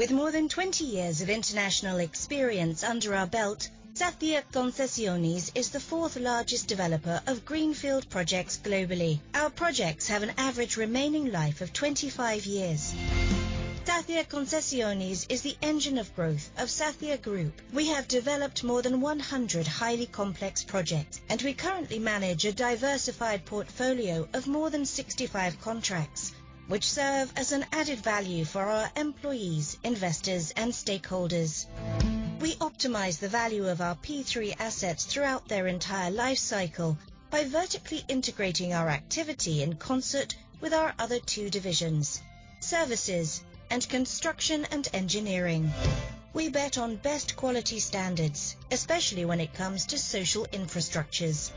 With more than 20 years of international experience under our belt, Sacyr Concesiones is the fourth largest developer of greenfield projects globally. Our projects have an average remaining life of 25 years. Sacyr Concesiones is the engine of growth of Sacyr Group. We have developed more than 100 highly complex projects, and we currently manage a diversified portfolio of more than 65 contracts, which serve as an added value for our employees, investors, and stakeholders. We optimize the value of our P3 assets throughout their entire life cycle by vertically integrating our activity in concert with our other two divisions, services and construction and engineering. We bet on best quality standards, especially when it comes to social infrastructures.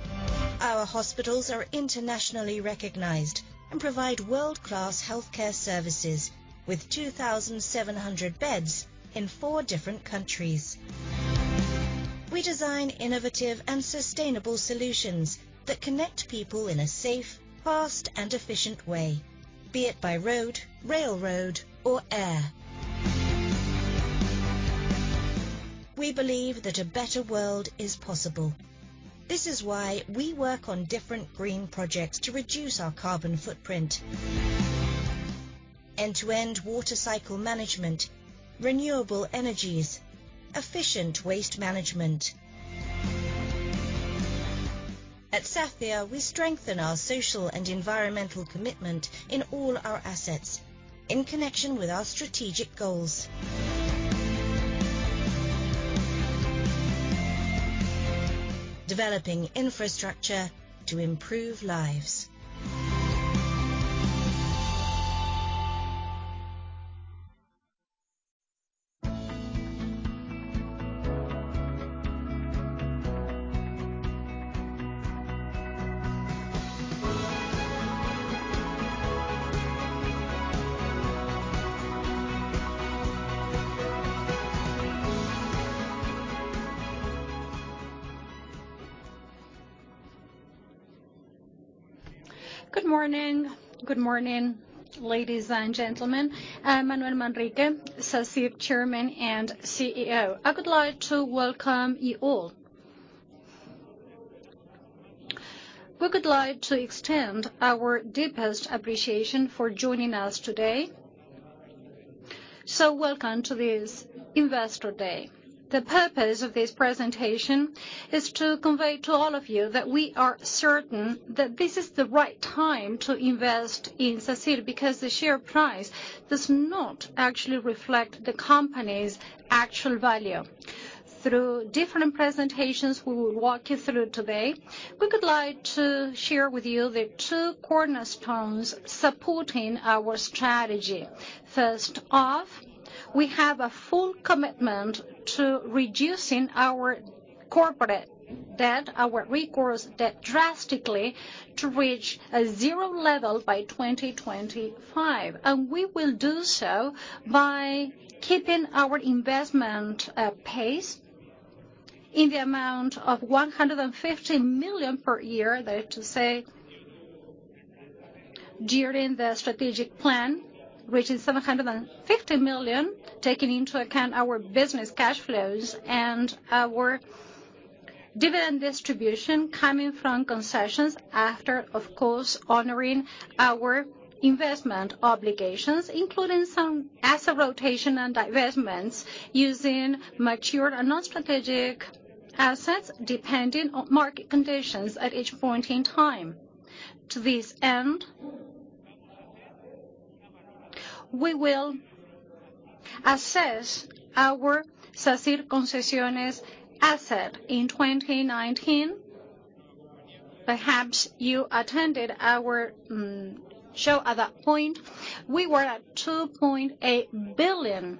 Our hospitals are internationally recognized and provide world-class healthcare services with 2,700 beds in four different countries. We design innovative and sustainable solutions that connect people in a safe, fast, and efficient way, be it by road, railroad, or air. We believe that a better world is possible. This is why we work on different green projects to reduce our carbon footprint. End-to-end water cycle management, renewable energies, efficient waste management. At Sacyr, we strengthen our social and environmental commitment in all our assets in connection with our strategic goals. Developing infrastructure to improve lives. Good morning. Good morning, ladies and gentlemen. I'm Manuel Manrique, Sacyr Chairman and CEO. I would like to welcome you all. We would like to extend our deepest appreciation for joining us today. Welcome to this Investor Day. The purpose of this presentation is to convey to all of you that we are certain that this is the right time to invest in Sacyr, because the share price does not actually reflect the company's actual value. Through different presentations we will walk you through today, we would like to share with you the two cornerstones supporting our strategy. First off, we have a full commitment to reducing our corporate debt, our recourse debt drastically to reach a zero level by 2025. We will do so by keeping our investment pace in the amount of $150 million per year. That is to say, during the strategic plan, reaching 750 million, taking into account our business cash flows and our dividend distribution coming from concessions after, of course, honoring our investment obligations, including some asset rotation and divestments using mature and non-strategic assets, depending on market conditions at each point in time. To this end, we will assess our Sacyr Concesiones asset in 2019. Perhaps you attended our show at that point. We were at 2.8 billion.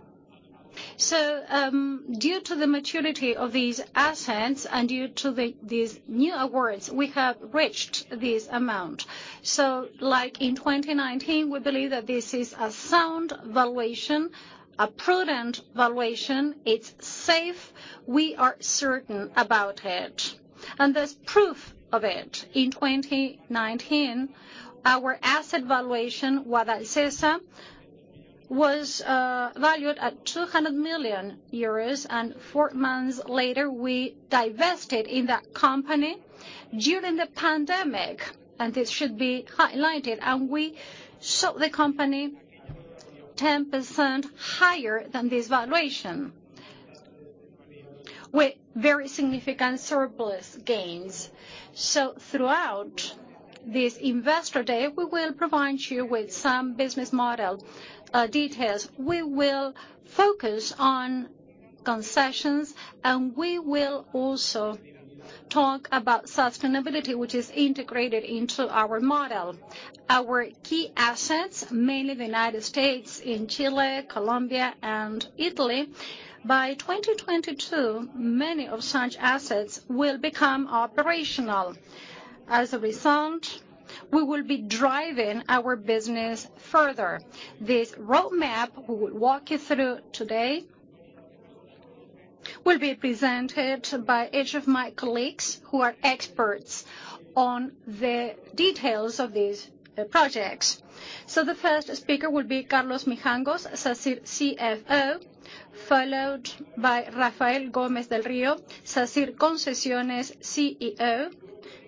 Due to the maturity of these assets and due to these new awards, we have reached this amount. Like in 2019, we believe that this is a sound valuation, a prudent valuation. It is safe. We are certain about it, and there is proof of it. In 2019, our asset valuation, Guadalcesa, was valued at 200 million euros, and four months later, we divested in that company during the pandemic, and this should be highlighted, and we sold the company 10% higher than this valuation, with very significant surplus gains. Throughout this Investor Day, we will provide you with some business model details. We will focus on concessions, and we will also talk about sustainability, which is integrated into our model. Our key assets, mainly the U.S., in Chile, Colombia, and Italy. By 2022, many of such assets will become operational. As a result, we will be driving our business further. This roadmap we will walk you through today will be presented by each of my colleagues who are experts on the details of these projects. The first speaker will be Carlos Mijangos, Sacyr CFO, followed by Rafael Gómez del Río, Sacyr Concesiones CEO.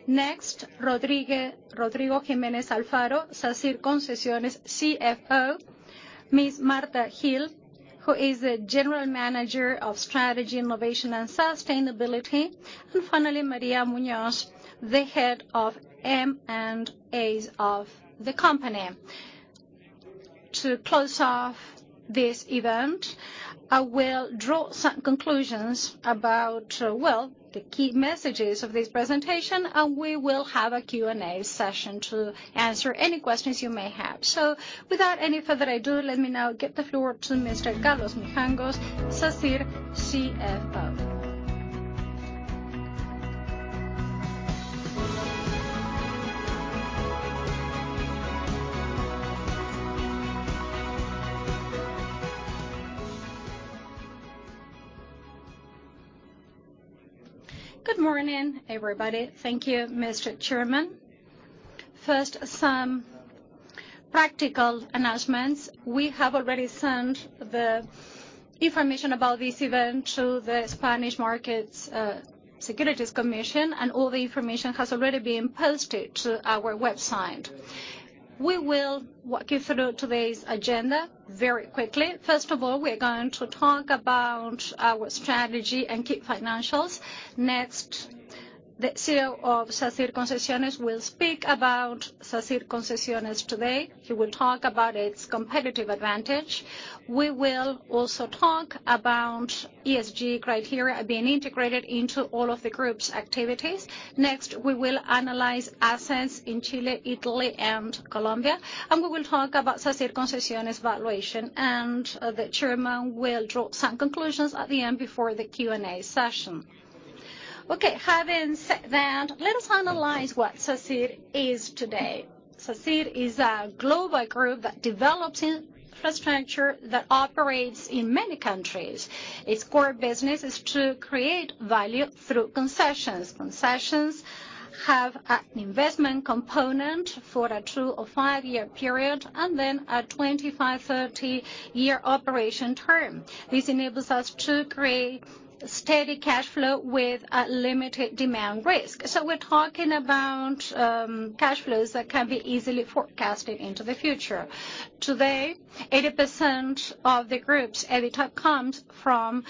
Next, Rodrigo Jiménez Alfaro, Sacyr Concesiones CFO. Ms. Marta Gil, who is the General Manager of Strategy, Innovation and Sustainability. Finally, María Muñoz, the Head of M&As of the company. To close off this event, I will draw some conclusions about, well, the key messages of this presentation, and we will have a Q&A session to answer any questions you may have. Without any further ado, let me now give the floor to Mr. Carlos Mijangos, Sacyr CFO. Good morning, everybody. Thank you, Mr. Chairman. First, some practical announcements. We have already sent the information about this event to the Comisión Nacional del Mercado de Valores. All the information has already been posted to our website. We will walk you through today's agenda very quickly. First of all, we're going to talk about our strategy and key financials. The CEO of Sacyr Concesiones will speak about Sacyr Concesiones today. He will talk about its competitive advantage. We will also talk about ESG criteria being integrated into all of the group's activities. We will analyze assets in Chile, Italy, and Colombia, and we will talk about Sacyr Concesiones valuation, and the chairman will draw some conclusions at the end before the Q&A session. Having said that, let us analyze what Sacyr is today. Sacyr is a global group that develops infrastructure that operates in many countries. Its core business is to create value through concessions. Concessions have an investment component for a two or five-year period, and then a 25, 30-year operation term. This enables us to create steady cash flow with limited demand risk. We're talking about cash flows that can be easily forecasted into the future. Today, 80% of the group's EBITDA comes from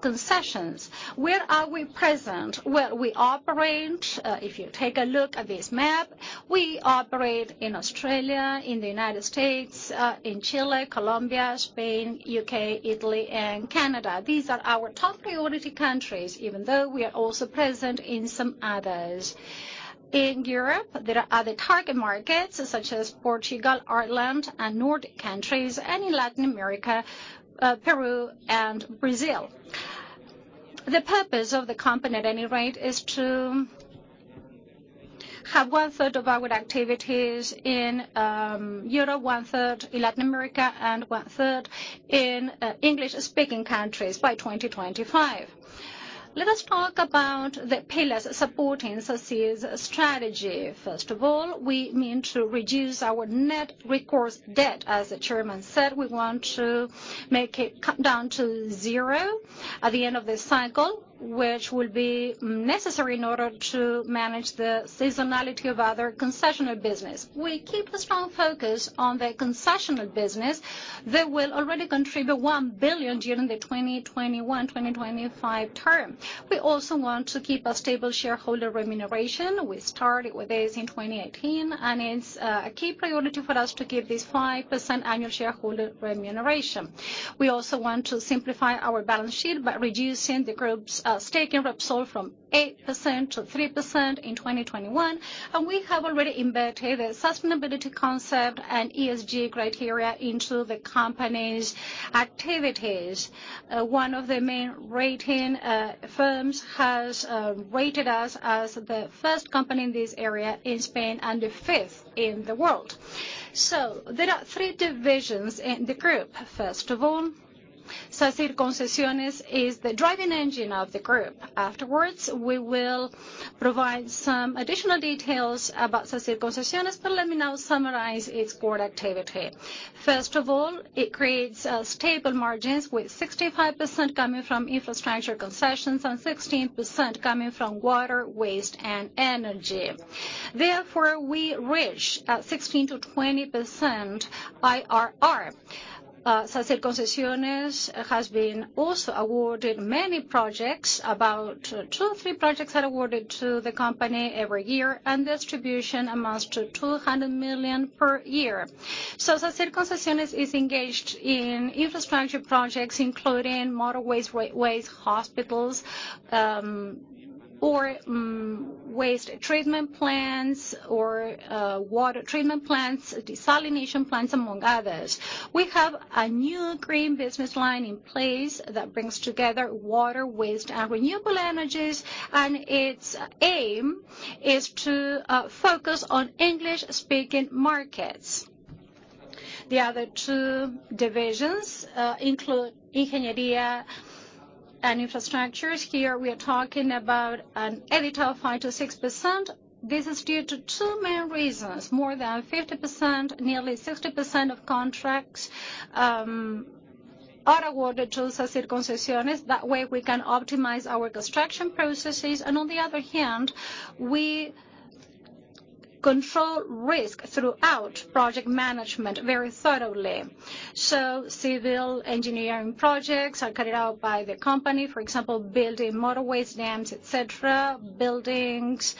concessions. Where are we present? Well, we operate, if you take a look at this map, we operate in Australia, in the United States, in Chile, Colombia, Spain, U.K., Italy, and Canada. These are our top priority countries, even though we are also present in some others. In Europe, there are other target markets, such as Portugal, Ireland, and Nordic countries, and in Latin America, Peru and Brazil. The purpose of the company at any rate is to have one-third of our activities in Europe, one-third in Latin America, and one-third in English-speaking countries by 2025. Let us talk about the pillars supporting Sacyr's strategy. First of all, we mean to reduce our net recourse debt. As the chairman said, we want to make it cut down to zero at the end of this cycle, which will be necessary in order to manage the seasonality of other concessional business. We keep a strong focus on the concessional business that will already contribute 1 billion during the 2021-2025 term. We also want to keep a stable shareholder remuneration. We started with this in 2018, and it's a key priority for us to give this 5% annual shareholder remuneration. We also want to simplify our balance sheet by reducing the group's stake in Repsol from 8% to 3% in 2021, and we have already embedded a sustainability concept and ESG criteria into the company's activities. One of the main rating firms has rated us as the 1st company in this area in Spain, and the 5th in the world. There are three divisions in the group. First of all, Sacyr Concesiones is the driving engine of the group. Afterwards, we will provide some additional details about Sacyr Concesiones, but let me now summarize its core activity. First of all, it creates stable margins with 65% coming from infrastructure concessions and 16% coming from water, waste, and energy. Therefore, we reach a 16%-20% IRR. Sacyr Concesiones has been also awarded many projects, about two or three projects are awarded to the company every year, and distribution amounts to 200 million per year. Sacyr Concesiones is engaged in infrastructure projects including motorways, waste, hospitals, or waste treatment plants, or water treatment plants, desalination plants, among others. We have a new green business line in place that brings together water, waste, and renewable energies, and its aim is to focus on English-speaking markets. The other two divisions include Sacyr Ingeniería e Infraestructuras. Here we are talking about an EBITDA of 5%-6%. This is due to two main reasons. More than 50%, nearly 60% of contracts are awarded to Sacyr Concesiones. That way, we can optimize our construction processes. On the other hand, we control risk throughout project management very thoroughly. Civil engineering projects are carried out by the company. For example, building motorways, dams, etc., buildings,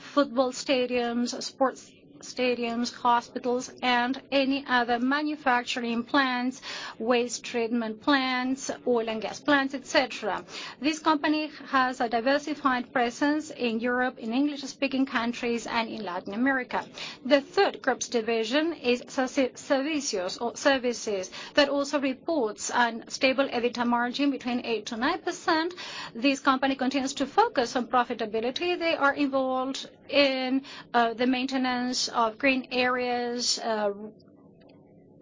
football stadiums, sports stadiums, hospitals, and any other manufacturing plants, waste treatment plants, oil and gas plants, etc. This company has a diversified presence in Europe, in English-speaking countries, and in Latin America. The third group's division is Sacyr Servicios or Services, that also reports a stable EBITDA margin between 8%-9%. This company continues to focus on profitability. They are involved in the maintenance of green areas,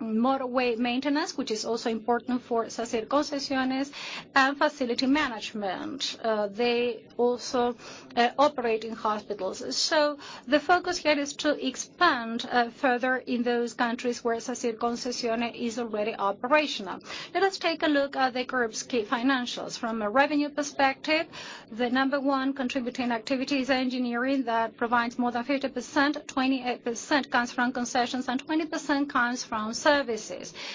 motorway maintenance, which is also important for Sacyr Concesiones, and facility management. They also operate in hospitals. The focus here is to expand further in those countries where Sacyr Concesiones is already operational. Let us take a look at the group's key financials. From a revenue perspective, the number one contributing activity is engineering that provides more than 50%, 28% comes from concessions, and 20% comes from services.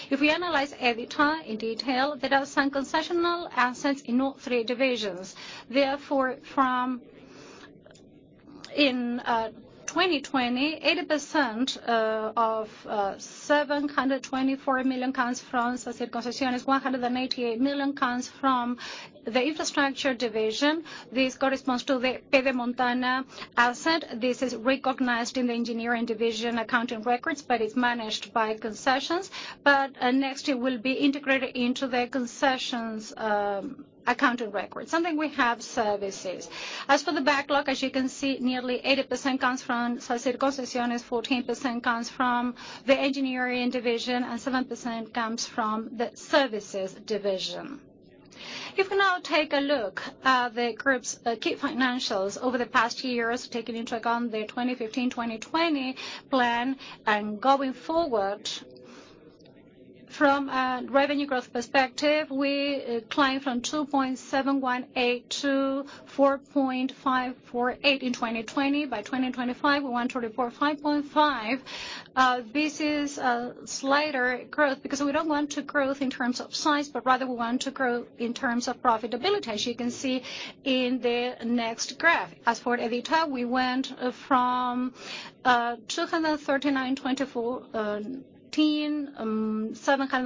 If we analyze EBITDA in detail, there are some concessional assets in all three divisions. In 2020, 80% of 724 million comes from Sacyr Concesiones, 188 million comes from the infrastructure division. This corresponds to the Pedemontana-Veneta asset. This is recognized in the engineering division accounting records, but it's managed by Sacyr Concesiones. Next year, will be integrated into the Sacyr Concesiones accounting record. Same thing we have services. As for the backlog, as you can see, nearly 80% comes from Sacyr Concesiones, 14% comes from the engineering division, and 7% comes from the services division. If we now take a look at the group's key financials over the past years, taking into account the 2015, 2020 plan and going forward, from a revenue growth perspective, we climbed from 2,718 to 4,548 in 2020. By 2025, we want 45.5. This is a slighter growth because we don't want to growth in terms of size, but rather we want to grow in terms of profitability, as you can see in the next graph. As for EBITDA, we went from 239 in 2014, 724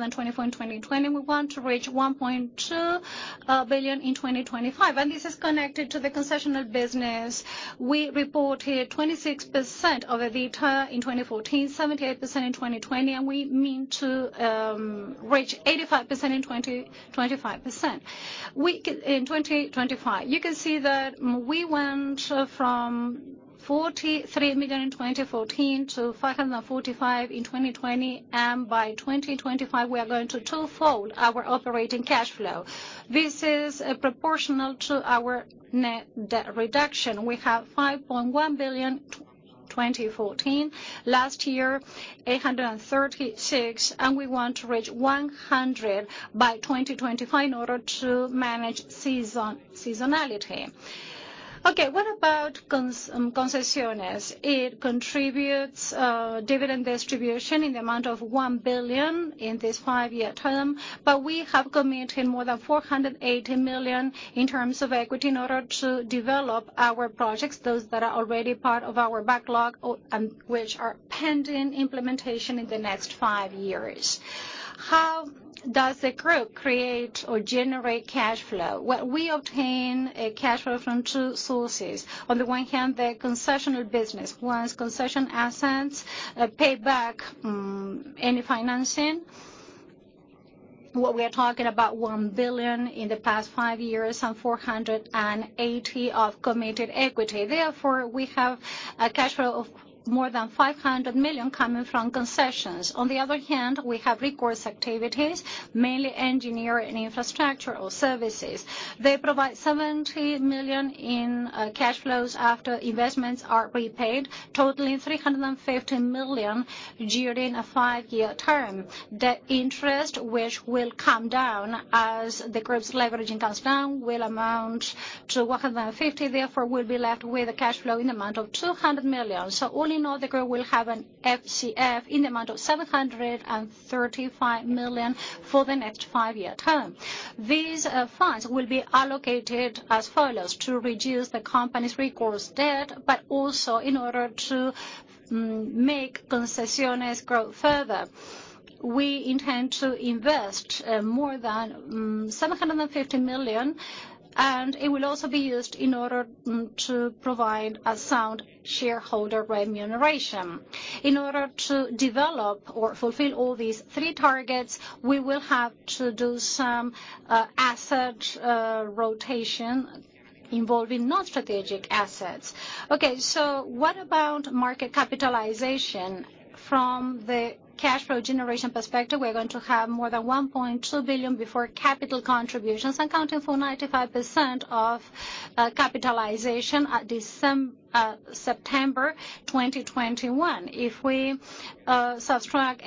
in 2020. We want to reach 1.2 billion in 2025. This is connected to the concessional business. We report here 26% of EBITDA in 2014, 78% in 2020, and we mean to reach 85% in 2025. You can see that we went from 43 million in 2014 to 545 million in 2020, and by 2025, we are going to twofold our operating cash flow. This is proportional to our net debt reduction. We have 5.1 billion in 2014. Last year, 836 million, and we want to reach 100 million by 2025 in order to manage seasonality. Okay, what about Concesiones? It contributes dividend distribution in the amount of 1 billion in this five-year term, but we have committed more than 480 million in terms of equity in order to develop our projects, those that are already part of our backlog, and which are pending implementation in the next five years. How does the group create or generate cash flow? Well, we obtain cash flow from two sources. On the one hand, the concessional business. Once concession assets pay back any financing, what we are talking about 1 billion in the past five years and 480 million of committed equity. We have a cash flow of more than 500 million coming from Concesiones. On the other hand, we have recourse activities, mainly engineering infrastructure or services. They provide 70 million in cash flows after investments are repaid, totaling 350 million during a five-year term. Debt interest, which will come down as the group's leveraging comes down, will amount to 150 million, we'll be left with a cash flow in the amount of 200 million. All in all, the group will have an FCF in the amount of 735 million for the next five-year term. These funds will be allocated as follows, to reduce the company's recourse debt, but also in order to make Concesiones grow further. We intend to invest more than 750 million. It will also be used in order to provide a sound shareholder remuneration. In order to develop or fulfill all these three targets, we will have to do some asset rotation involving non-strategic assets. What about market capitalization? From the cash flow generation perspective, we're going to have more than 1.2 billion before capital contributions, accounting for 95% of capitalization at September 2021. If we subtract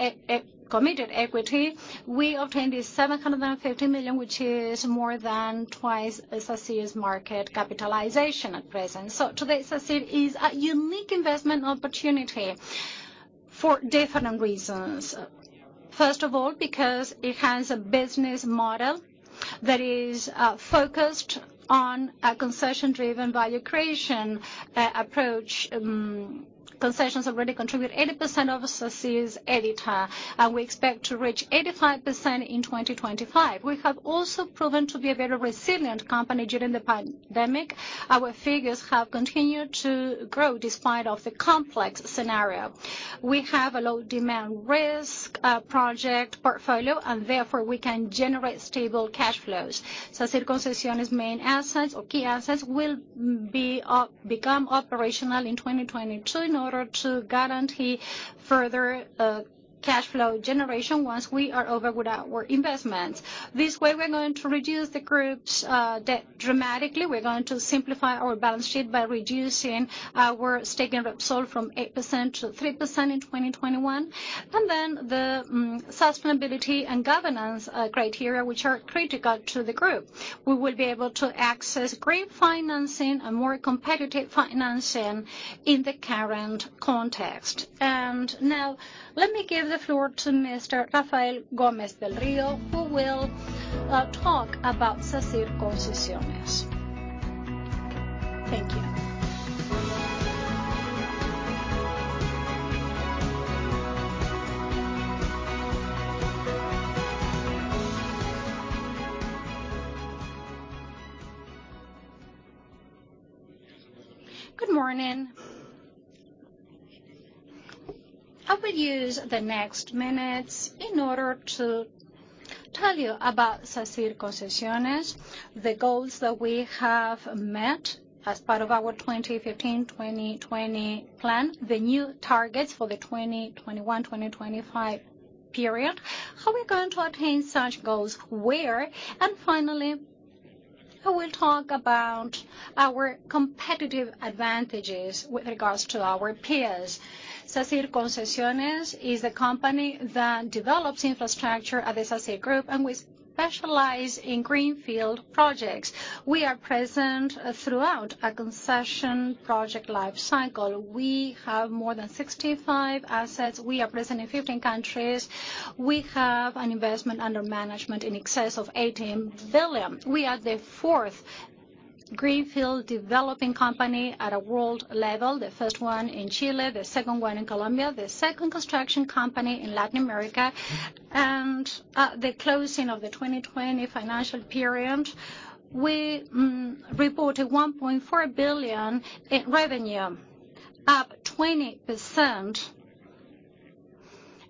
committed equity, we obtain this 750 million, which is more than twice Sacyr's market capitalization at present. Today, Sacyr is a unique investment opportunity for different reasons. First of all, because it has a business model that is focused on a concession-driven value creation approach. Concessions already contribute 80% of Sacyr's EBITDA. We expect to reach 85% in 2025. We have also proven to be a very resilient company during the pandemic. Our figures have continued to grow despite of the complex scenario. We have a low demand risk project portfolio. Therefore, we can generate stable cash flows. Sacyr Concesiones' main assets or key assets will become operational in 2022 in order to guarantee further cash flow generation once we are over with our investments. This way, we're going to reduce the group's debt dramatically. We're going to simplify our balance sheet by reducing our stake in Repsol from 8% to 3% in 2021. The sustainability and governance criteria, which are critical to the group. We will be able to access great financing and more competitive financing in the current context. Now, let me give the floor to Mr. Rafael Gómez del Río, who will talk about Sacyr Concesiones. Thank you. Good morning. I will use the next minutes in order to tell you about Sacyr Concesiones, the goals that we have met as part of our 2015, 2020 plan, the new targets for the 2021, 2025 period, how we're going to attain such goals, where, and finally, I will talk about our competitive advantages with regards to our peers. Sacyr Concesiones is a company that develops infrastructure at the Sacyr Group, and we specialize in greenfield projects. We are present throughout a concession project life cycle. We have more than 65 assets. We are present in 15 countries. We have an investment under management in excess of $18 billion. We are the fourth greenfield developing company at a world level, the first one in Chile, the second one in Colombia, the second construction company in Latin America. At the closing of the 2020 financial period, we reported 1.4 billion in revenue, up 20%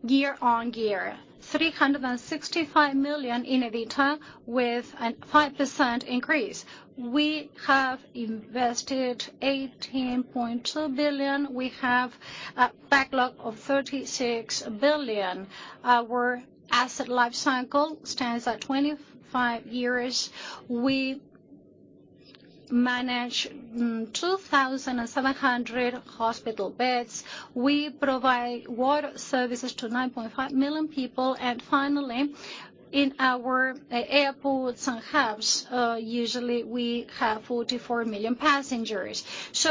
year-on-year, 365 million in EBITDA, with a 5% increase. We have invested 18.2 billion. We have a backlog of 36 billion. Our asset life cycle stands at 25 years. We manage 2,700 hospital beds. We provide water services to 9.5 million people. Finally, in our airports and hubs, usually we have 44 million passengers.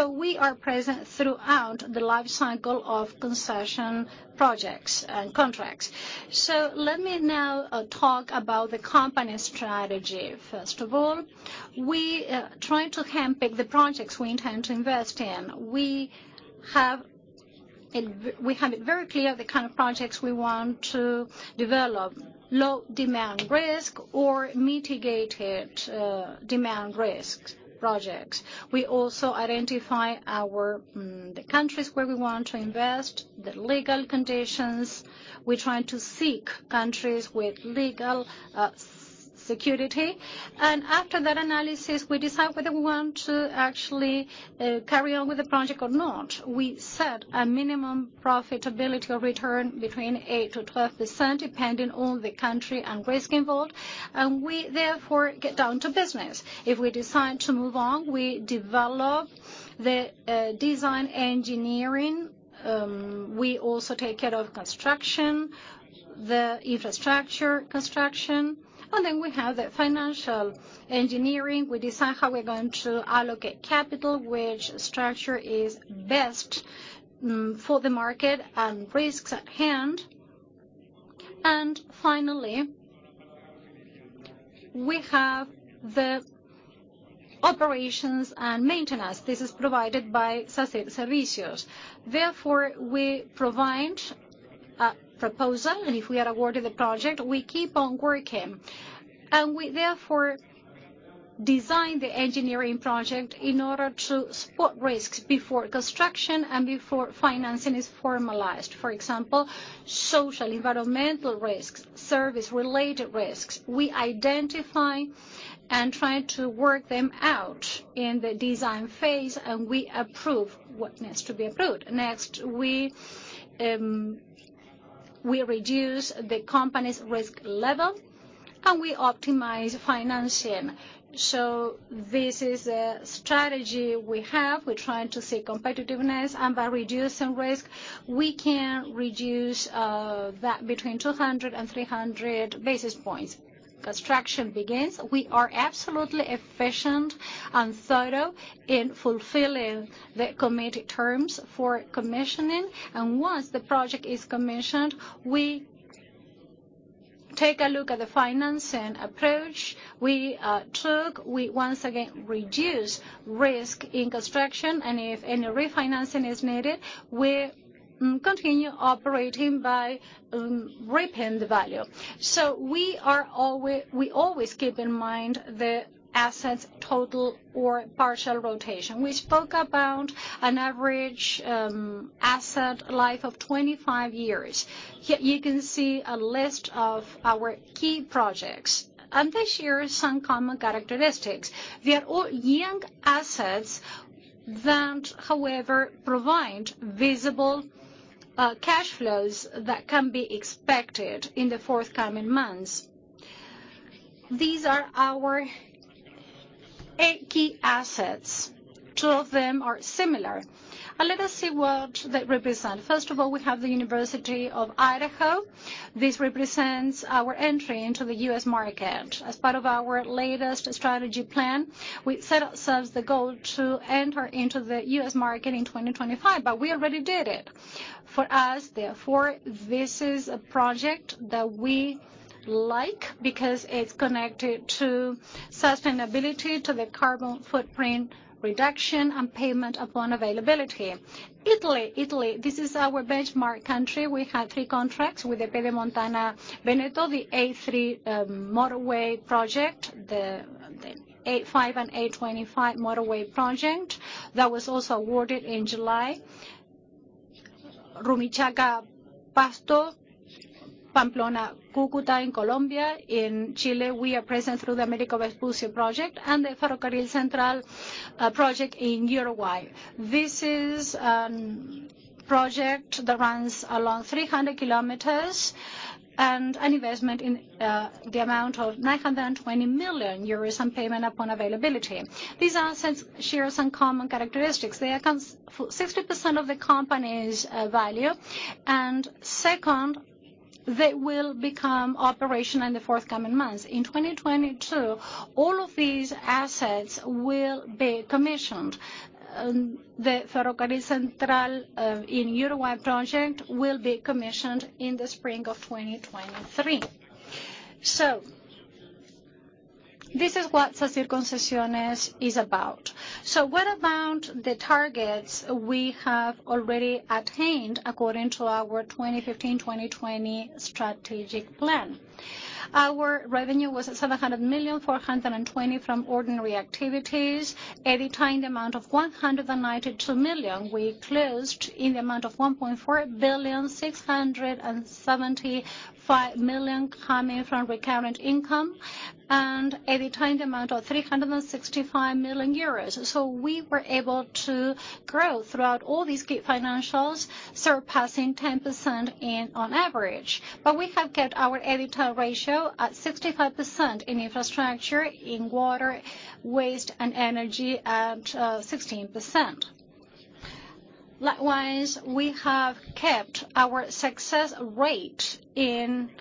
We are present throughout the life cycle of concession projects and contracts. Let me now talk about the company strategy. First of all, we try to handpick the projects we intend to invest in. We have it very clear the kind of projects we want to develop, low demand risk or mitigated demand risks projects. We also identify the countries where we want to invest, the legal conditions. We're trying to seek countries with legal security. After that analysis, we decide whether we want to actually carry on with the project or not. We set a minimum profitability return between 8%-12%, depending on the country and risk involved, and we therefore get down to business. If we decide to move on, we develop the design engineering. We also take care of construction, the infrastructure construction, and then we have the financial engineering. We decide how we're going to allocate capital, which structure is best for the market and risks at hand. Finally, we have the operations and maintenance. This is provided by Sacyr Servicios. We provide a proposal, and if we are awarded the project, we keep on working. We therefore design the engineering project in order to spot risks before construction and before financing is formalized. For example, social, environmental risks, service-related risks. We identify and try to work them out in the design phase, and we approve what needs to be approved. Next, we reduce the company's risk level, and we optimize financing. This is a strategy we have. We're trying to seek competitiveness, and by reducing risk, we can reduce that between 200 and 300 basis points. Construction begins. We are absolutely efficient and thorough in fulfilling the committed terms for commissioning. Once the project is commissioned, we take a look at the financing approach we took. We once again reduce risk in construction, and if any refinancing is needed, we continue operating by reaping the value. We always keep in mind the assets total or partial rotation. We spoke about an average asset life of 25 years. Here you can see a list of our key projects. They share some common characteristics. They are all young assets that, however, provide visible cash flows that can be expected in the forthcoming months. These are our eight key assets. two of them are similar. Let us see what they represent. First of all, we have the University of Idaho. This represents our entry into the U.S. market. As part of our latest strategy plan, we set ourselves the goal to enter into the U.S. market in 2025. We already did it. For us, therefore, this is a project that we like because it's connected to sustainability, to the carbon footprint reduction, and payment upon availability. Italy. Italy, this is our benchmark country. We have three contracts with the Pedemontana-Veneta, the A3 motorway project, the A5 and A25 motorway project that was also awarded in July. Rumichaca-Pasto, Pamplona-Cúcuta in Colombia. In Chile, we are present through the Américo Vespucio Oriente project, the Ferrocarril Central project in Uruguay. This is a project that runs along 300 kilometers, an investment in the amount of 920 million euros, payment upon availability. These assets share some common characteristics. They account for 60% of the company's value. Second, they will become operational in the forthcoming months. In 2022, all of these assets will be commissioned. The Ferrocarril Central in Uruguay project will be commissioned in the spring of 2023. This is what Sacyr Concesiones is about. What about the targets we have already attained according to our 2015-2020 strategic plan? Our revenue was at 700 million, 420 million from ordinary activities, EBITDA in the amount of 192 million. We closed in the amount of 1.4 billion, 675 million coming from recurrent income, EBITDA in the amount of 365 million euros. We were able to grow throughout all these key financials, surpassing 10% on average. We have kept our EBITDA ratio at 65% in infrastructure, in water, waste, and energy at 16%. Likewise, we have kept our success rate in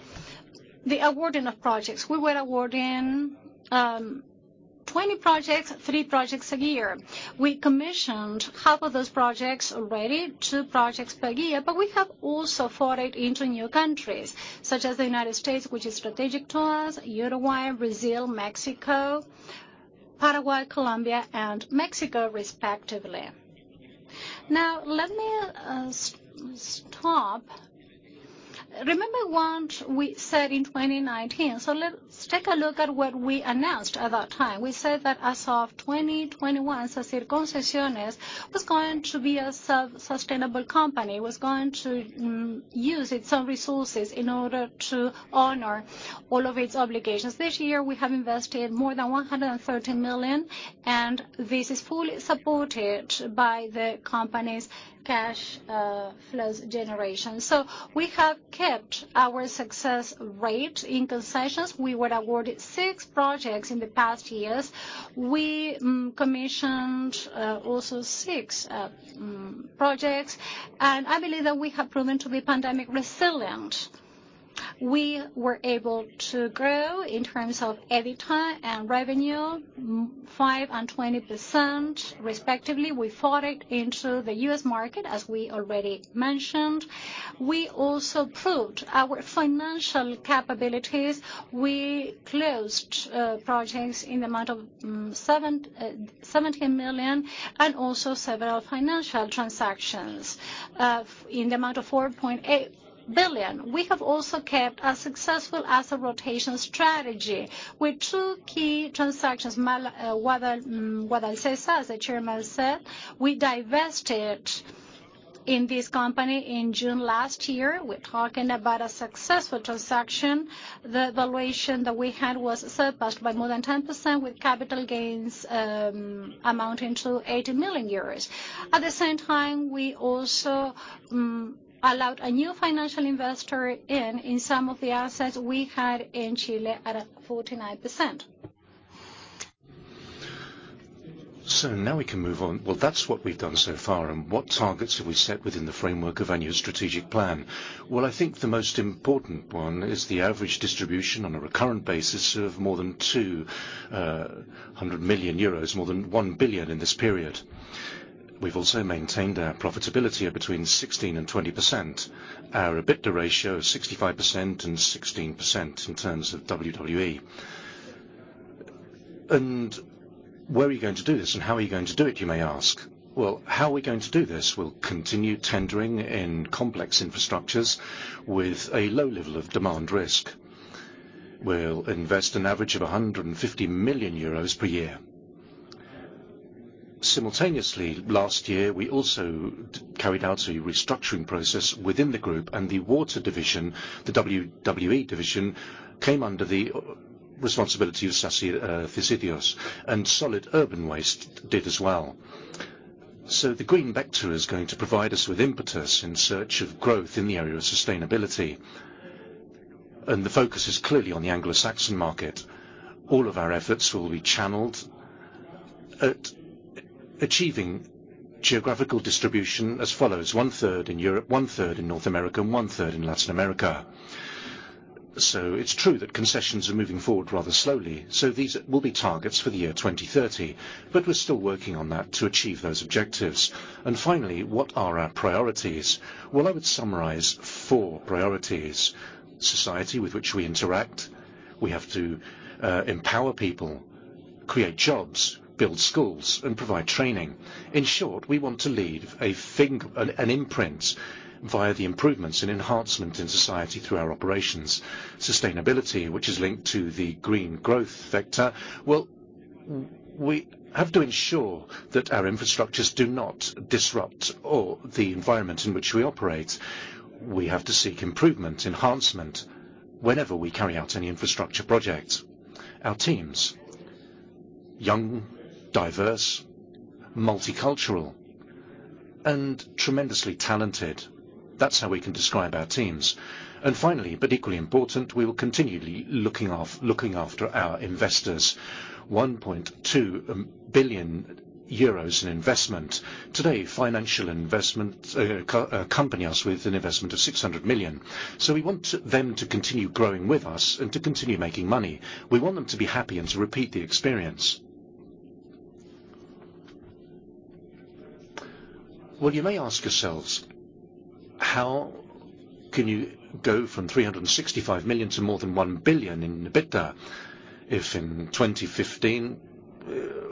the awarding of projects. We were awarding 20 projects, three projects a year. We commissioned half of those projects already, two projects per year, but we have also forayed into new countries, such as the U.S., which is strategic to us, Uruguay, Brazil, Mexico, Paraguay, Colombia, and Mexico, respectively. Now, let me stop. Remember what we said in 2019. Let's take a look at what we announced at that time. We said that as of 2021, Sacyr Concesiones was going to be a sustainable company, was going to use its own resources in order to honor all of its obligations. This year, we have invested more than 130 million, and this is fully supported by the company's cash flows generation. We have kept our success rate in concessions. We were awarded six projects in the past years. We commissioned also six projects, and I believe that we have proven to be pandemic-resilient. We were able to grow in terms of EBITDA and revenue, 5% and 20%, respectively. We forayed into the U.S. market, as we already mentioned. We also proved our financial capabilities. We closed projects in the amount of 17 million and also several financial transactions in the amount of 4.8 billion. We have also kept a successful asset rotation strategy with two key transactions, Guadalcesa, the chairman said. We divested in this company in June last year, we are talking about a successful transaction. The valuation that we had was surpassed by more than 10% with capital gains amounting to 80 million euros. At the same time, we also allowed a new financial investor in some of the assets we had in Chile at a 49%. Now we can move on. That's what we've done so far, and what targets have we set within the framework of our new strategic plan? I think the most important one is the average distribution on a recurrent basis of more than 200 million euros, more than 1 billion in this period. We've also maintained our profitability at between 16%-20%. Our EBITDA ratio is 65% and 16% in terms of W&E. Where are you going to do this, and how are you going to do it, you may ask? How are we going to do this? We'll continue tendering in complex infrastructures with a low level of demand risk. We'll invest an average of 150 million euros per year. Simultaneously, last year, we also carried out a restructuring process within the group and the water division, the W&E division, came under the responsibility of Sacyr Vallehermoso, and solid urban waste did as well. The green vector is going to provide us with impetus in search of growth in the area of sustainability. The focus is clearly on the Anglo-Saxon market. All of our efforts will be channeled at achieving geographical distribution as follows, 1/3 in Europe, 1/3 in North America, and 1/3 in Latin America. It's true that concessions are moving forward rather slowly, these will be targets for the year 2030, but we're still working on that to achieve those objectives. Finally, what are our priorities? I would summarize four priorities. Society with which we interact. We have to empower people, create jobs, build schools, and provide training. In short, we want to leave an imprint via the improvements and enhancement in society through our operations. Sustainability, which is linked to the green growth vector. Well, we have to ensure that our infrastructures do not disrupt the environment in which we operate. We have to seek improvement, enhancement, whenever we carry out any infrastructure project. Our teams, young, diverse, multicultural, and tremendously talented. That's how we can describe our teams. Finally, but equally important, we will continually be looking after our investors. 1.2 billion euros in investment. Today, financial investment companies with an investment of 600 million. We want them to continue growing with us and to continue making money. We want them to be happy and to repeat the experience. Well, you may ask yourselves, how can you go from 365 million to more than 1 billion in EBITDA? If in 2015,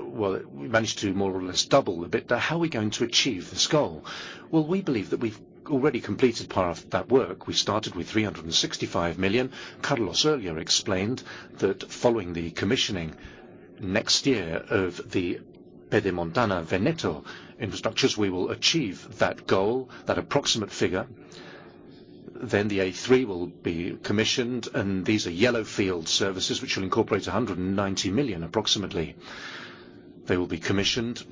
well, we managed to more or less double EBITDA, how are we going to achieve this goal? Well, we believe that we've already completed part of that work. We started with 365 million. Carlos earlier explained that following the commissioning next year of the Pedemontana-Veneta infrastructures, we will achieve that goal, that approximate figure. The A3 will be commissioned, and these are yellowfield services, which will incorporate 190 million approximately. They will be commissioned,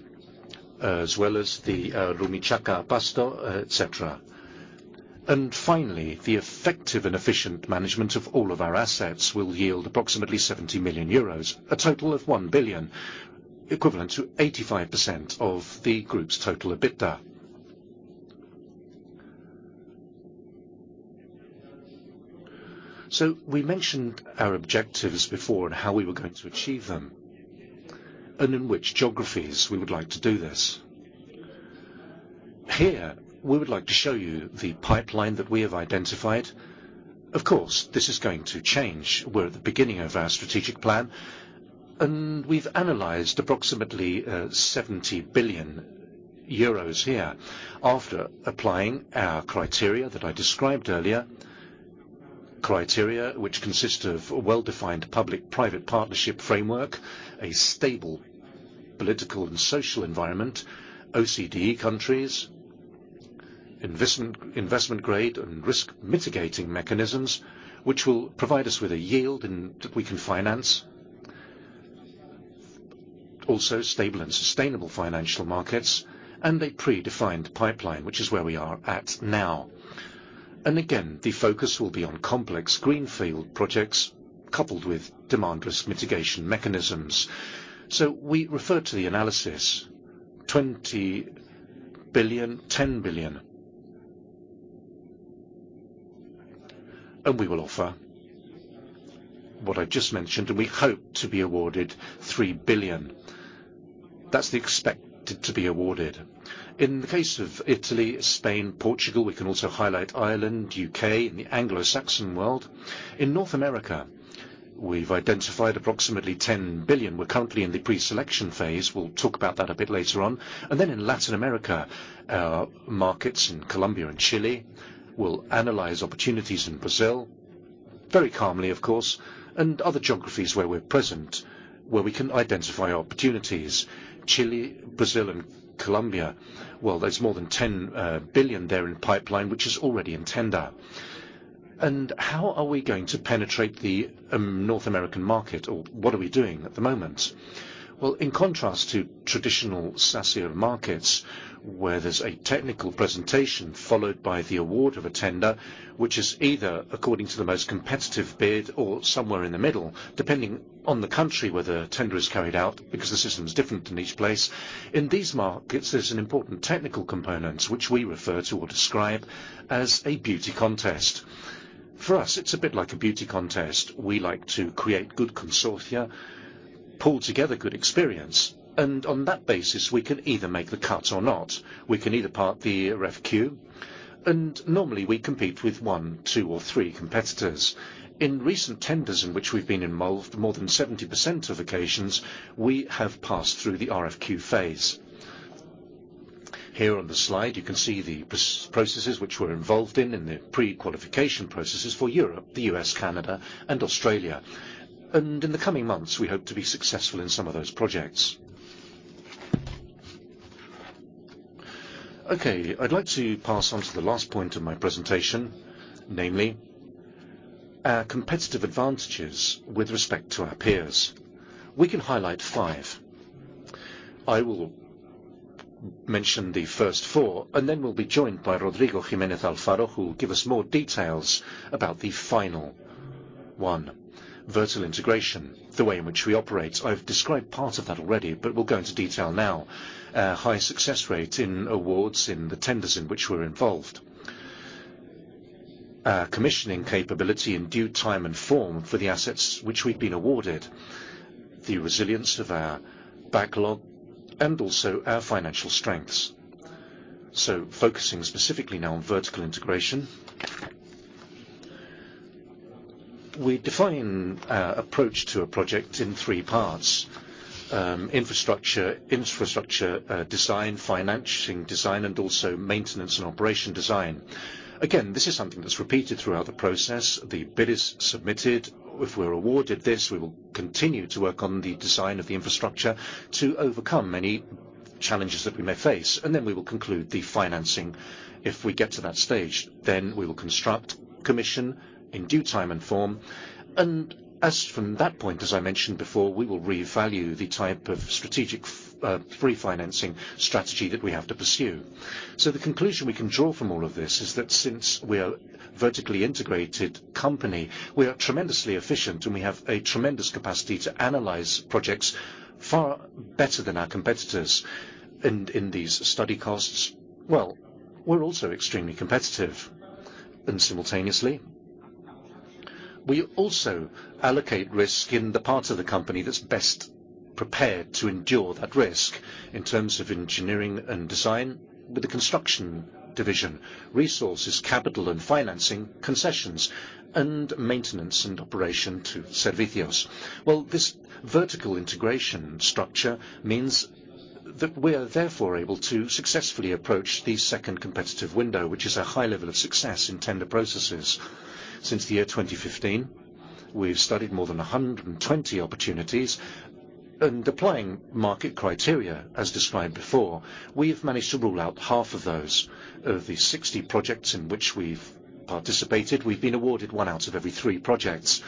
as well as the Rumichaca-Pasto, et cetera. Finally, the effective and efficient management of all of our assets will yield approximately 70 million euros, a total of 1 billion, equivalent to 85% of the group's total EBITDA. We mentioned our objectives before and how we were going to achieve them, and in which geographies we would like to do this. Here, we would like to show you the pipeline that we have identified. Of course, this is going to change. We're at the beginning of our strategic plan, and we've analyzed approximately 70 billion euros here. After applying our criteria that I described earlier, criteria which consist of a well-defined public-private partnership framework, a stable political and social environment, OECD countries, investment grade, and risk mitigating mechanisms, which will provide us with a yield and we can finance. Also, stable and sustainable financial markets and a predefined pipeline, which is where we are at now. Again, the focus will be on complex greenfield projects coupled with demand risk mitigation mechanisms. We refer to the analysis, 20 billion, 10 billion, and we will offer what I just mentioned, and we hope to be awarded 3 billion. That's the expected to be awarded. In the case of Italy, Spain, Portugal, we can also highlight Ireland, U.K., and the Anglo-Saxon world. In North America, we've identified approximately 10 billion. We're currently in the pre-selection phase. We'll talk about that a bit later on. Then in Latin America, our markets in Colombia and Chile will analyze opportunities in Brazil. Very calmly, of course, and other geographies where we're present, where we can identify opportunities. Chile, Brazil, and Colombia. Well, there's more than 10 billion there in pipeline, which is already in tender. How are we going to penetrate the North American market, or what are we doing at the moment? Well, in contrast to traditional Sacyr markets, where there is a technical presentation followed by the award of a tender, which is either according to the most competitive bid or somewhere in the middle, depending on the country where the tender is carried out, because the system is different in each place. In these markets, there is an important technical component, which we refer to or describe as a beauty contest. For us, it is a bit like a beauty contest. We like to create good consortia, pull together good experience, and on that basis, we can either make the cut or not. We can either pass the RFQ, and normally we compete with one, two, or three competitors. In recent tenders in which we have been involved, more than 70% of occasions, we have passed through the RFQ phase. Here on the slide, you can see the processes which we're involved in in the pre-qualification processes for Europe, the U.S., Canada, and Australia. In the coming months, we hope to be successful in some of those projects. Okay, I'd like to pass on to the last point of my presentation, namely, our competitive advantages with respect to our peers. We can highlight five. I will mention the first four, and then we'll be joined by Rodrigo Jiménez Alfaro, who will give us more details about the final one. Vertical integration, the way in which we operate. I've described part of that already, but we'll go into detail now. Our high success rate in awards in the tenders in which we're involved. Our commissioning capability in due time and form for the assets which we've been awarded, the resilience of our backlog, and also our financial strengths. Focusing specifically now on vertical integration. We define our approach to a project in 3 parts. Infrastructure design, financing design, and also maintenance and operation design. Again, this is something that's repeated throughout the process. The bid is submitted. If we're awarded this, we will continue to work on the design of the infrastructure to overcome any challenges that we may face, and then we will conclude the financing if we get to that stage. Then we will construct, commission in due time and form. As from that point, as I mentioned before, we will reevaluate the type of strategic pre-financing strategy that we have to pursue. The conclusion we can draw from all of this is that since we are a vertically integrated company, we are tremendously efficient, and we have a tremendous capacity to analyze projects far better than our competitors. In these study costs, well, we're also extremely competitive. Simultaneously, we also allocate risk in the parts of the company that's best prepared to endure that risk in terms of engineering and design with the Construction Division, resources, capital and financing, Concessions, and maintenance and operation to Servicios. This vertical integration structure means that we are therefore able to successfully approach the second competitive window, which is a high level of success in tender processes. Since the year 2015, we've studied more than 120 opportunities, and applying market criteria as described before, we've managed to rule out half of those. Of the 60 projects in which we've participated, we've been awarded one out of every three projects.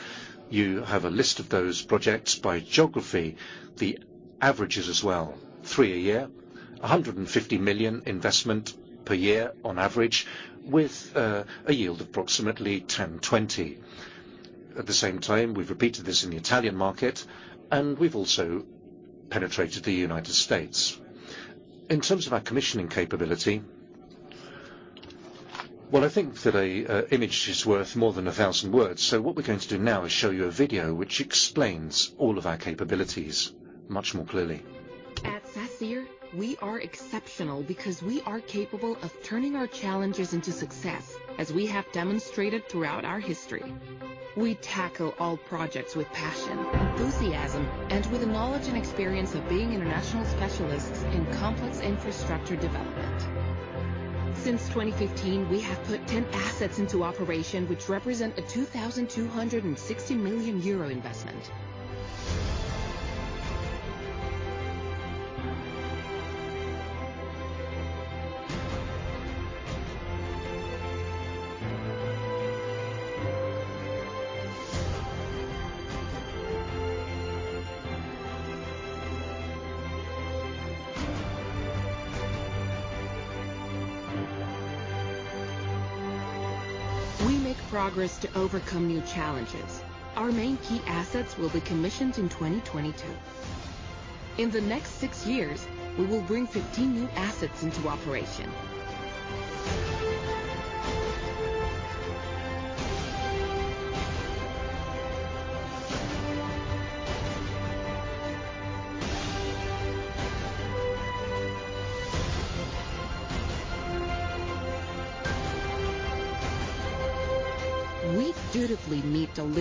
You have a list of those projects by geography. The averages as well, three a year, 150 million investment per year on average, with a yield of approximately 10.20%. At the same time, we've repeated this in the Italian market, and we've also penetrated the United States. In terms of our commissioning capability, well, I think that an image is worth more than 1,000 words. What we're going to do now is show you a video which explains all of our capabilities much more clearly. At Sacyr, we are exceptional because we are capable of turning our challenges into success, as we have demonstrated throughout our history. We tackle all projects with passion, enthusiasm, and with the knowledge and experience of being international specialists in complex infrastructure development. Since 2015, we have put 10 assets into operation, which represent a 2,260 million euro investment. We make progress to overcome new challenges. Our main key assets will be commissioned in 2022. In the next six years, we will bring 15 new assets into operation.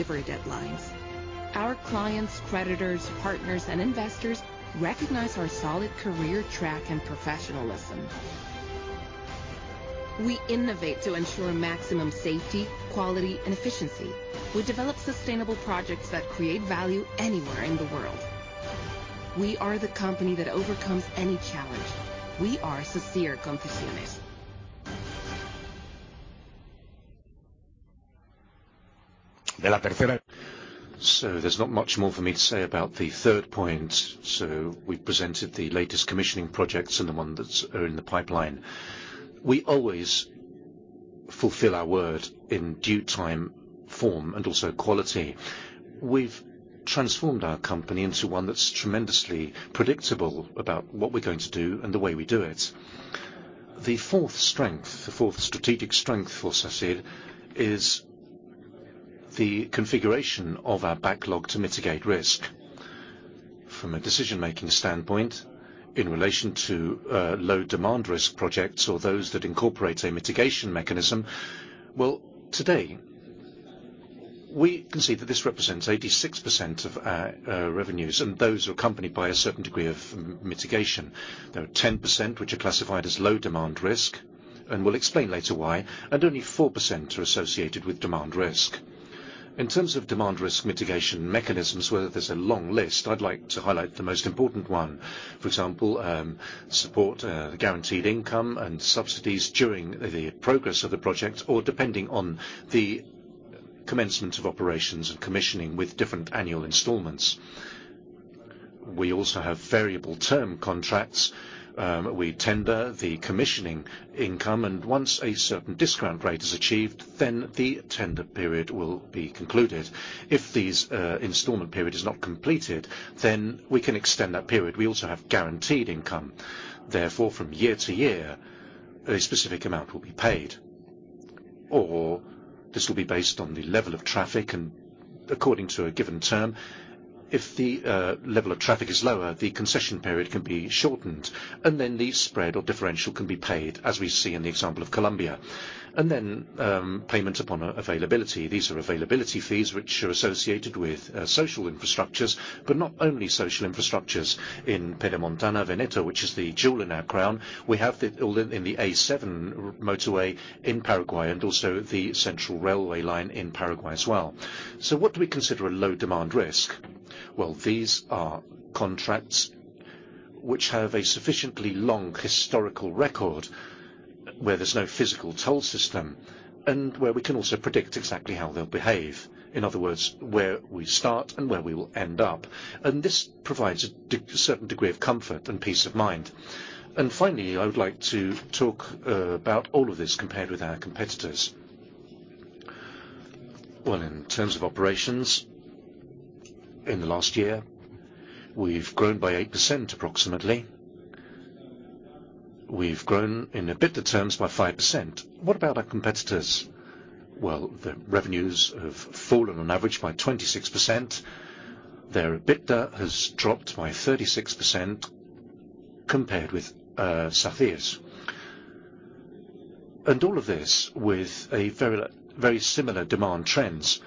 We dutifully meet delivery deadlines. Our clients, creditors, partners, and investors recognize our solid career track and professionalism. We innovate to ensure maximum safety, quality, and efficiency. We develop sustainable projects that create value anywhere in the world. We are the company that overcomes any challenge. We are Sacyr Concesiones. There's not much more for me to say about the third point. We've presented the latest commissioning projects and the ones that are in the pipeline. We always fulfill our word in due time, form, and also quality. We've transformed our company into one that's tremendously predictable about what we're going to do and the way we do it. The fourth strategic strength for Sacyr is the configuration of our backlog to mitigate risk. From a decision-making standpoint, in relation to low demand risk projects or those that incorporate a mitigation mechanism, well, today, we can see that this represents 86% of our revenues, and those are accompanied by a certain degree of mitigation. There are 10%, which are classified as low demand risk, and we'll explain later why, and only 4% are associated with demand risk. In terms of demand risk mitigation mechanisms, where there's a long list, I'd like to highlight the most important one. For example, support the guaranteed income and subsidies during the progress of the project, or depending on the commencement of operations and commissioning with different annual installments. We also have variable term contracts. We tender the commissioning income, and once a certain discount rate is achieved, then the tender period will be concluded. If this installment period is not completed, then we can extend that period. We also have guaranteed income. Therefore, from year-to-year, a specific amount will be paid. This will be based on the level of traffic and according to a given term. If the level of traffic is lower, the concession period can be shortened, and then the spread or differential can be paid, as we see in the example of Colombia. Payment upon availability. These are availability fees, which are associated with social infrastructures, but not only social infrastructures. In Pedemontana Veneta, which is the jewel in our crown, we have it all in the A7 motorway in Paraguay, and also the central railway line in Paraguay as well. What do we consider a low demand risk? These are contracts which have a sufficiently long historical record where there's no physical toll system and where we can also predict exactly how they'll behave. In other words, where we start and where we will end up. This provides a certain degree of comfort and peace of mind. Finally, I would like to talk about all of this compared with our competitors. In terms of operations, in the last year, we've grown by 8% approximately. We've grown in EBITDA terms by 5%. What about our competitors? Their revenues have fallen on average by 26%. Their EBITDA has dropped by 36% compared with Sacyr's. All of this with very similar demand trends,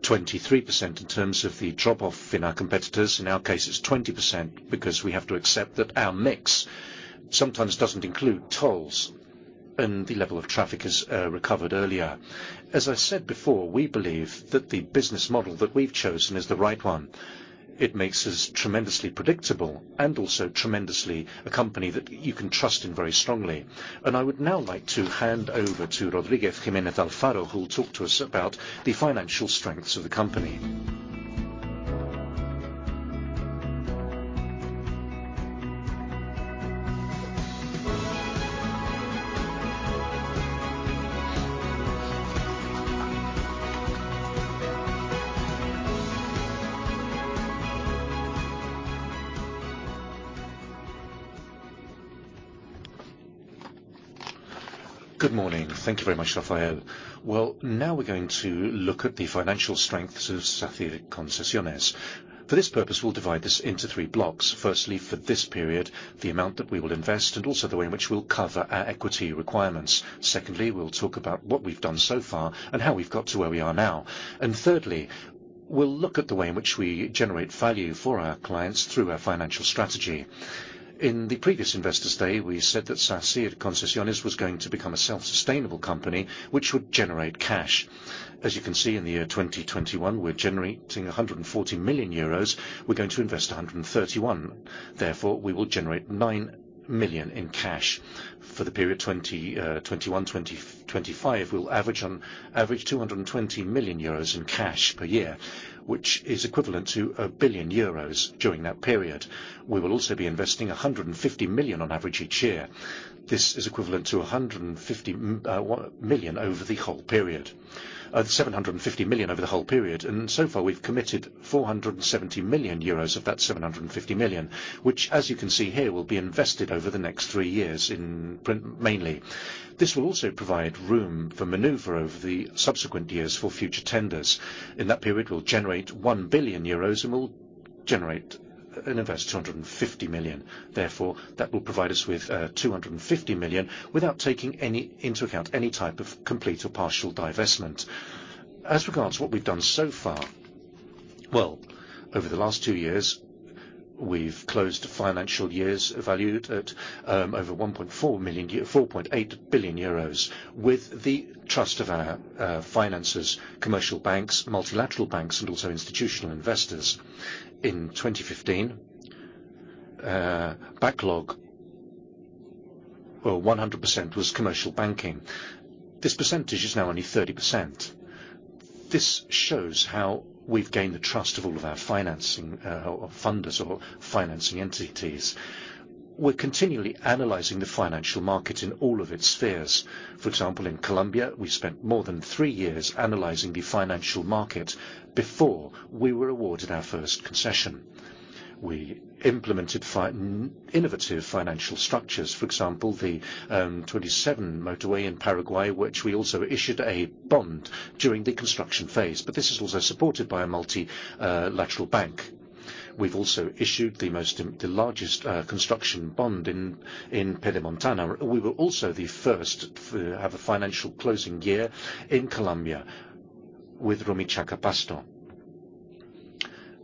23% in terms of the drop-off in our competitors. In our case, it's 20% because we have to accept that our mix sometimes doesn't include tolls and the level of traffic has recovered earlier. As I said before, we believe that the business model that we've chosen is the right one. It makes us tremendously predictable and also tremendously a company that you can trust in very strongly. I would now like to hand over to Rodrigo Jiménez Alfaro, who'll talk to us about the financial strengths of the company. Good morning. Thank you very much, Rafael. Now we're going to look at the financial strengths of Sacyr Concesiones. For this purpose, we'll divide this into 3 blocks. Firstly, for this period, the amount that we will invest and also the way in which we'll cover our equity requirements. Secondly, we'll talk about what we've done so far and how we've got to where we are now. Thirdly, we'll look at the way in which we generate value for our clients through our financial strategy. In the previous Investor Day, we said that Sacyr Concesiones was going to become a self-sustainable company which would generate cash. As you can see, in the year 2021, we're generating 140 million euros. We're going to invest 131. Therefore, we will generate 9 million in cash. For the period 2021-2025, we'll average 220 million euros in cash per year, which is equivalent to 1 billion euros during that period. We will also be investing 150 million on average each year. This is equivalent to 750 million over the whole period. So far, we've committed 470 million euros of that 750 million, which as you can see here, will be invested over the next three years mainly. This will also provide room for maneuver over the subsequent years for future tenders. In that period, we'll generate 1 billion euros and we'll invest 250 million. That will provide us with 250 million without taking into account any type of complete or partial divestment. As regards what we've done so far, over the last two years, we've closed financial years valued at over 1.4 million, 4.8 billion euros with the trust of our financiers, commercial banks, multilateral banks, and also institutional investors. In 2015, backlog, 100% was commercial banking. This percentage is now only 30%. This shows how we've gained the trust of all of our financing funders or financing entities. We're continually analyzing the financial market in all of its spheres. For example, in Colombia, we spent more than three years analyzing the financial market before we were awarded our first concession. We implemented innovative financial structures. For example, the Routes 2 and 7 motorway in Paraguay, which we also issued a bond during the construction phase, this is also supported by a multilateral bank. We've also issued the largest construction bond in Pedemontana-Veneta. We were also the first to have a financial closing year in Colombia with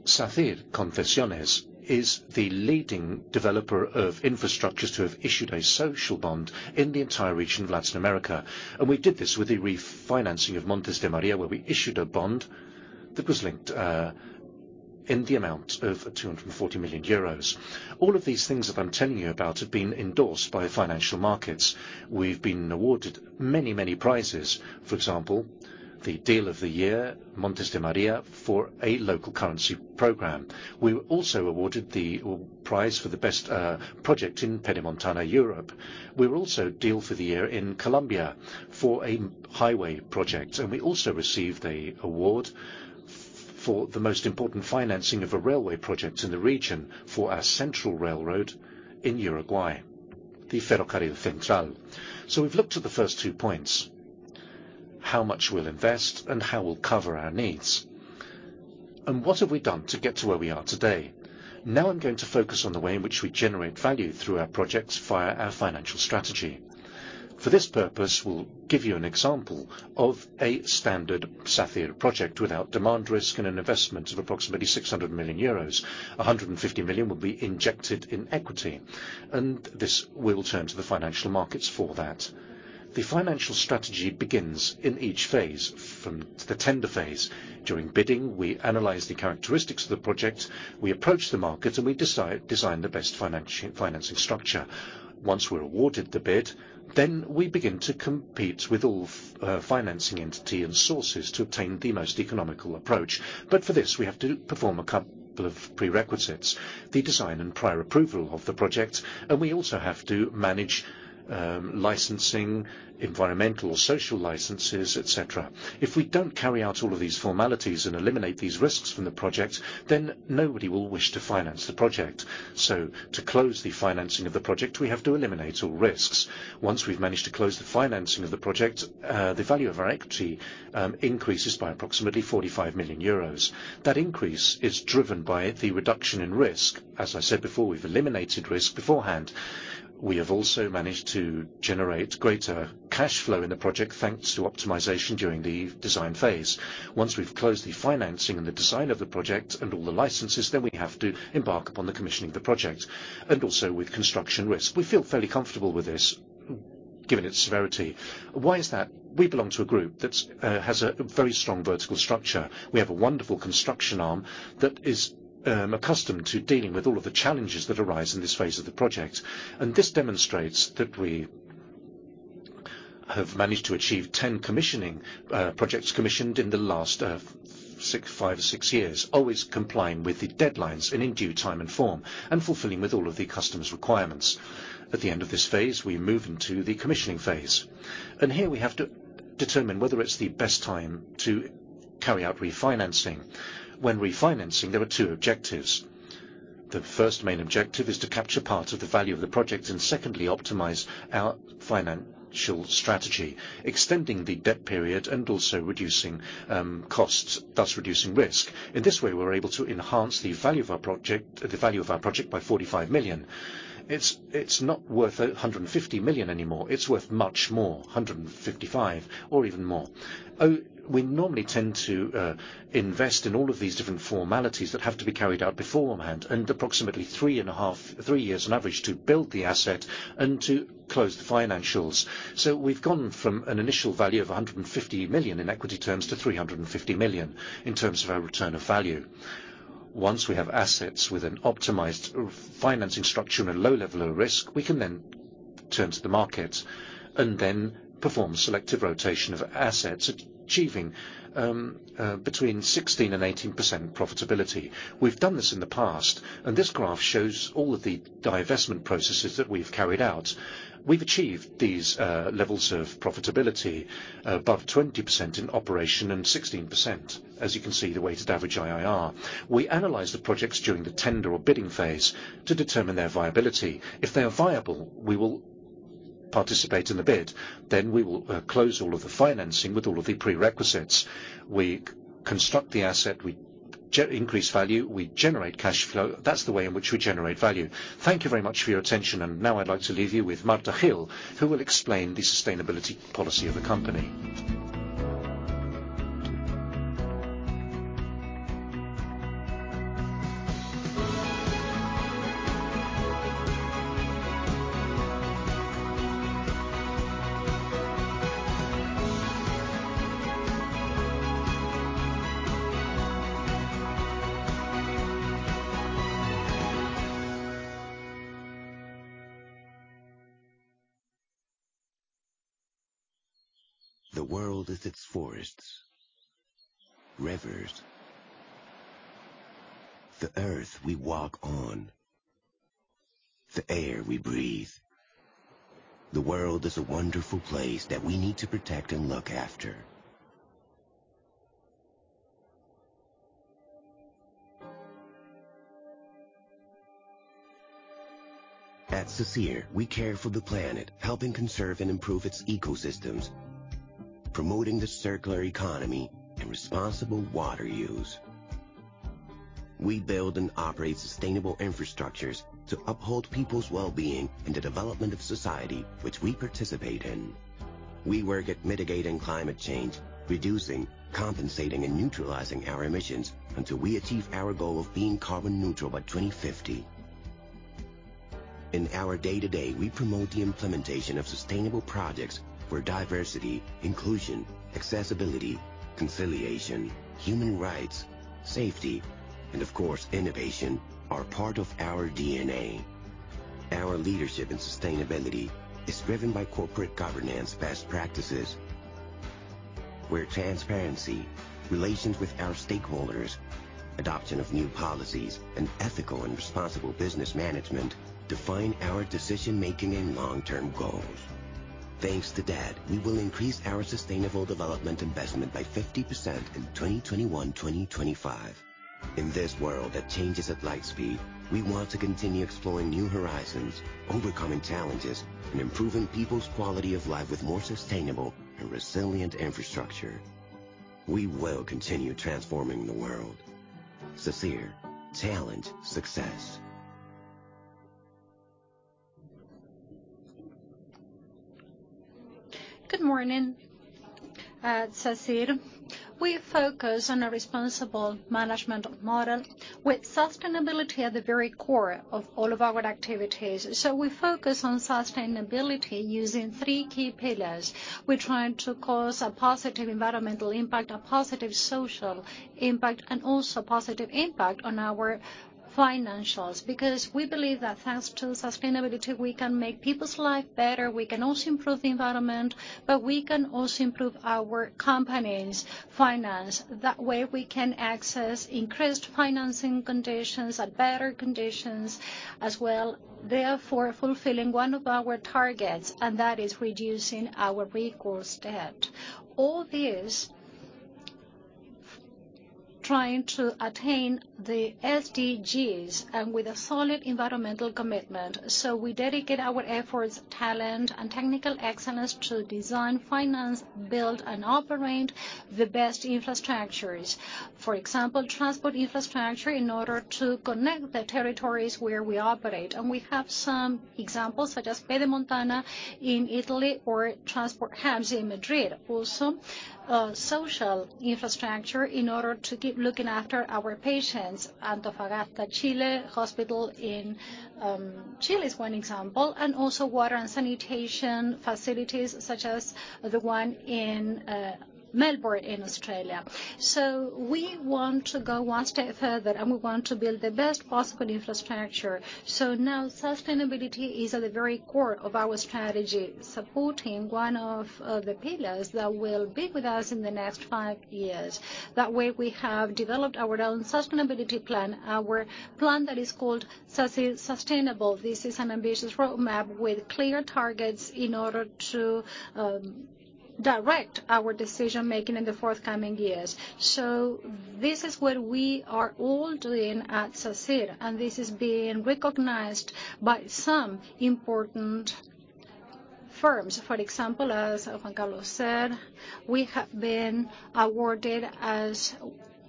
Rumichaca-Pasto. Sacyr Concesiones is the leading developer of infrastructures to have issued a social bond in the entire region of Latin America. We did this with the refinancing of Montes de María, where we issued a bond that was linked in the amount of 240 million euros. All of these things that I'm telling you about have been endorsed by financial markets. We've been awarded many prizes. For example, the Deal of the Year, Montes de María, for a local currency program. We were also awarded the prize for the best project in Pedemontana-Veneta. We were also Deal of the Year in Colombia for a highway project, and we also received an award for the most important financing of a railway project in the region for our central railroad in Uruguay, the Ferrocarril Central. We've looked at the first two points, how much we'll invest and how we'll cover our needs. What have we done to get to where we are today? Now I'm going to focus on the way in which we generate value through our projects via our financial strategy. For this purpose, we'll give you an example of a standard Sacyr project without demand risk and an investment of approximately 600 million euros. €150 million will be injected in equity, this will turn to the financial markets for that. The financial strategy begins in each phase, from the tender phase. During bidding, we analyze the characteristics of the project. We approach the market, we design the best financing structure. Once we're awarded the bid, we begin to compete with all financing entity and sources to obtain the most economical approach. For this, we have to perform a couple of prerequisites, the design and prior approval of the project, and we also have to manage licensing, environmental, social licenses, et cetera. If we don't carry out all of these formalities and eliminate these risks from the project, nobody will wish to finance the project. To close the financing of the project, we have to eliminate all risks. Once we've managed to close the financing of the project, the value of our equity increases by approximately 45 million euros. That increase is driven by the reduction in risk. As I said before, we've eliminated risk beforehand. We have also managed to generate greater cash flow in the project, thanks to optimization during the design phase. Once we've closed the financing and the design of the project and all the licenses, we have to embark upon the commissioning of the project, and also with construction risk. We feel fairly comfortable with this, given its severity. Why is that? We belong to a group that has a very strong vertical structure. We have a wonderful construction arm that is accustomed to dealing with all of the challenges that arise in this phase of the project. This demonstrates that we have managed to achieve 10 projects commissioned in the last five or six years, always complying with the deadlines and in due time and form, and fulfilling with all of the customer's requirements. At the end of this phase, we move into the commissioning phase. Here we have to determine whether it's the best time to carry out refinancing. When refinancing, there are two objectives. The first main objective is to capture part of the value of the project, and secondly, optimize our financial strategy, extending the debt period and also reducing costs, thus reducing risk. In this way, we're able to enhance the value of our project by 45 million. It's not worth 150 million anymore. It's worth much more, 155 or even more. We normally tend to invest in all of these different formalities that have to be carried out beforehand and approximately three years on average to build the asset and to close the financials. We've gone from an initial value of 150 million in equity terms to 350 million in terms of our return of value. Once we have assets with an optimized financing structure and a low level of risk, We can then turn to the market and then perform selective rotation of assets, achieving between 16%-18% profitability. We've done this in the past, this graph shows all of the divestment processes that we've carried out. We've achieved these levels of profitability above 20% in operation and 16%, as you can see, the weighted average IRR. We analyze the projects during the tender or bidding phase to determine their viability. If they are viable, we will participate in the bid. We will close all of the financing with all of the prerequisites. We construct the asset. We increase value. We generate cash flow. That's the way in which we generate value. Thank you very much for your attention. Now I'd like to leave you with Marta Gil, who will explain the sustainability policy of the company. The world is its forests, rivers, the earth we walk on, the air we breathe. The world is a wonderful place that we need to protect and look after. At Sacyr, we care for the planet, helping conserve and improve its ecosystems, promoting the circular economy, and responsible water use. We build and operate sustainable infrastructures to uphold people's wellbeing and the development of society, which we participate in. We work at mitigating climate change, reducing, compensating, and neutralizing our emissions until we achieve our goal of being carbon neutral by 2050. In our day-to-day, we promote the implementation of sustainable projects where diversity, inclusion, accessibility, conciliation, human rights, safety, and of course, innovation, are part of our DNA. Our leadership and sustainability is driven by corporate governance best practices, where transparency, relations with our stakeholders, adoption of new policies, and ethical and responsible business management define our decision-making and long-term goals. Thanks to that, we will increase our sustainable development investment by 50% in 2021-2025. In this world that changes at light speed, we want to continue exploring new horizons, overcoming challenges, and improving people's quality of life with more sustainable and resilient infrastructure. We will continue transforming the world. Sacyr. Talent. Success. Good morning. At Sacyr, we focus on a responsible management model with sustainability at the very core of all of our activities. We focus on sustainability using three key pillars. We're trying to cause a positive environmental impact, a positive social impact, and also a positive impact on our financials, because we believe that thanks to sustainability, we can make people's life better, we can also improve the environment, but we can also improve our company's finance. That way, we can access increased financing conditions at better conditions as well, therefore fulfilling one of our targets, and that is reducing our recourse debt. All this, trying to attain the SDGs and with a solid environmental commitment. We dedicate our efforts, talent, and technical excellence to design, finance, build, and operate the best infrastructures. For example, transport infrastructure in order to connect the territories where we operate. We have some examples, such as Pedemontana in Italy, or Transportes in Madrid. Social infrastructure in order to keep looking after our patients. Antofagasta Hospital in Chile is one example. Water and sanitation facilities, such as the one in Melbourne in Australia. We want to go one step further, and we want to build the best possible infrastructure. Sustainability is at the very core of our strategy, supporting one of the pillars that will be with us in the next five years. We have developed our own sustainability plan, our plan that is called Sustainable. This is an ambitious roadmap with clear targets in order to direct our decision-making in the forthcoming years. This is what we are all doing at Sacyr, and this is being recognized by some important firms. For example, as Carlos Mijangos said, we have been awarded as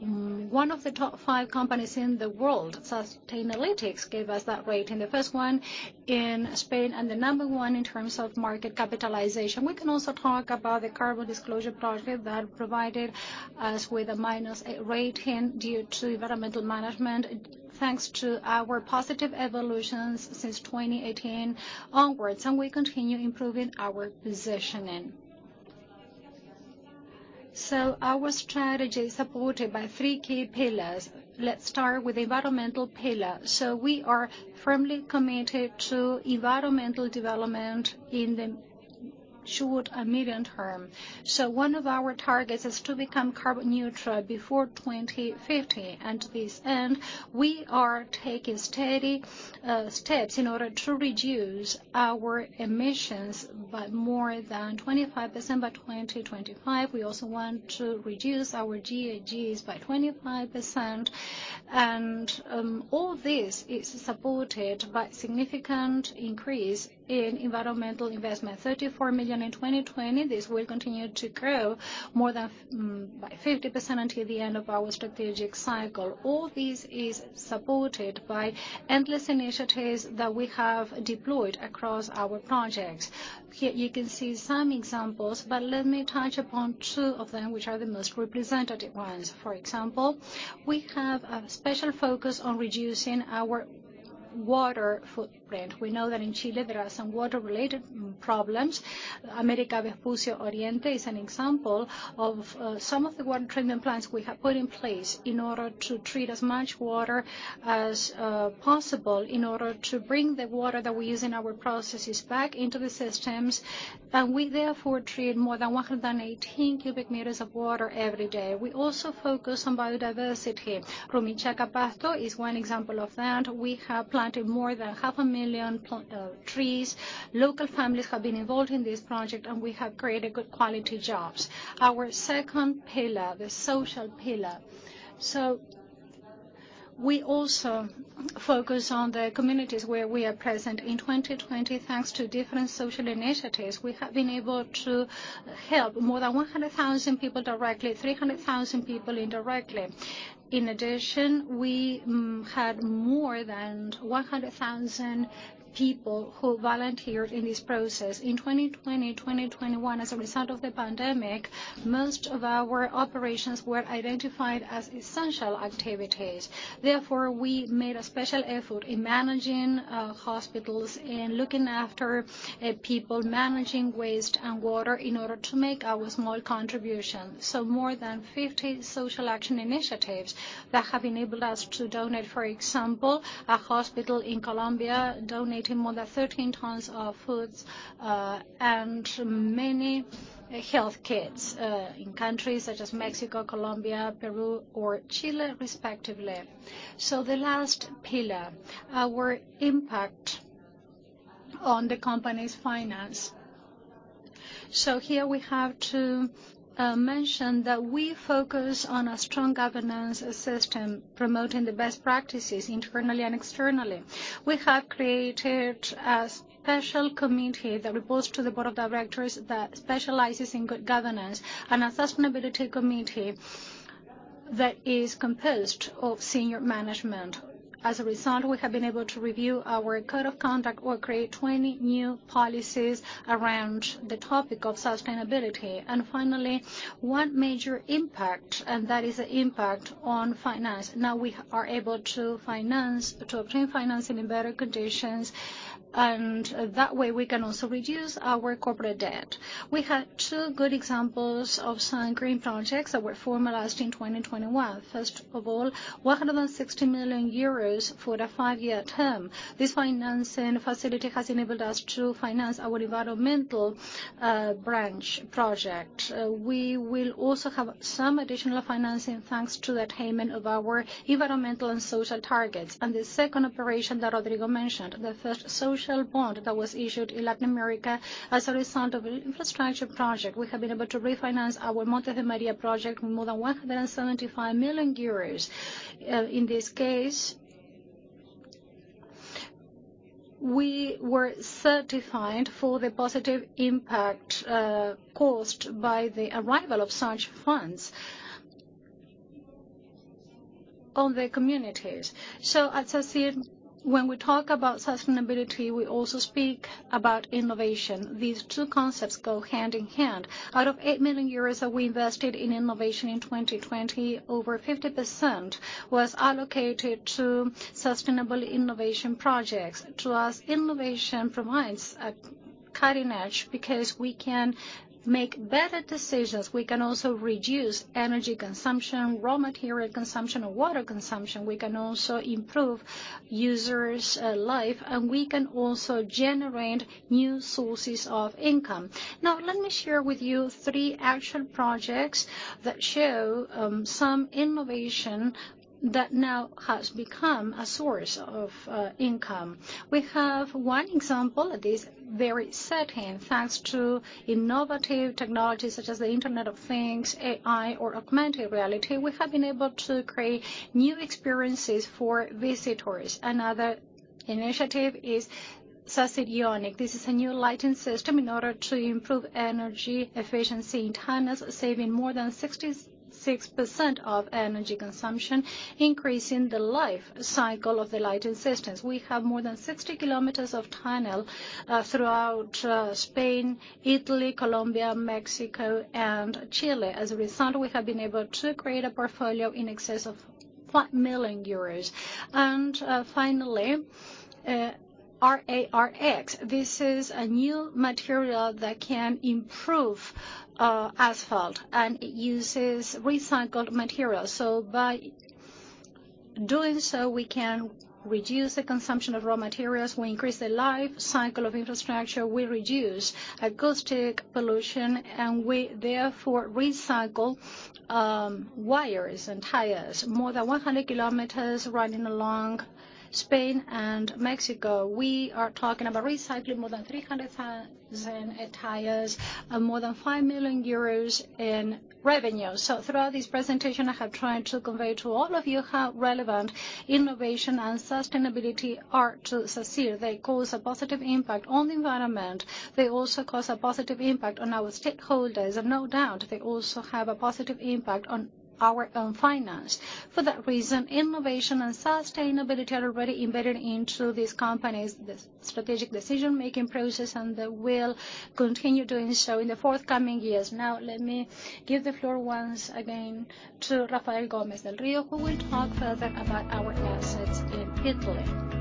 one of the top five companies in the world. Sustainalytics gave us that rating, the first one in Spain, and the number 1 in terms of market capitalization. We can also talk about the Carbon Disclosure Project that provided us with A minus rating due to environmental management, thanks to our positive evolutions since 2018 onwards, and we continue improving our positioning. Our strategy is supported by three key pillars. Let's start with the environmental pillar. We are firmly committed to environmental development in the short and medium term. One of our targets is to become carbon neutral before 2050. To this end, we are taking steady steps in order to reduce our emissions by more than 25% by 2025. We also want to reduce our GHGs by 25%. All this is supported by significant increase in environmental investment, 34 million in 2020. This will continue to grow more than 50% until the end of our strategic cycle. All this is supported by endless initiatives that we have deployed across our projects. Here you can see some examples, but let me touch upon two of them, which are the most representative ones. For example, we have a special focus on reducing our water footprint. We know that in Chile, there are some water-related problems. Américo Vespucio Oriente is an example of some of the water treatment plants we have put in place in order to treat as much water as possible, in order to bring the water that we use in our processes back into the systems. We therefore treat more than 118 cubic meters of water every day. We also focus on biodiversity. Rumichaca-Pasto is one example of that. We have planted more than half a million trees. Local families have been involved in this project, and we have created good quality jobs. Our second pillar, the social pillar. We also focus on the communities where we are present. In 2020, thanks to different social initiatives, we have been able to help more than 100,000 people directly, 300,000 people indirectly. In addition, we had more than 100,000 people who volunteered in this process. In 2020, 2021, as a result of the pandemic, most of our operations were identified as essential activities. Therefore, we made a special effort in managing hospitals, in looking after people, managing waste and water in order to make our small contribution. More than 50 social action initiatives that have enabled us to donate, for example, a hospital in Colombia, donating more than 13 tons of foods, and many health kits in countries such as Mexico, Colombia, Peru, or Chile, respectively. The last pillar, our impact on the company's finance. Here we have to mention that we focus on a strong governance system, promoting the best practices internally and externally. We have created a special committee that reports to the board of directors that specializes in good governance and a sustainability committee that is composed of senior management. As a result, we have been able to review our code of conduct or create 20 new policies around the topic of sustainability. Finally, one major impact, and that is the impact on finance. Now we are able to obtain financing in better conditions. That way we can also reduce our corporate debt. We have two good examples of some green projects that were formalized in 2021. First of all, 160 million euros for the five-year term. This financing facility has enabled us to finance our developmental branch project. We will also have some additional financing thanks to the attainment of our environmental and social targets. The second operation that Rodrigo mentioned, the first social bond that was issued in Latin America as a result of an infrastructure project. We have been able to refinance our Montes de María project with more than 175 million euros. In this case, we were certified for the positive impact caused by the arrival of such funds on the communities. At Sacyr, when we talk about sustainability, we also speak about innovation. These two concepts go hand in hand. Out of 8 million euros that we invested in innovation in 2020, over 50% was allocated to sustainable innovation projects. To us, innovation provides a cutting edge because we can make better decisions. We can also reduce energy consumption, raw material consumption, or water consumption. We can also improve users' life, and we can also generate new sources of income. Now, let me share with you three actual projects that show some innovation that now has become a source of income. We have one example that is very certain. Thanks to innovative technologies such as the Internet of Things, AI, or augmented reality, we have been able to create new experiences for visitors. Another initiative is Sacyr IOHNIC. This is a new lighting system in order to improve energy efficiency in tunnels, saving more than 66% of energy consumption, increasing the life cycle of the lighting systems. We have more than 60 km of tunnel throughout Spain, Italy, Colombia, Mexico, and Chile. As a result, we have been able to create a portfolio in excess of 5 million euros. Finally, RARx. This is a new material that can improve asphalt, and it uses recycled materials. By doing so, we can reduce the consumption of raw materials, we increase the life cycle of infrastructure, we reduce acoustic pollution, and we therefore recycle wires and tires. More than 100 km running along Spain and Mexico. We are talking about recycling more than 300,000 tires and more than 5 million euros in revenue. Throughout this presentation, I have tried to convey to all of you how relevant innovation and sustainability are to Sacyr. They cause a positive impact on the environment. They also cause a positive impact on our stakeholders, and no doubt, they also have a positive impact on our own finance. For that reason, innovation and sustainability are already embedded into this company's strategic decision-making process, and they will continue doing so in the forthcoming years. Now, let me give the floor once again to Rafael Gómez del Río, who will talk further about our assets in Italy.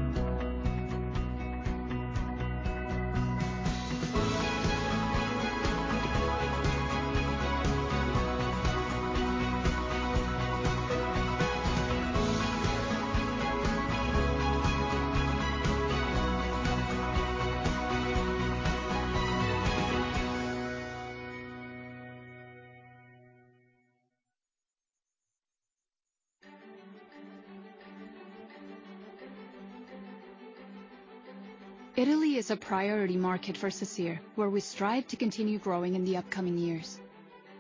Italy is a priority market for Sacyr, where we strive to continue growing in the upcoming years.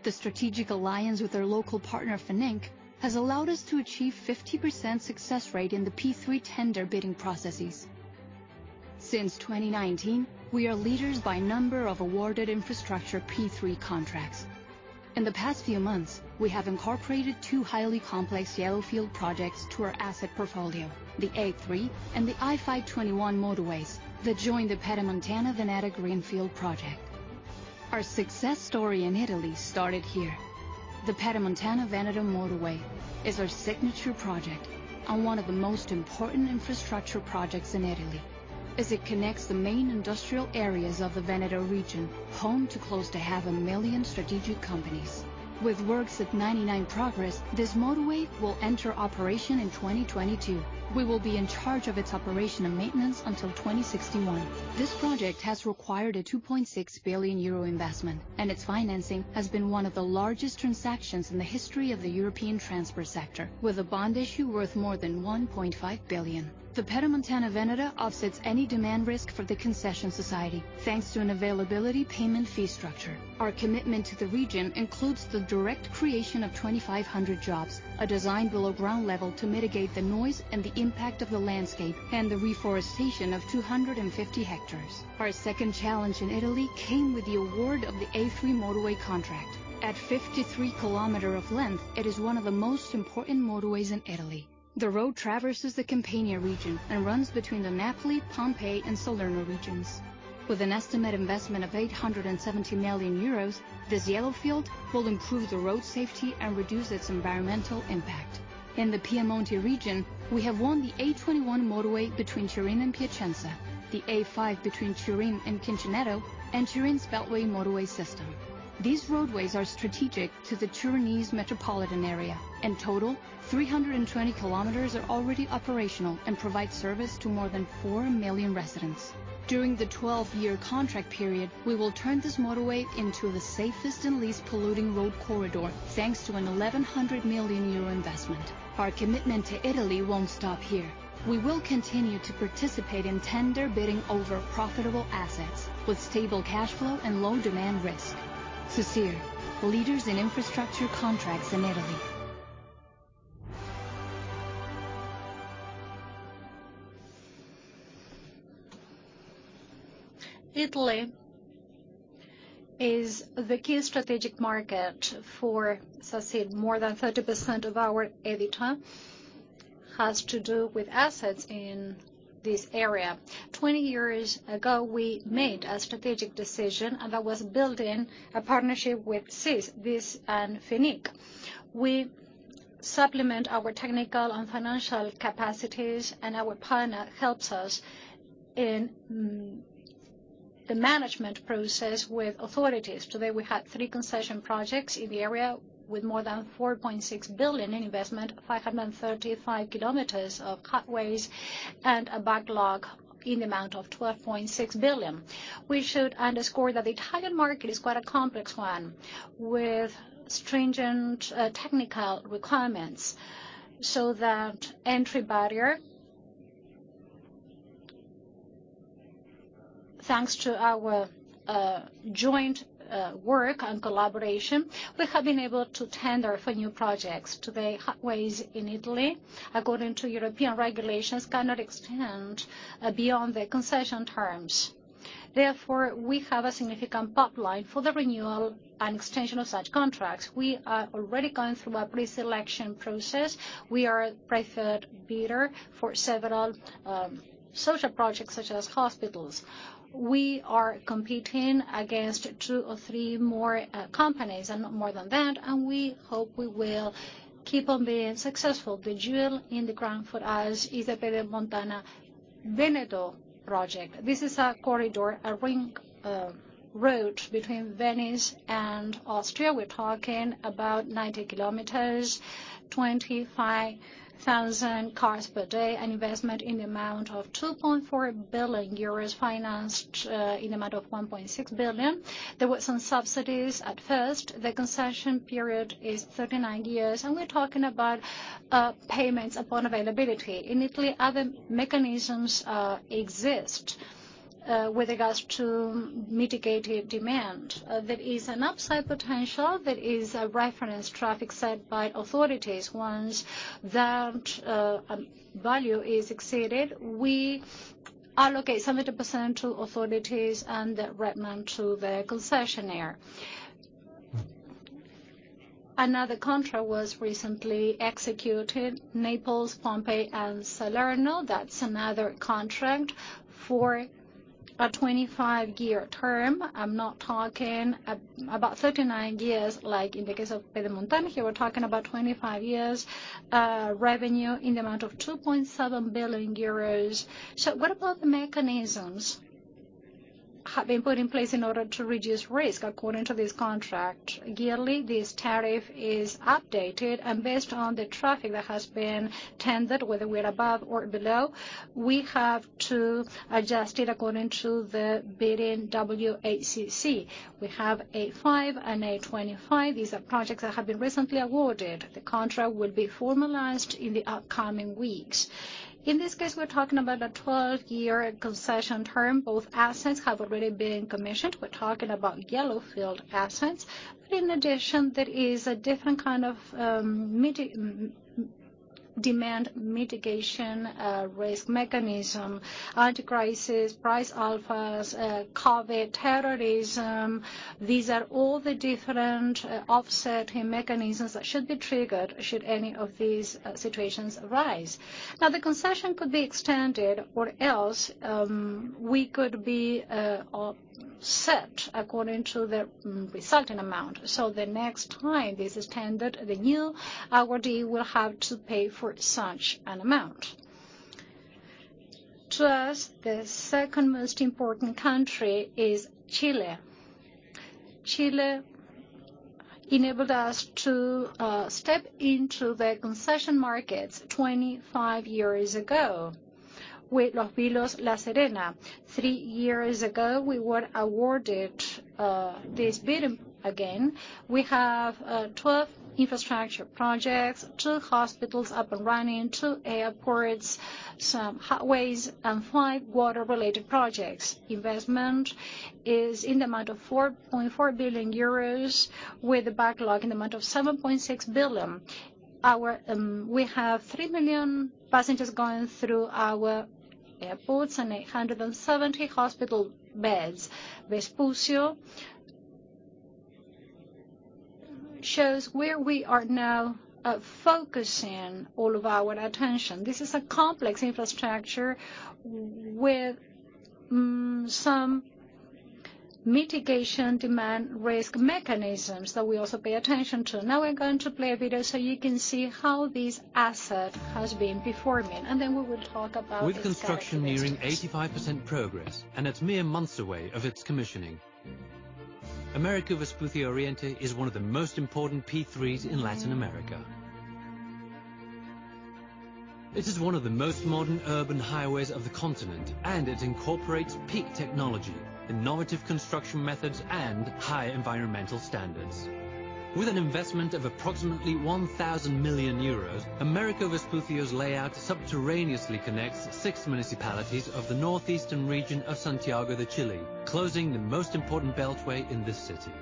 The strategic alliance with our local partner, Fininc, has allowed us to achieve 50% success rate in the P3 tender bidding processes. Since 2019, we are leaders by number of awarded infrastructure P3 contracts. In the past few months, we have incorporated two highly complex yellowfield projects to our asset portfolio, the A3 and the A5 motorways, that joined the Pedemontana-Veneta greenfield project. Our success story in Italy started here. The Pedemontana-Veneta motorway is our signature project and one of the most important infrastructure projects in Italy, as it connects the main industrial areas of the Veneta region, home to close to half a million strategic companies. With works at 99% progress, this motorway will enter operation in 2022. We will be in charge of its operation and maintenance until 2061. This project has required a 2.6 billion euro investment, and its financing has been one of the largest transactions in the history of the European transport sector, with a bond issue worth more than 1.5 billion. The Pedemontana-Veneta offsets any demand risk for the concession society, thanks to an availability payment fee structure. Our commitment to the region includes the direct creation of 2,500 jobs, a design below ground level to mitigate the noise and the impact of the landscape, and the reforestation of 250 hectares. Our second challenge in Italy came with the award of the A3 motorway contract. At 53 km of length, it is one of the most important motorways in Italy. The road traverses the Campania region and runs between the Naples, Pompeii, and Salerno regions. With an estimated investment of 870 million euros, this yellowfield will improve the road safety and reduce its environmental impact. In the Piemonte region, we have won the A21 motorway between Turin and Piacenza, the A5 between Turin and Quincinetto, and Turin's beltway motorway system. These roadways are strategic to the Turinese metropolitan area. In total, 320 kilometers are already operational and provide service to more than 4 million residents. During the 12-year contract period, we will turn this motorway into the safest and least polluting road corridor, thanks to an 1,100 million euro investment. Our commitment to Italy won't stop here. We will continue to participate in tender bidding over profitable assets with stable cash flow and low demand risk. Sacyr, leaders in infrastructure contracts in Italy. Italy is the key strategic market for Sacyr. More than 30% of our EBITDA has to do with assets in this area. 20 years ago, we made a strategic decision, and that was building a partnership with SIS, VIS and Fininc. We supplement our technical and financial capacities, and our partner helps us in the management process with authorities. Today, we have three concession projects in the area, with more than 4.6 billion in investment, 535 km of highways, and a backlog in the amount of 12.6 billion. We should underscore that the Italian market is quite a complex one, with stringent technical requirements. That entry barrier, thanks to our joint work and collaboration, we have been able to tender for new projects. Today, highways in Italy, according to European regulations, cannot extend beyond the concession terms. Therefore, we have a significant pipeline for the renewal and extension of such contracts. We are already going through a pre-selection process. We are a preferred bidder for several social projects such as hospitals. We are competing against two or three more companies and not more than that. We hope we will keep on being successful. The jewel in the crown for us is the Pedemontana-Veneta project. This is a corridor, a ring road between Venice and Austria. We're talking about 90km, 25,000 cars per day, an investment in the amount of 2.4 billion euros, financed in the amount of 1.6 billion. There were some subsidies at first. The concession period is 39 years. We're talking about payments upon availability. In Italy, other mechanisms exist with regards to mitigating demand. There is an upside potential that is a reference traffic set by authorities. Once that value is exceeded, we allocate 70% to authorities and the remnant to the concessionaire. Another contract was recently executed, Naples, Pompeii, and Salerno. That's another contract for a 25-year term. I'm not talking about 39 years like in the case of Pedemontana. Here, we're talking about 25 years, revenue in the amount of 2.7 billion euros. What about the mechanisms have been put in place in order to reduce risk? According to this contract, yearly, this tariff is updated, and based on the traffic that has been tendered, whether we're above or below, we have to adjust it according to the bidding WACC. We have A5 and A25. These are projects that have been recently awarded. The contract will be formalized in the upcoming weeks. In this case, we're talking about a 12-year concession term. Both assets have already been commissioned. We're talking about yellowfield assets. In addition, there is a different kind of Demand mitigation, risk mechanism, anti-crisis, price alphas, COVID, terrorism. These are all the different offsetting mechanisms that should be triggered, should any of these situations arise. The concession could be extended, or else we could be offset according to the resulting amount. The next time this is extended, the new awardee will have to pay for such an amount. To us, the second most important country is Chile. Chile enabled us to step into the concession markets 25 years ago with Los Vilos-La Serena. three years ago, we were awarded this bid again. We have 12 infrastructure projects, two hospitals up and running, two airports, some highways, and five water-related projects. Investment is in the amount of 4.4 billion euros, with a backlog in the amount of 7.6 billion. We have 3 million passengers going through our airports and 870 hospital beds. Vespucio shows where we are now focusing all of our attention. This is a complex infrastructure with some mitigation demand risk mechanisms that we also pay attention to. Now we're going to play a video so you can see how this asset has been performing, and then we will talk about. With construction nearing 85% progress and it's mere months away of its commissioning. Américo Vespucio Oriente is one of the most important P3s in Latin America. It is one of the most modern urban highways of the continent, and it incorporates peak technology, innovative construction methods, and high environmental standards. With an investment of approximately 1,000 million euros, Américo Vespucio's layout subterraneously connects 6 municipalities of the northeastern region of Santiago de Chile, closing the most important beltway in the city.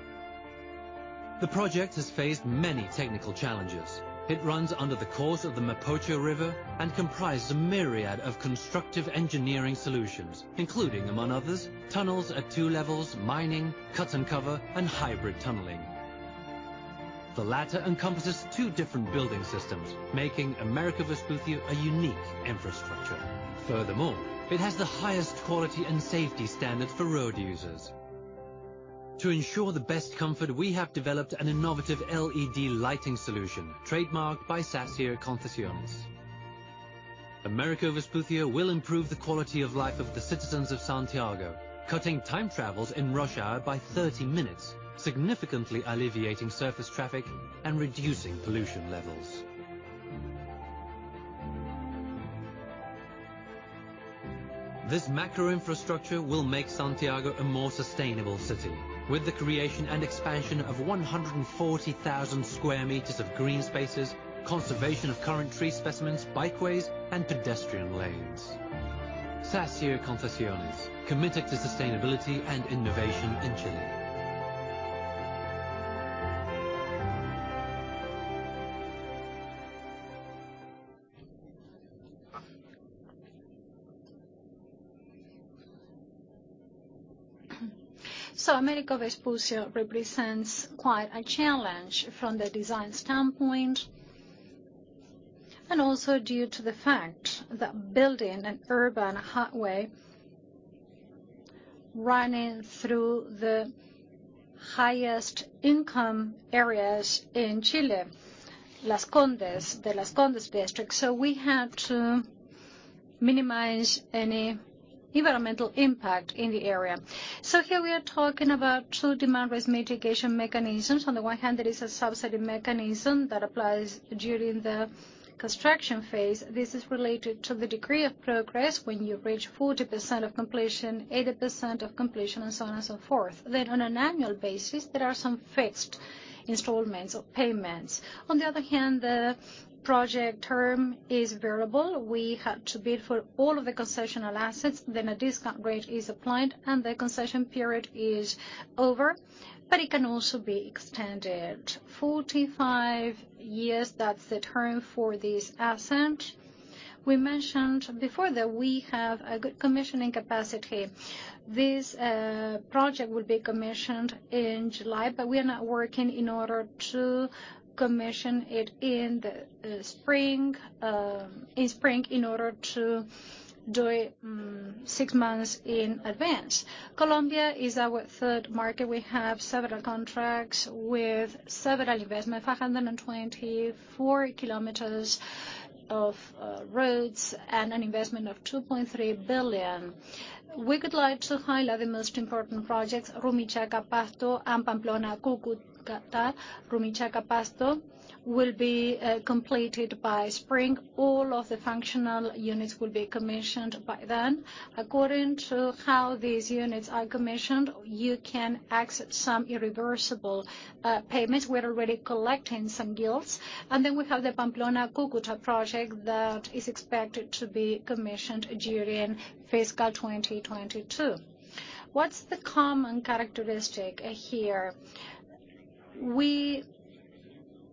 The project has faced many technical challenges. It runs under the course of the Mapocho River and comprises a myriad of constructive engineering solutions, including, among others, tunnels at two levels, mining, cut and cover, and hybrid tunneling. The latter encompasses two different building systems, making Américo Vespucio a unique infrastructure. Furthermore, it has the highest quality and safety standard for road users. To ensure the best comfort, we have developed an innovative LED lighting solution, trademarked by Sacyr Concesiones. Américo Vespucio will improve the quality of life of the citizens of Santiago, cutting time travels in rush hour by 30 minutes, significantly alleviating surface traffic and reducing pollution levels. This macro infrastructure will make Santiago a more sustainable city, with the creation and expansion of 140,000 square meters of green spaces, conservation of current tree specimens, bikeways, and pedestrian lanes. Sacyr Concesiones, committed to sustainability and innovation in Chile. Américo Vespucio represents quite a challenge from the design standpoint, and also due to the fact that building an urban highway running through the highest income areas in Chile, the Las Condes district. We had to minimize any environmental impact in the area. Here we are talking about 2 demand risk mitigation mechanisms. On the one hand, there is a subsidy mechanism that applies during the construction phase. This is related to the degree of progress. When you reach 40% of completion, 80% of completion, and so on and so forth. On an annual basis, there are some fixed installments or payments. On the other hand, the project term is variable. We had to bid for all of the concessional assets. A discount rate is applied, and the concession period is over, but it can also be extended 45 years. That's the term for this asset. We mentioned before that we have a good commissioning capacity. This project will be commissioned in July. We are now working in order to commission it in spring in order to do it six months in advance. Colombia is our third market. We have several contracts with several investments, 524km of roads and an investment of 2.3 billion. We would like to highlight the most important projects, Rumichaca-Pasto and Pamplona-Cúcuta. Rumichaca-Pasto will be completed by spring. All of the functional units will be commissioned by then. According to how these units are commissioned, you can access some irreversible payments. We're already collecting some yields. We have the Pamplona-Cúcuta project that is expected to be commissioned during fiscal 2022. What's the common characteristic here?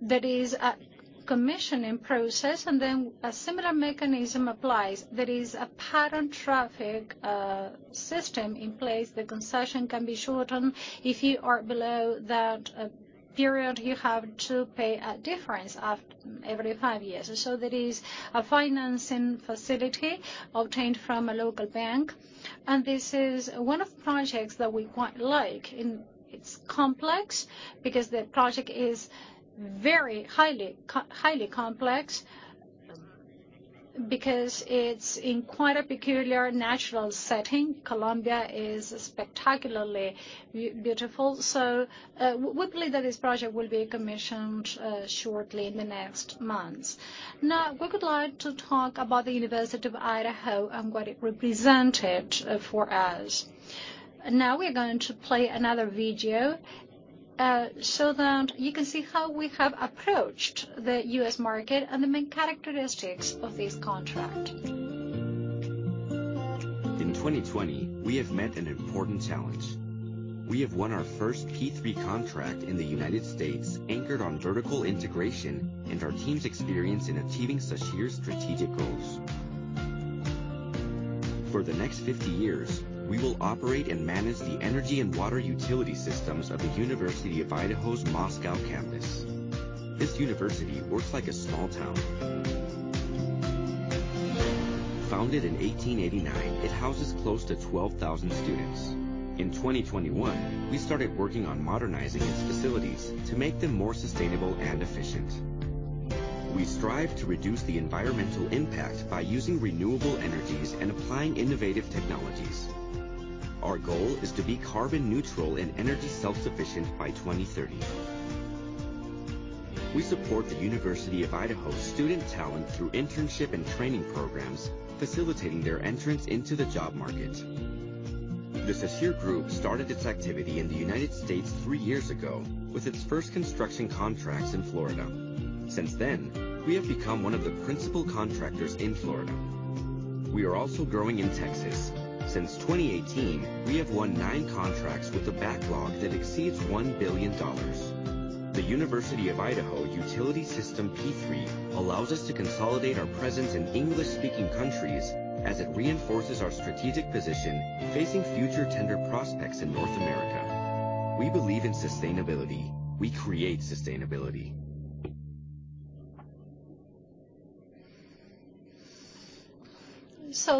There is a commissioning process, and then a similar mechanism applies. There is a pattern traffic system in place. The concession can be shortened. If you are below that period, you have to pay a difference every five years. There is a financing facility obtained from a local bank, and this is one of the projects that we quite like. It's complex, because the project is very highly complex, because it's in quite a peculiar natural setting. Colombia is spectacularly beautiful. We believe that this project will be commissioned shortly in the next months. We would like to talk about the University of Idaho and what it represented for us. We're going to play another video, so that you can see how we have approached the U.S. market, and the main characteristics of this contract. In 2020, we have met an important challenge. We have won our first P3 contract in the United States, anchored on vertical integration and our team's experience in achieving Sacyr's strategic goals. For the next 50 years, we will operate and manage the energy and water utility systems of the University of Idaho's Moscow campus. This university works like a small town. Founded in 1889, it houses close to 12,000 students. In 2021, we started working on modernizing its facilities to make them more sustainable and efficient. We strive to reduce the environmental impact by using renewable energies and applying innovative technologies. Our goal is to be carbon neutral and energy self-sufficient by 2030. We support the University of Idaho's student talent through internship and training programs, facilitating their entrance into the job market. The Sacyr Group started its activity in the United States three years ago with its first construction contracts in Florida. Since then, we have become one of the principal contractors in Florida. We are also growing in Texas. Since 2018, we have won nine contracts with a backlog that exceeds $1 billion. The University of Idaho utility system P3 allows us to consolidate our presence in English-speaking countries as it reinforces our strategic position facing future tender prospects in North America. We believe in sustainability. We create sustainability.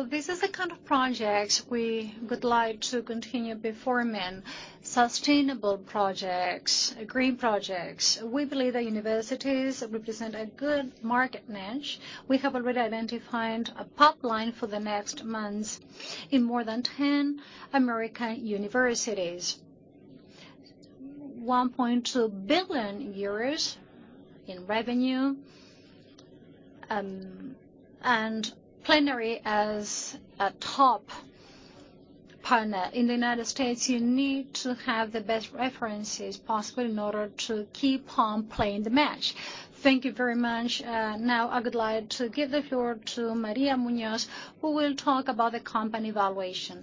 This is the kind of project we would like to continue performing, sustainable projects, green projects. We believe that universities represent a good market niche. We have already identified a pipeline for the next months in more than 10 American universities. 1.2 billion euros in revenue, and Plenary as a top partner. In the United States, you need to have the best references possible in order to keep on playing the match. Thank you very much. Now I would like to give the floor to María Muñoz, who will talk about the company valuation.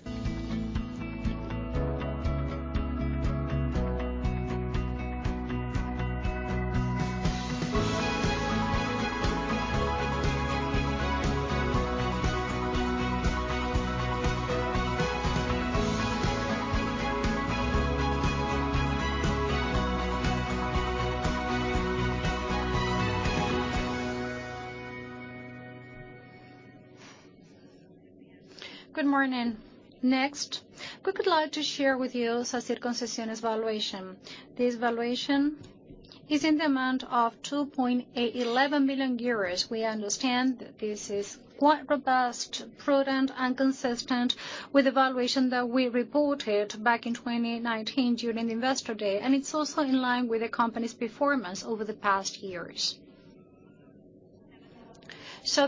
Good morning. Next, we would like to share with you Sacyr Concesiones valuation. This valuation is in the amount of 2.811 billion euros. We understand that this is quite robust, prudent, and consistent with the valuation that we reported back in 2019 during Investor Day, and it's also in line with the company's performance over the past years.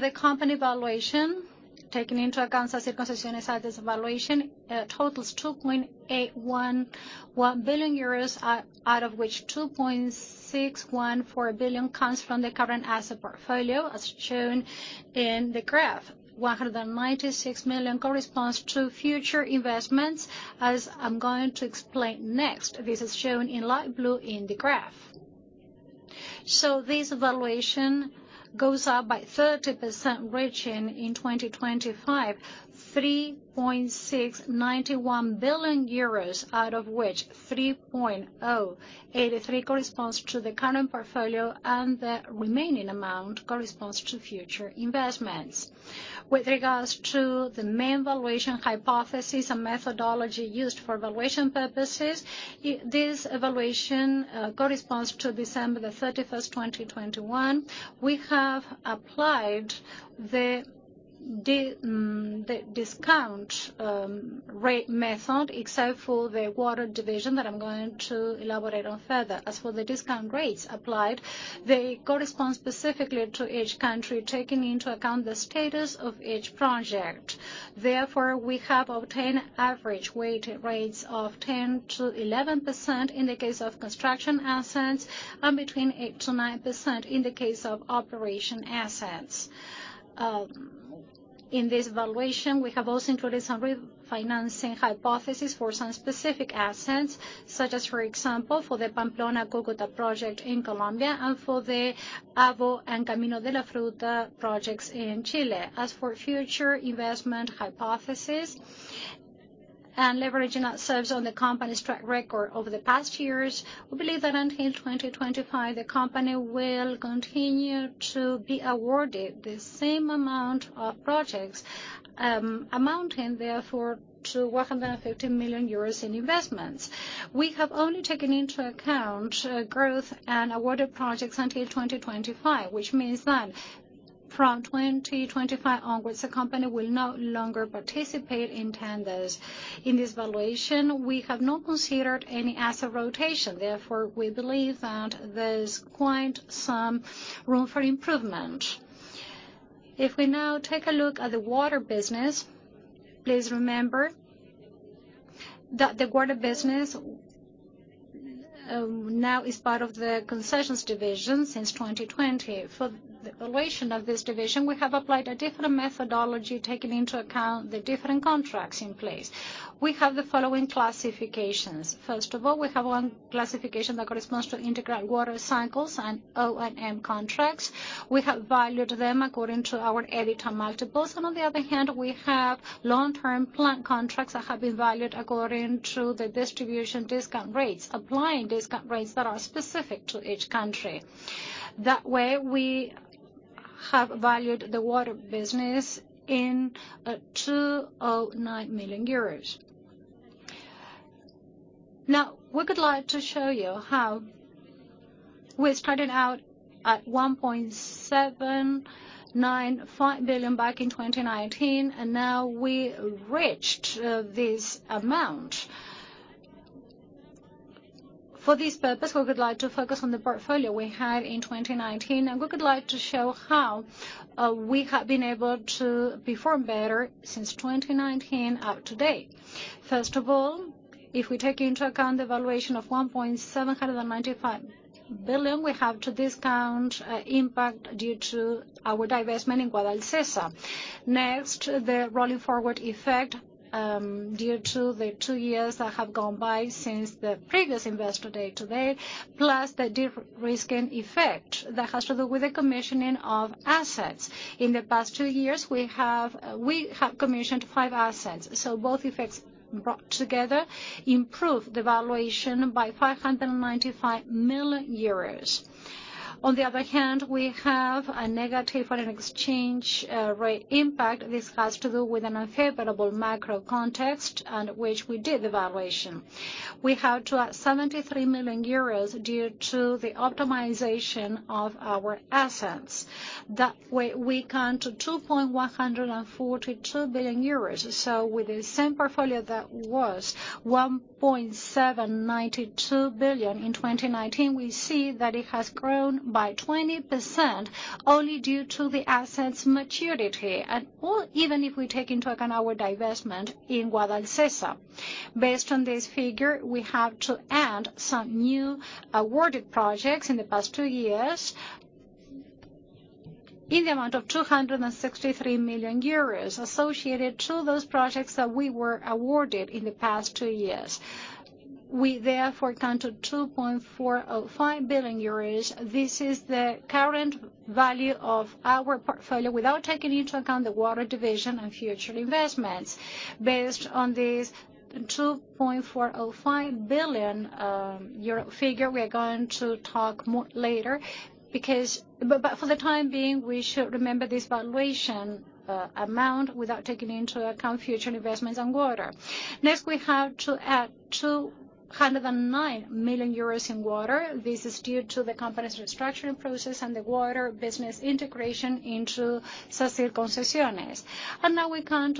The company valuation, taking into account Sacyr Concesiones' valuation, totals €2.811 billion, out of which 2.614 billion comes from the current asset portfolio, as shown in the graph. 196 million corresponds to future investments, as I'm going to explain next. This is shown in light blue in the graph. This valuation goes up by 30%, reaching in 2025, €3.691 billion, out of which 3.083 billion corresponds to the current portfolio, and the remaining amount corresponds to future investments. With regards to the main valuation hypothesis and methodology used for valuation purposes, this valuation corresponds to December the 31st, 2021. We have applied the discount rate method, except for the water division that I'm going to elaborate on further. The discount rates applied, they correspond specifically to each country, taking into account the status of each project. We have obtained average weighted rates of 10%-11% in the case of construction assets, and between 8%-9% in the case of operation assets. In this valuation, we have also included some refinancing hypothesis for some specific assets, such as, for example, for the Pamplona-Cúcuta project in Colombia and for the AVO and Camino de la Fruta projects in Chile. Future investment hypothesis and leveraging ourselves on the company's track record over the past years, we believe that until 2025, the company will continue to be awarded the same amount of projects, amounting therefore to 150 million euros in investments. We have only taken into account growth and awarded projects until 2025, which means that from 2025 onwards, the company will no longer participate in tenders. In this valuation, we have not considered any asset rotation, therefore, we believe that there's quite some room for improvement. If we now take a look at the water business, please remember that the water business now is part of the concessions division since 2020. For the valuation of this division, we have applied a different methodology, taking into account the different contracts in place. We have the following classifications. First of all, we have one classification that corresponds to integral water cycles and O&M contracts. We have valued them according to our EBITDA multiples. On the other hand, we have long-term plant contracts that have been valued according to the distribution discount rates, applying discount rates that are specific to each country. That way, we have valued the water business in EUR 209 million. Now, we would like to show you how we started out at 1.795 billion back in 2019, and now we reached this amount. For this purpose, we would like to focus on the portfolio we had in 2019, and we would like to show how we have been able to perform better since 2019 up to date. First of all, if we take into account the valuation of 1.795 billion, we have to discount impact due to our divestment in Guadalcesa. Next, the rolling forward effect, due to the two years that have gone by since the previous Investor Day to date, plus the de-risking effect that has to do with the commissioning of assets. In the past two years, we have commissioned five assets, so both effects brought together improve the valuation by 595 million euros. On the other hand, we have a negative foreign exchange rate impact. This has to do with an unfavorable macro context under which we did the valuation. We have to add 73 million euros due to the optimization of our assets. That way, we count 2.142 billion euros. With the same portfolio that was 1.792 billion in 2019, we see that it has grown by 20% only due to the assets' maturity, and even if we take into account our divestment in Guadalcesa. Based on this figure, we have to add some new awarded projects in the past two years in the amount of 263 million euros associated to those projects that we were awarded in the past two years. We therefore count 2.405 billion euros. This is the current value of our portfolio without taking into account the water division and future investments. Based on this 2.405 billion euro figure, we are going to talk more later. For the time being, we should remember this valuation amount without taking into account future investments in water. We have to add 209 million euros in water. This is due to the company's restructuring process and the water business integration into Sacyr Concesiones. Now we count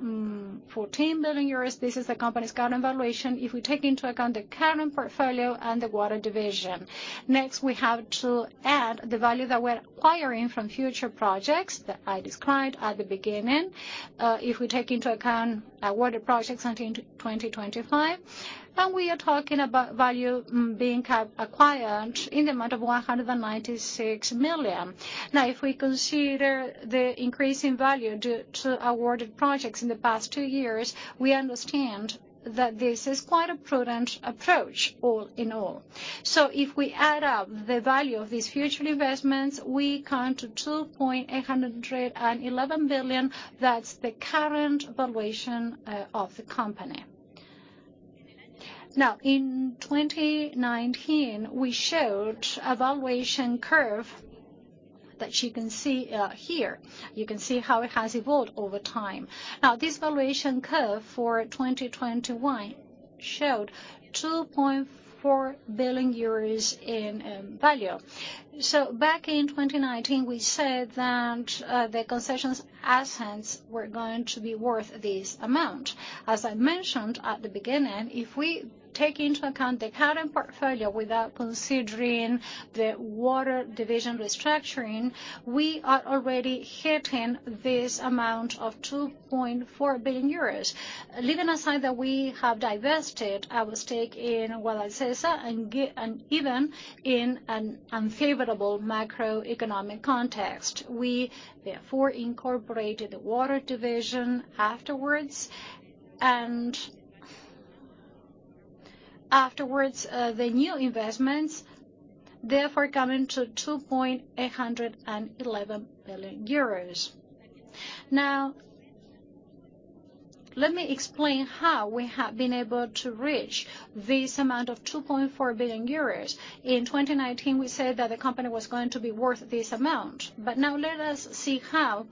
2.614 billion euros. This is the company's current valuation if we take into account the current portfolio and the water division. We have to add the value that we're acquiring from future projects that I described at the beginning. If we take into account awarded projects until 2025, we are talking about value being acquired in the amount of 196 million. If we consider the increase in value due to awarded projects in the past two years, we understand that this is quite a prudent approach, all in all. If we add up the value of these future investments, we come to 2.811 billion. That's the current valuation of the company. In 2019, we showed a valuation curve that you can see here. You can see how it has evolved over time. This valuation curve for 2021 showed 2.4 billion euros in value. Back in 2019, we said that the Concesiones assets were going to be worth this amount. As I mentioned at the beginning, if we take into account the current portfolio without considering the Water division restructuring, we are already hitting this amount of 2.4 billion euros, leaving aside that we have divested our stake in Guadalcesa and even in an unfavorable macroeconomic context. We incorporated the water division afterwards. Afterwards, the new investments, therefore, coming to 2.811 billion euros. Let me explain how we have been able to reach this amount of 2.4 billion euros. In 2019, we said that the company was going to be worth this amount. Now let us see how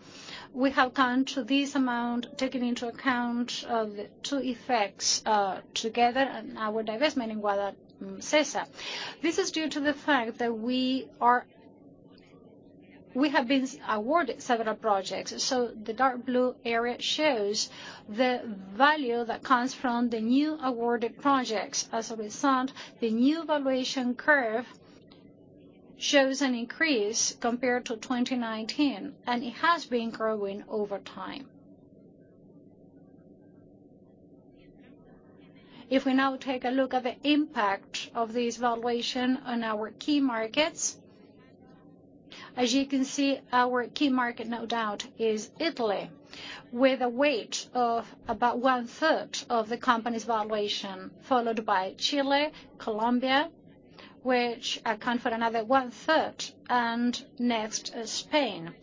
we have come to this amount, taking into account two effects together and our divestment in Water Sesa. This is due to the fact that we have been awarded several projects. The dark blue area shows the value that comes from the new awarded projects. As a result, the new valuation curve shows an increase compared to 2019, and it has been growing over time. We now take a look at the impact of this valuation on our key markets, as you can see, our key market, no doubt, is Italy, with a weight of about one-third of the company's valuation, followed by Chile, Colombia, which account for another one-third, and next is Spain.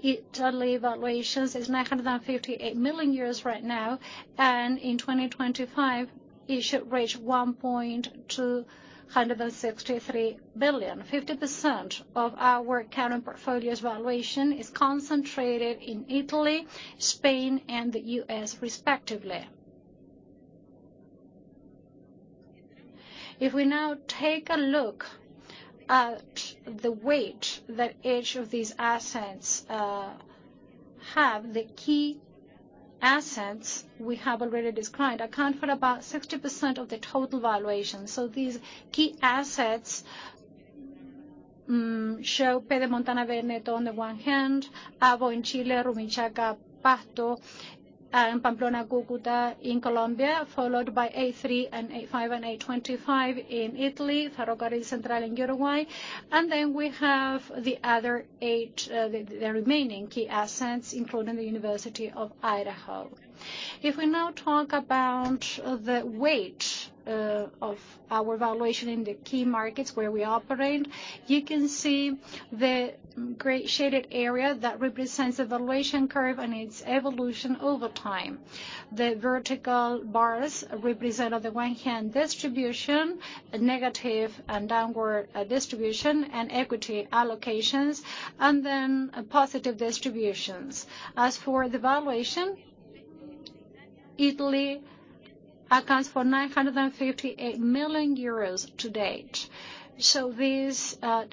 Italy valuations is 958 million right now, and in 2025, it should reach 1.263 billion. 50% of our current portfolio's valuation is concentrated in Italy, Spain, and the U.S., respectively. We now take a look at the weight that each of these assets have, the key assets we have already described account for about 60% of the total valuation. These key assets show Pedemontana-Veneta on the one hand, AVO in Chile, Rumichaca-Pasto, and Pamplona-Cúcuta in Colombia, followed by A3, and A5, and A25 in Italy, Ferrocarril Central in Uruguay. We have the remaining key assets, including the University of Idaho. If we now talk about the weight of our valuation in the key markets where we operate, you can see the gray shaded area that represents the valuation curve and its evolution over time. The vertical bars represent, on the one hand, distribution, negative and downward distribution, and equity allocations, and then positive distributions. As for the valuation, Italy accounts for 958 million euros to date. This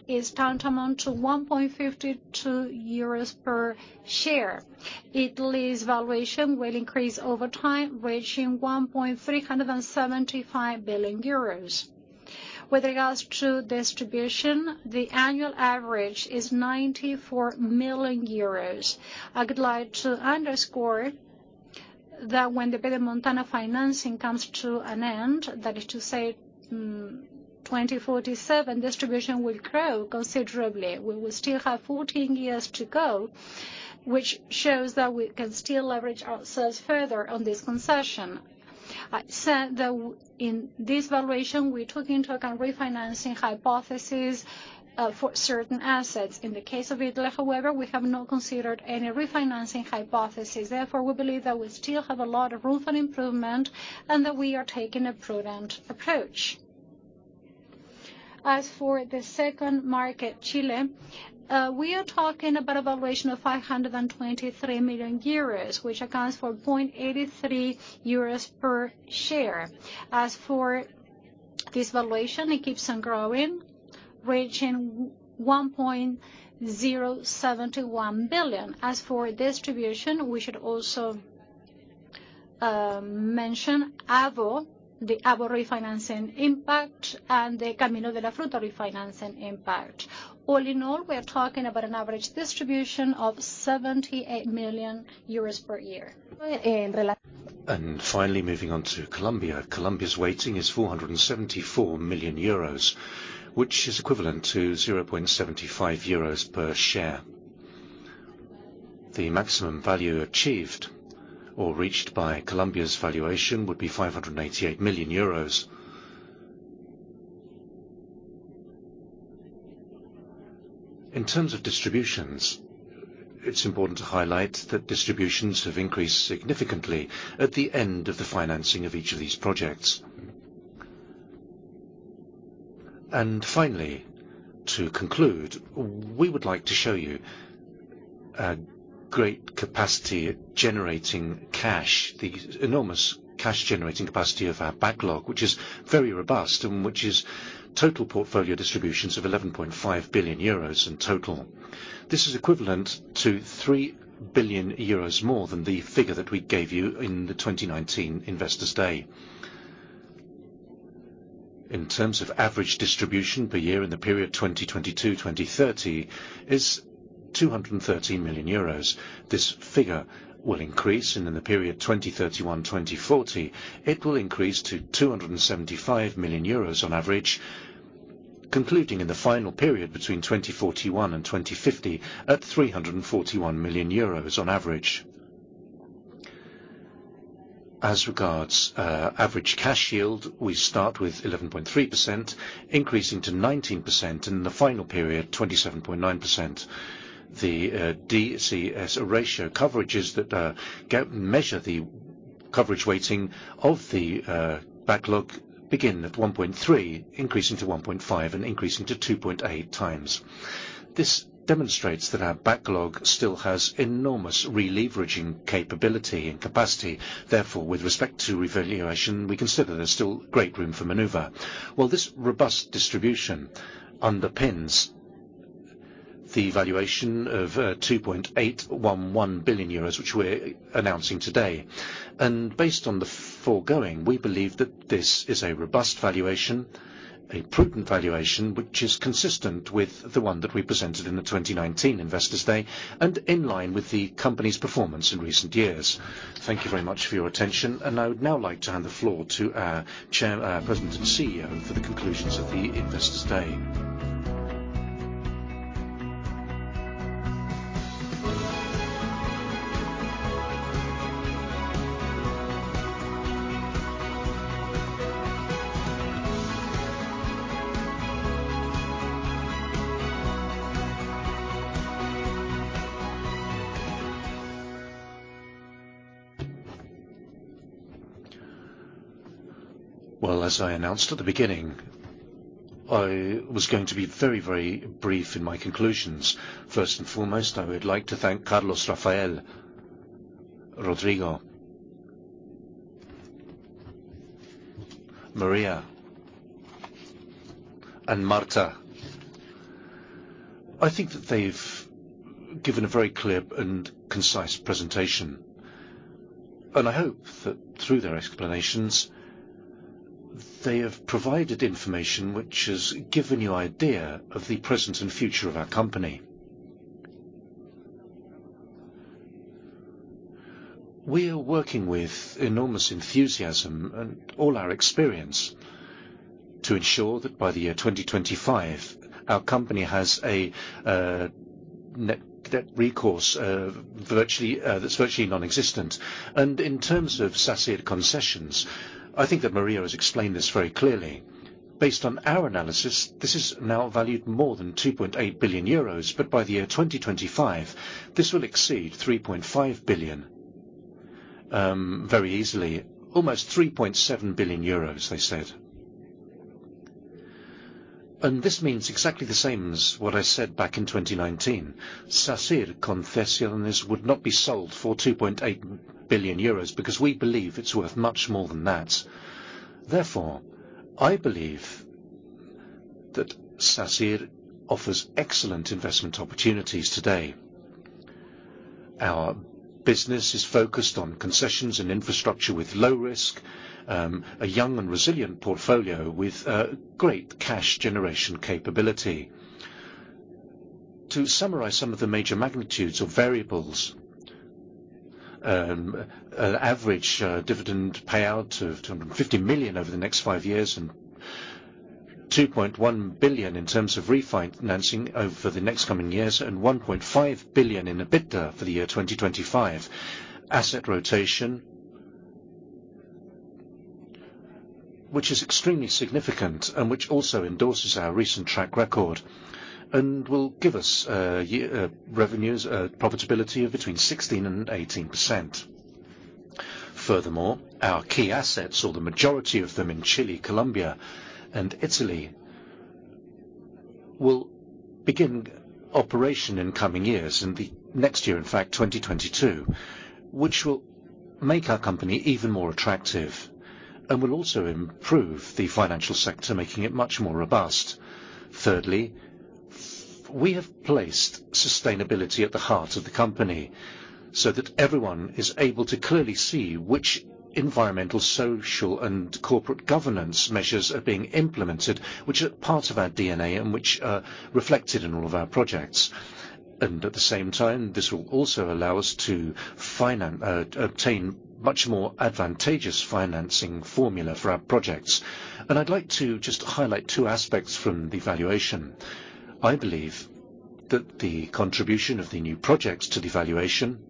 is tantamount to 1.52 euros per share. Italy's valuation will increase over time, reaching 1.375 billion euros. With regards to distribution, the annual average is 94 million euros. I would like to underscore that when the Pedemontana financing comes to an end, that is to say 2047, distribution will grow considerably. We will still have 14 years to go, which shows that we can still leverage ourselves further on this concession. I said that in this valuation, we took into account refinancing hypothesis for certain assets. In the case of Italy, however, we have not considered any refinancing hypothesis. Therefore, we believe that we still have a lot of room for improvement and that we are taking a prudent approach. As for the second market, Chile, we are talking about a valuation of 523 million euros, which accounts for 0.83 euros per share. As for this valuation, it keeps on growing, reaching 1.071 billion. As for distribution, we should also mention AVO, the AVO refinancing impact, and the Camino de la Fruta refinancing impact. All in all, we are talking about an average distribution of 78 million euros per year. Finally, moving on to Colombia. Colombia's weighting is 474 million euros, which is equivalent to 0.75 euros per share. The maximum value achieved or reached by Colombia's valuation would be 588 million euros. In terms of distributions, it's important to highlight that distributions have increased significantly at the end of the financing of each of these projects. Finally, to conclude, we would like to show you a great capacity at generating cash, the enormous cash-generating capacity of our backlog, which is very robust and which is total portfolio distributions of 11.5 billion euros in total. This is equivalent to 3 billion euros more than the figure that we gave you in the 2019 Investor Day. In terms of average distribution per year in the period 2022-2030, is 213 million euros. This figure will increase. In the period 2031-2040, it will increase to 275 million euros on average, concluding in the final period between 2041 and 2050 at 341 million euros on average. Regarding average cash yield, we start with 11.3% increasing to 19% in the final period, 27.9%. The DSCR coverages that measure the coverage weighting of the backlog begin at 1.3, increasing to 1.5 and increasing to 2.8x. This demonstrates that our backlog still has enormous releveraging capability and capacity. With respect to revaluation, we consider there's still great room for maneuver. This robust distribution underpins the valuation of 2.811 billion euros, which we're announcing today. Based on the foregoing, we believe that this is a robust valuation, a prudent valuation, which is consistent with the one that we presented in the 2019 Investor Day, in line with the company's performance in recent years. Thank you very much for your attention. I would now like to hand the floor to our President and CEO for the conclusions of the Investor Day. Well, as I announced at the beginning, I was going to be very, very brief in my conclusions. First and foremost, I would like to thank Carlos, Rafael, Rodrigo, María, and Marta. I think that they've given a very clear and concise presentation, and I hope that through their explanations, they have provided information which has given you idea of the present and future of our company. We are working with enormous enthusiasm and all our experience to ensure that by the year 2025, our company has a net recourse that's virtually non-existent. In terms of Sacyr Concesiones, I think that María has explained this very clearly. Based on our analysis, this is now valued more than 2.8 billion euros. By the year 2025, this will exceed 3.5 billion, very easily, almost 3.7 billion euros, they said. This means exactly the same as what I said back in 2019. Sacyr Concesiones would not be sold for 2.8 billion euros because we believe it's worth much more than that. Therefore, I believe that Sacyr offers excellent investment opportunities today. Our business is focused on concessions and infrastructure with low risk, a young and resilient portfolio with great cash generation capability. To summarize some of the major magnitudes or variables, average dividend payout of 250 million over the next five years and 2.1 billion in terms of refinancing over the next coming years, and 1.5 billion in EBITDA for the year 2025. Asset rotation, which is extremely significant and which also endorses our recent track record and will give us profitability of between 16% and 18%. Our key assets or the majority of them in Chile, Colombia, and Italy, will begin operation in coming years, in the next year, in fact, 2022, which will make our company even more attractive and will also improve the financial sector, making it much more robust. We have placed sustainability at the heart of the company so that everyone is able to clearly see which environmental, social, and corporate governance measures are being implemented, which are part of our DNA and which are reflected in all of our projects. At the same time, this will also allow us to obtain much more advantageous financing formula for our projects. I'd like to just highlight two aspects from the valuation. I believe that the contribution of the new projects to the valuation,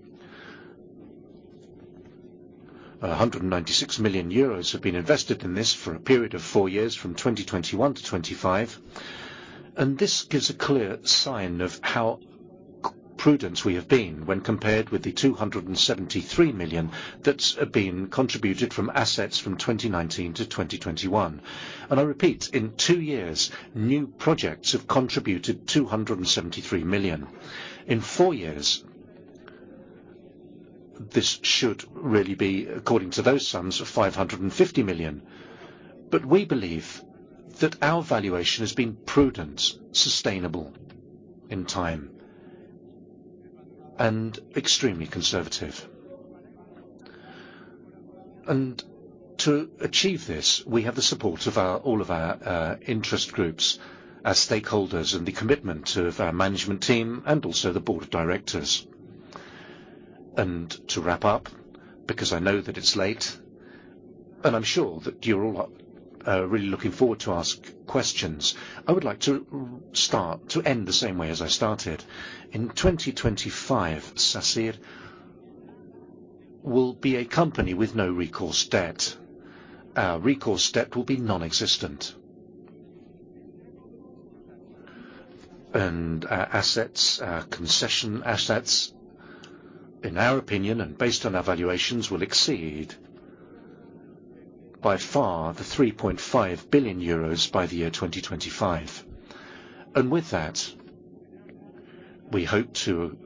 196 million euros have been invested in this for a period of four years from 2021 to 2025. This gives a clear sign of how prudent we have been when compared with the 273 million that's been contributed from assets from 2019 to 2021. I repeat, in two years, new projects have contributed 273 million. In four years, this should really be according to those sums of 550 million. We believe that our valuation has been prudent, sustainable in time, and extremely conservative. To achieve this, we have the support of all of our interest groups, our stakeholders, and the commitment of our management team and also the board of directors. To wrap up, because I know that it's late. I'm sure that you're all really looking forward to ask questions. I would like to end the same way as I started. In 2025, Sacyr will be a company with no recourse debt. Our recourse debt will be non-existent. Our concession assets, in our opinion, and based on our valuations, will exceed by far the 3.5 billion euros by the year 2025. With that, we hope to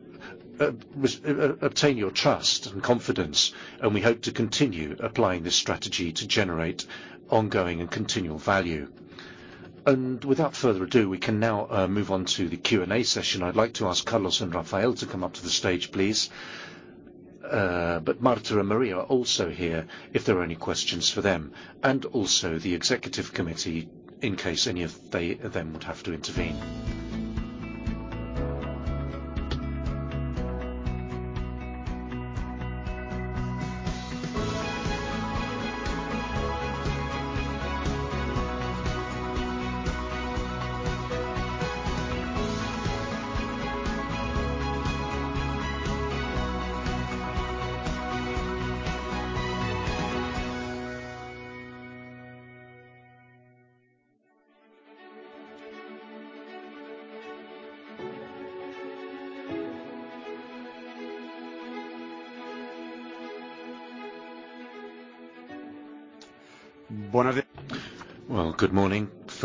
obtain your trust and confidence, and we hope to continue applying this strategy to generate ongoing and continual value. Without further ado, we can now move on to the Q&A session. I'd like to ask Carlos and Rafael to come up to the stage, please. Marta and María are also here if there are any questions for them, and also the executive committee in case any of them would have to intervene.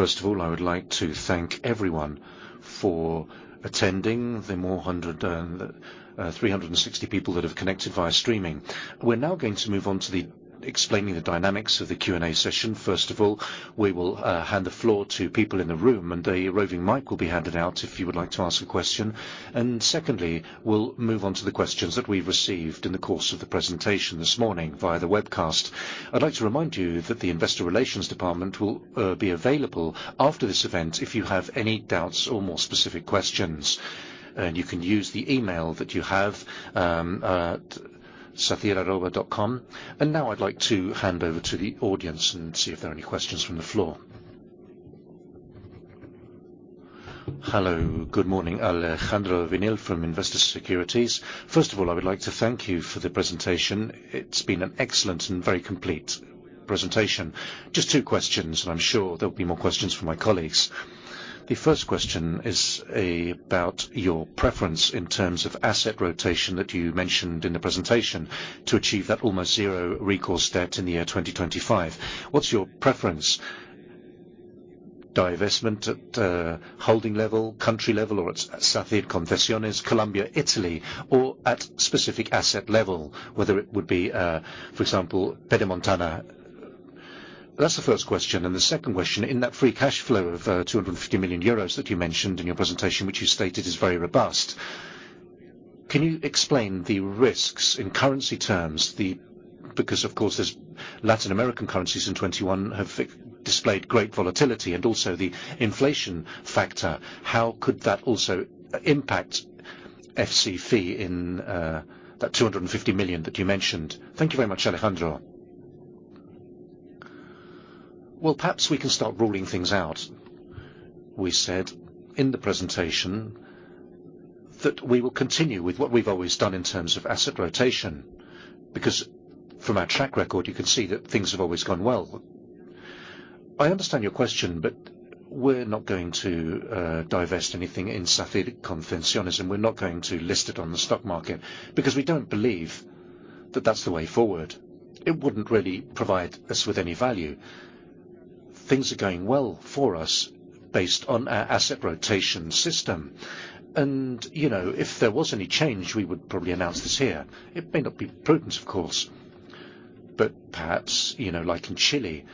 Good morning. I would like to thank everyone for attending, the 360 people that have connected via streaming. We're now going to move on to explaining the dynamics of the Q&A session. We will hand the floor to people in the room. A roving mic will be handed out if you would like to ask a question. Secondly, we'll move on to the questions that we received in the course of the presentation this morning via the webcast. I'd like to remind you that the investor relations department will be available after this event if you have any doubts or more specific questions. You can use the email that you have at sacyr.com. Now I'd like to hand over to the audience and see if there are any questions from the floor. Hello, good morning. Alejandro Gil from Investor Securities. First of all, I would like to thank you for the presentation. It's been an excellent and very complete presentation. Just two questions, I'm sure there'll be more questions from my colleagues. The first question is about your preference in terms of asset rotation that you mentioned in the presentation to achieve that almost zero recourse debt in the year 2025. What's your preference? Divestment at holding level, country level, or at Sacyr Concesiones, Colombia, Italy, or at specific asset level, whether it would be, for example, Pedemontana. That's the first question. The second question, in that free cash flow of 250 million euros that you mentioned in your presentation, which you stated is very robust, can you explain the risks in currency terms? Of course, Latin American currencies in 2021 have displayed great volatility, and also the inflation factor. How could that also impact FCF in that 250 million that you mentioned? Thank you very much, Alejandro. Perhaps we can start ruling things out. We said in the presentation that we will continue with what we've always done in terms of asset rotation, because from our track record, you can see that things have always gone well. I understand your question, but we're not going to divest anything in Sacyr Concesiones, and we're not going to list it on the stock market because we don't believe that that's the way forward. It wouldn't really provide us with any value. Things are going well for us based on our asset rotation system. If there was any change, we would probably announce this here. It may not be prudent, of course, but perhaps, like in Chile,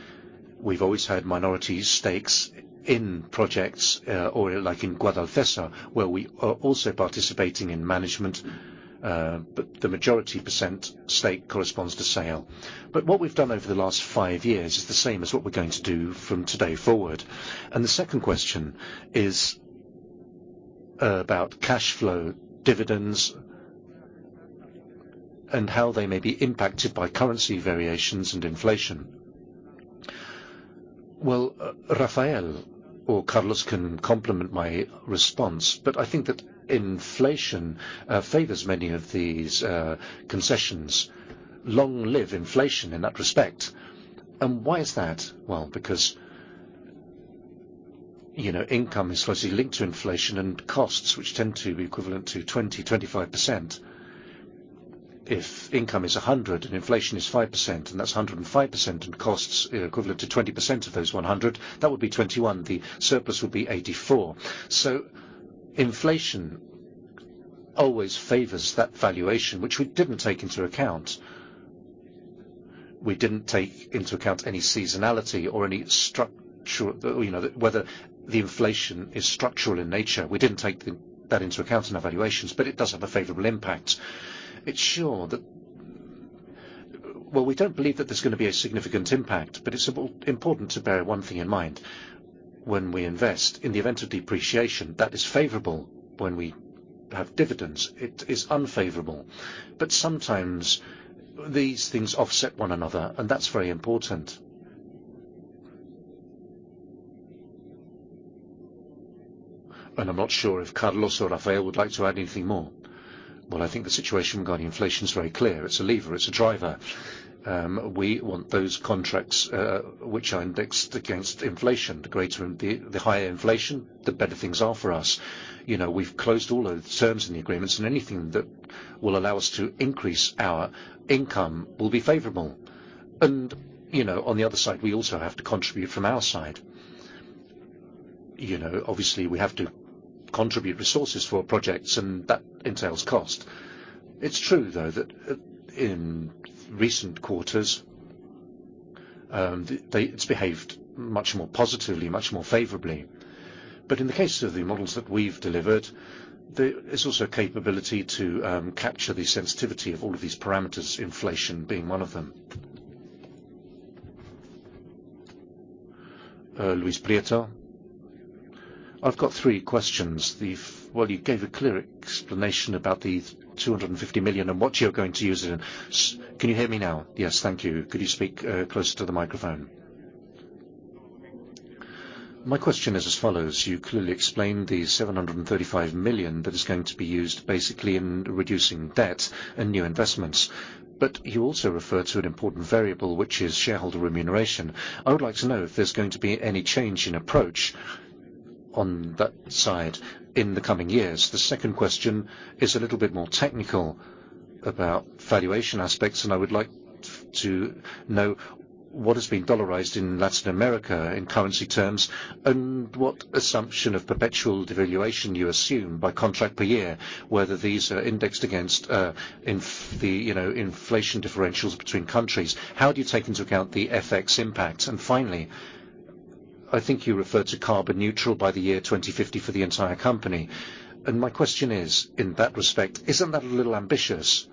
we've always had minority stakes in projects or like in Guadalcesa, where we are also participating in management, but the majority percent stake corresponds to sale. What we've done over the last five years is the same as what we're going to do from today forward. The second question is about cash flow dividends and how they may be impacted by currency variations and inflation. Well, Rafael or Carlos can complement my response, but I think that inflation favors many of these concessions. Long live inflation in that respect. Why is that? Well, because income is closely linked to inflation and costs, which tend to be equivalent to 20%, 25%. If income is 100 and inflation is 5% and that's 105% and costs equivalent to 20% of those 100, that would be 21. The surplus would be 84. Inflation always favors that valuation, which we didn't take into account. We didn't take into account any seasonality or whether the inflation is structural in nature. We didn't take that into account in our valuations, but it does have a favorable impact. We don't believe that there's going to be a significant impact, but it's important to bear 1 thing in mind. When we invest in the event of depreciation, that is favorable when we have dividends, it is unfavorable. Sometimes these things offset one another, and that's very important. I'm not sure if Carlos or Rafael would like to add anything more. I think the situation regarding inflation is very clear. It's a lever, it's a driver. We want those contracts which are indexed against inflation. The higher inflation, the better things are for us. We've closed all the terms in the agreements. Anything that will allow us to increase our income will be favorable. On the other side, we also have to contribute from our side. Obviously, we have to contribute resources for projects, and that entails cost. It's true, though, that in recent quarters, it's behaved much more positively, much more favorably. In the case of the models that we've delivered, there is also a capability to capture the sensitivity of all of these parameters, inflation being one of them. Luis Prieto. I've got three questions. Well, you gave a clear explanation about the 250 million and what you're going to use it in. Can you hear me now? Yes, thank you. Could you speak closer to the microphone? My question is as follows. You clearly explained the 735 million that is going to be used basically in reducing debt and new investments. You also refer to an important variable, which is shareholder remuneration. I would like to know if there's going to be any change in approach on that side in the coming years. The second question is a little bit more technical about valuation aspects, I would like to know what has been dollarized in Latin America in currency terms, what assumption of perpetual devaluation you assume by contract per year, whether these are indexed against inflation differentials between countries. How do you take into account the FX impact? Finally, I think you referred to carbon neutral by the year 2050 for the entire company. My question is, in that respect, isn't that a little ambitious?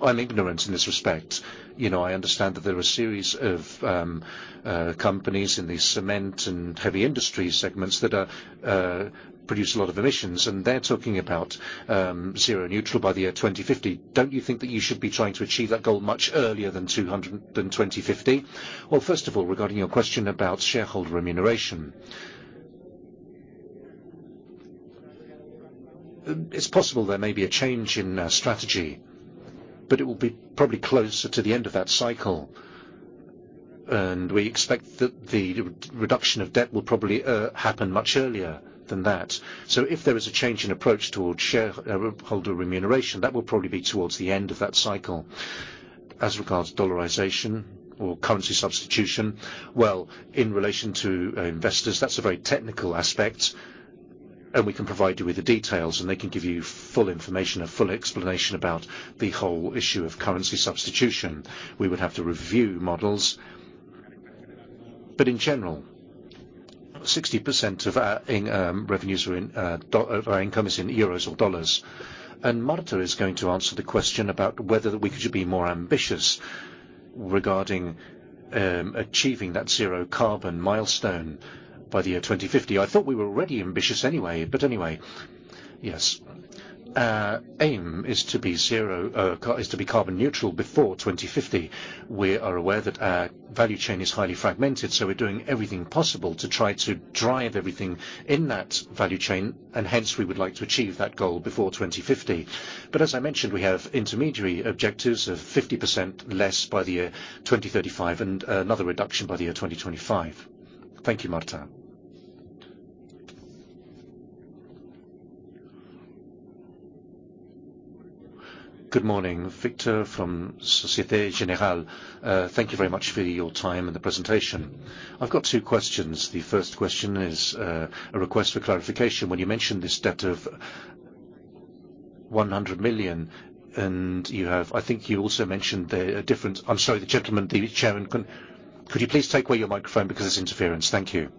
I'm ignorant in this respect. I understand that there are a series of companies in the cement and heavy industry segments that produce a lot of emissions, and they're talking about zero neutral by the year 2050. Don't you think that you should be trying to achieve that goal much earlier than 2050? Well, first of all, regarding your question about shareholder remuneration. It's possible there may be a change in our strategy, but it will be probably closer to the end of that cycle. We expect that the reduction of debt will probably happen much earlier than that. If there is a change in approach towards shareholder remuneration, that will probably be towards the end of that cycle. As regards dollarization or currency substitution, well, in relation to investors, that's a very technical aspect, and we can provide you with the details, and they can give you full information, a full explanation about the whole issue of currency substitution. We would have to review models. In general, 60% of our income is in EUR or USD. Marta is going to answer the question about whether we could be more ambitious regarding achieving that zero carbon milestone by the year 2050. I thought we were already ambitious anyway. Anyway. Yes. Our aim is to be carbon neutral before 2050. We are aware that our value chain is highly fragmented, so we're doing everything possible to try to drive everything in that value chain, and hence we would like to achieve that goal before 2050. As I mentioned, we have intermediary objectives of 50% less by the year 2035 and another reduction by the year 2025. Thank you, Marta. Good morning. Victor from Societe Generale. Thank you very much for your time and the presentation. I've got two questions. The first question is a request for clarification. When you mentioned this debt of 100 million, I'm sorry, the gentleman, the Chairman. Could you please take away your microphone because it's interference? Thank you.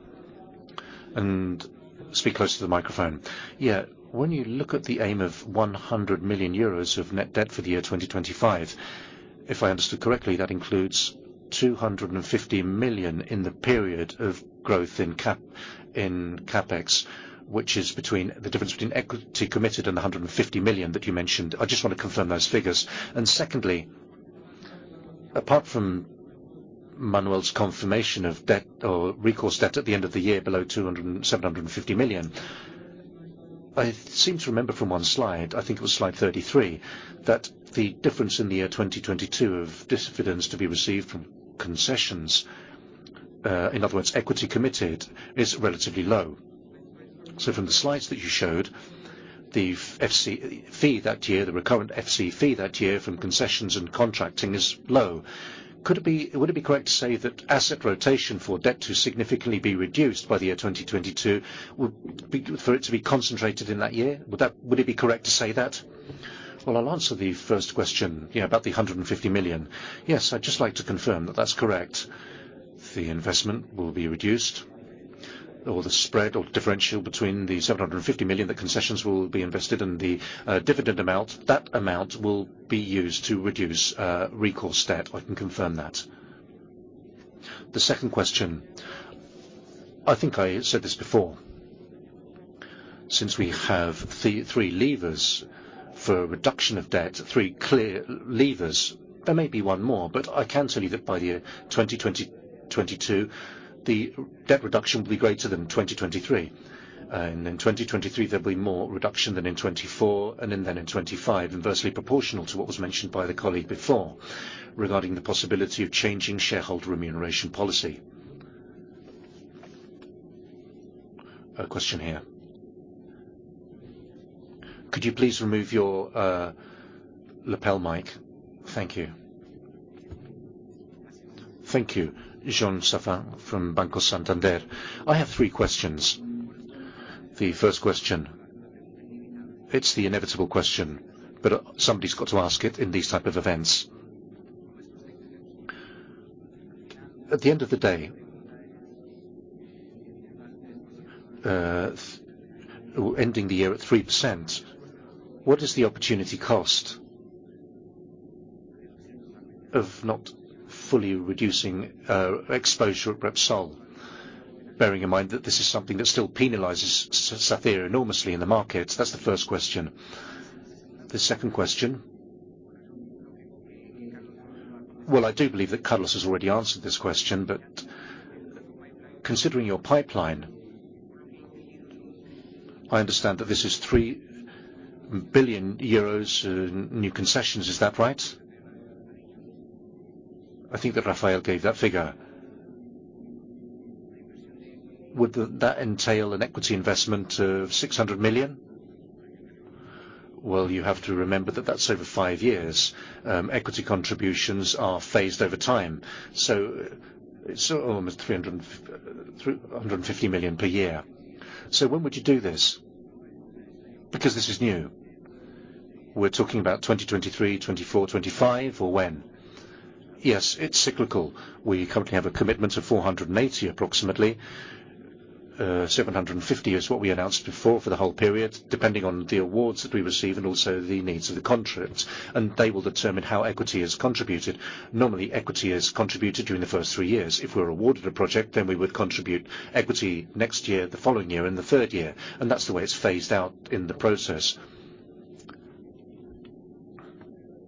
And speak close to the microphone. Yeah. When you look at the aim of €100 million of net debt for the year 2025, if I understood correctly, that includes 250 million in the period of growth in CapEx, which is the difference between equity committed and 150 million that you mentioned. I just want to confirm those figures. Secondly, apart from Manuel's confirmation of debt or recourse debt at the end of the year below 750 million, I seem to remember from one slide, I think it was slide 33, that the difference in the year 2022 of dividends to be received from concessions, in other words, equity committed, is relatively low. From the slides that you showed, the recurrent FCF that year from concessions and contracting is low. Would it be correct to say that asset rotation for debt to significantly be reduced by the year 2022, for it to be concentrated in that year? Would it be correct to say that? I'll answer the first question, yeah, about the 150 million. Yes, I'd just like to confirm that that's correct. The investment will be reduced or the spread or differential between the 750 million that concessions will be invested and the dividend amount, that amount will be used to reduce recourse debt. I can confirm that. The second question, I think I said this before. Since we have three levers for reduction of debt, three clear levers, there may be one more, but I can tell you that by the year 2022, the debt reduction will be greater than 2023. In 2023, there will be more reduction than in 2024, then in 2025, inversely proportional to what was mentioned by the colleague before regarding the possibility of changing shareholder remuneration policy. A question here. Could you please remove your lapel mic? Thank you. Thank you. João Safin from Banco Santander. I have three questions. The first question, it's the inevitable question, but somebody's got to ask it in these type of events. At the end of the day, ending the year at 3%, what is the opportunity cost of not fully reducing exposure at Repsol, bearing in mind that this is something that still penalizes Sacyr enormously in the market? That's the first question. The second question. Well, I do believe that Carlos has already answered this question, but considering your pipeline, I understand that this is 3 billion euros in new concessions. Is that right? I think that Rafael gave that figure. Would that entail an equity investment of 600 million? Well, you have to remember that that's over five years. Equity contributions are phased over time. Almost 150 million per year. When would you do this? Because this is new. We're talking about 2023, 2024, 2025, or when? Yes, it's cyclical. We currently have a commitment of 480 approximately. 750 is what we announced before for the whole period, depending on the awards that we receive and also the needs of the contracts. They will determine how equity is contributed. Normally, equity is contributed during the first three years. If we're awarded a project, then we would contribute equity next year, the following year, and the 3rd year, and that's the way it's phased out in the process.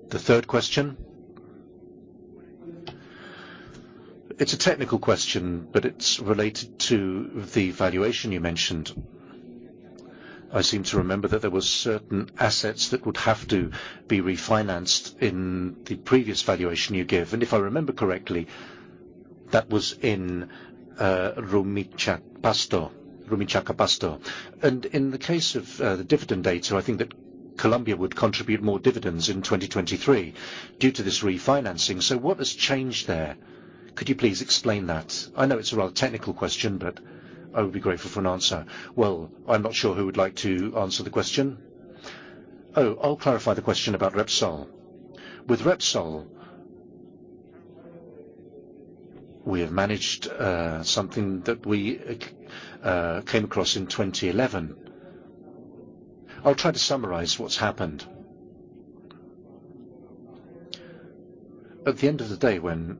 The 3rd question, it's a technical question, but it's related to the valuation you mentioned. I seem to remember that there were certain assets that would have to be refinanced in the previous valuation you gave. If I remember correctly, that was in Rumichaca-Pasto. In the case of the dividend date, I think that Colombia would contribute more dividends in 2023 due to this refinancing. What has changed there? Could you please explain that? I know it's a rather technical question, but I would be grateful for an answer. I'm not sure who would like to answer the question. Oh, I'll clarify the question about Repsol. With Repsol, we have managed something that we came across in 2011. I'll try to summarize what's happened. At the end of the day, when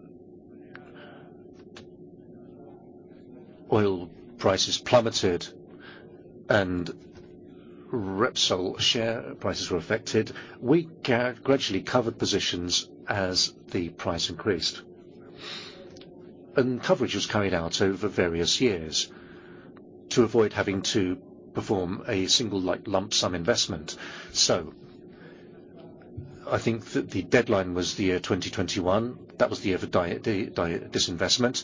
oil prices plummeted and Repsol share prices were affected, we gradually covered positions as the price increased. Coverage was carried out over various years to avoid having to perform a single lump sum investment. I think that the deadline was the year 2021. That was the year for disinvestment.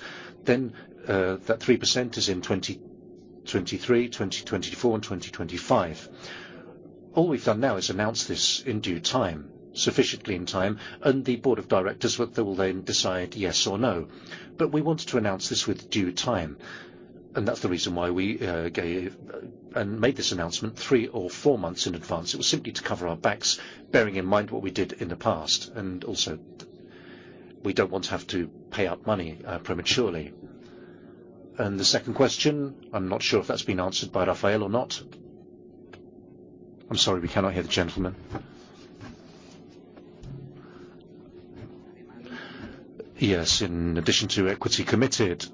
That 3% is in 2023, 2024, and 2025. All we've done now is announce this in due time, sufficiently in time, and the board of directors will then decide yes or no. We wanted to announce this with due time, and that's the reason why we made this announcement three or four months in advance. It was simply to cover our backs, bearing in mind what we did in the past, and also, we don't want to have to pay out money prematurely. The second question, I'm not sure if that's been answered by Rafael or not. I'm sorry, we cannot hear the gentleman. Yes, in addition to equity committed,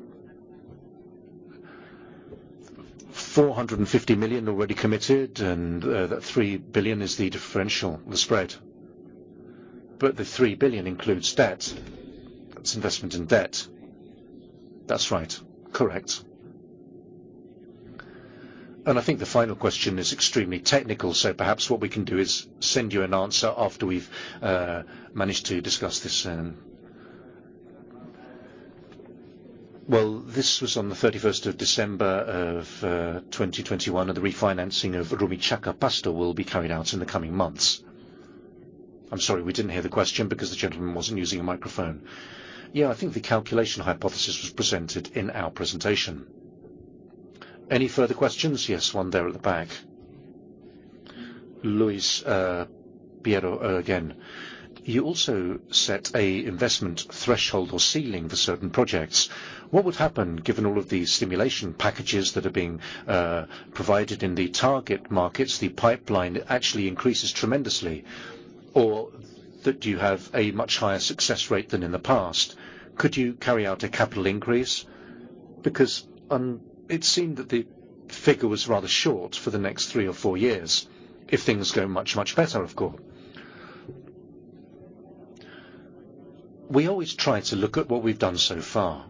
450 million already committed, and that 3 billion is the differential, the spread. The 3 billion includes debt. That's investment in debt. That's right. Correct. I think the final question is extremely technical, so perhaps what we can do is send you an answer after we've managed to discuss this. This was on the 31st of December of 2021, and the refinancing of Rumichaca-Pasto will be carried out in the coming months. I'm sorry, we didn't hear the question because the gentleman wasn't using a microphone. I think the calculation hypothesis was presented in our presentation. Any further questions? Yes, one there at the back. Luis Prieto again. You also set an investment threshold or ceiling for certain projects. What would happen, given all of the stimulation packages that are being provided in the target markets, the pipeline actually increases tremendously? Or that you have a much higher success rate than in the past. Could you carry out a capital increase? It seemed that the figure was rather short for the next three or four years, if things go much, much better, of course. We always try to look at what we've done so far.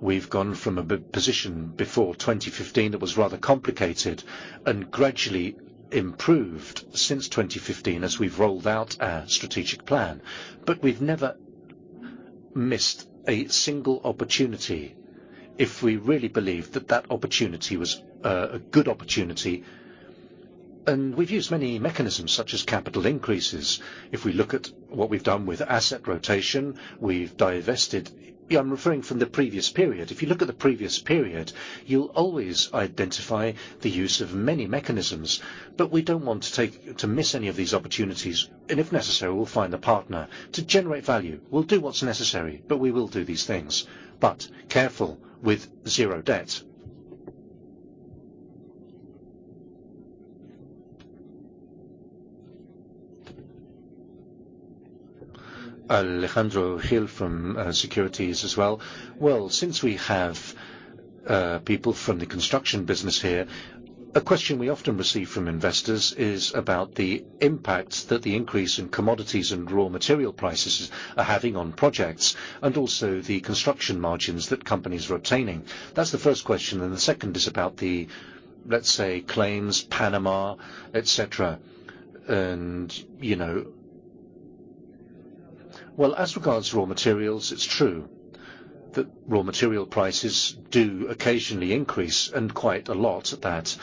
We've gone from a position before 2015 that was rather complicated and gradually improved since 2015 as we've rolled out our strategic plan. We've never missed a single opportunity if we really believed that that opportunity was a good opportunity, and we've used many mechanisms, such as capital increases. If we look at what we've done with asset rotation, we've divested. I'm referring from the previous period. If you look at the previous period, you'll always identify the use of many mechanisms. We don't want to miss any of these opportunities, and if necessary, we'll find the partner to generate value. We'll do what's necessary, but we will do these things. Careful with zero debt. Alejandro Gil from Securities as well. Since we have people from the construction business here, a question we often receive from investors is about the impact that the increase in commodities and raw material prices are having on projects, and also the construction margins that companies are obtaining. That's the first question, and the second is about the, let's say claims, Panama, et cetera. As regards raw materials, it's true that raw material prices do occasionally increase and quite a lot at that.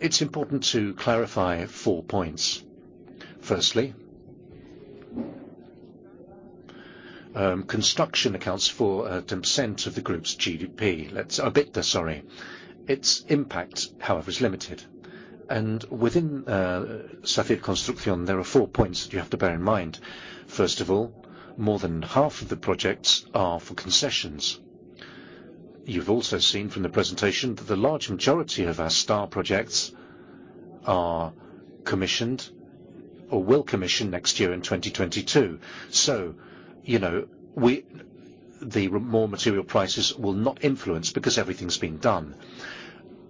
It's important to clarify four points. Firstly, construction accounts for 10% of the group's EBITDA. Its impact, however, is limited. Within Sacyr Construcción, there are four points that you have to bear in mind. First of all, more than half of the projects are for concessions. You've also seen from the presentation that the large majority of our star projects are commissioned or will commission next year in 2022. The raw material prices will not influence because everything's been done.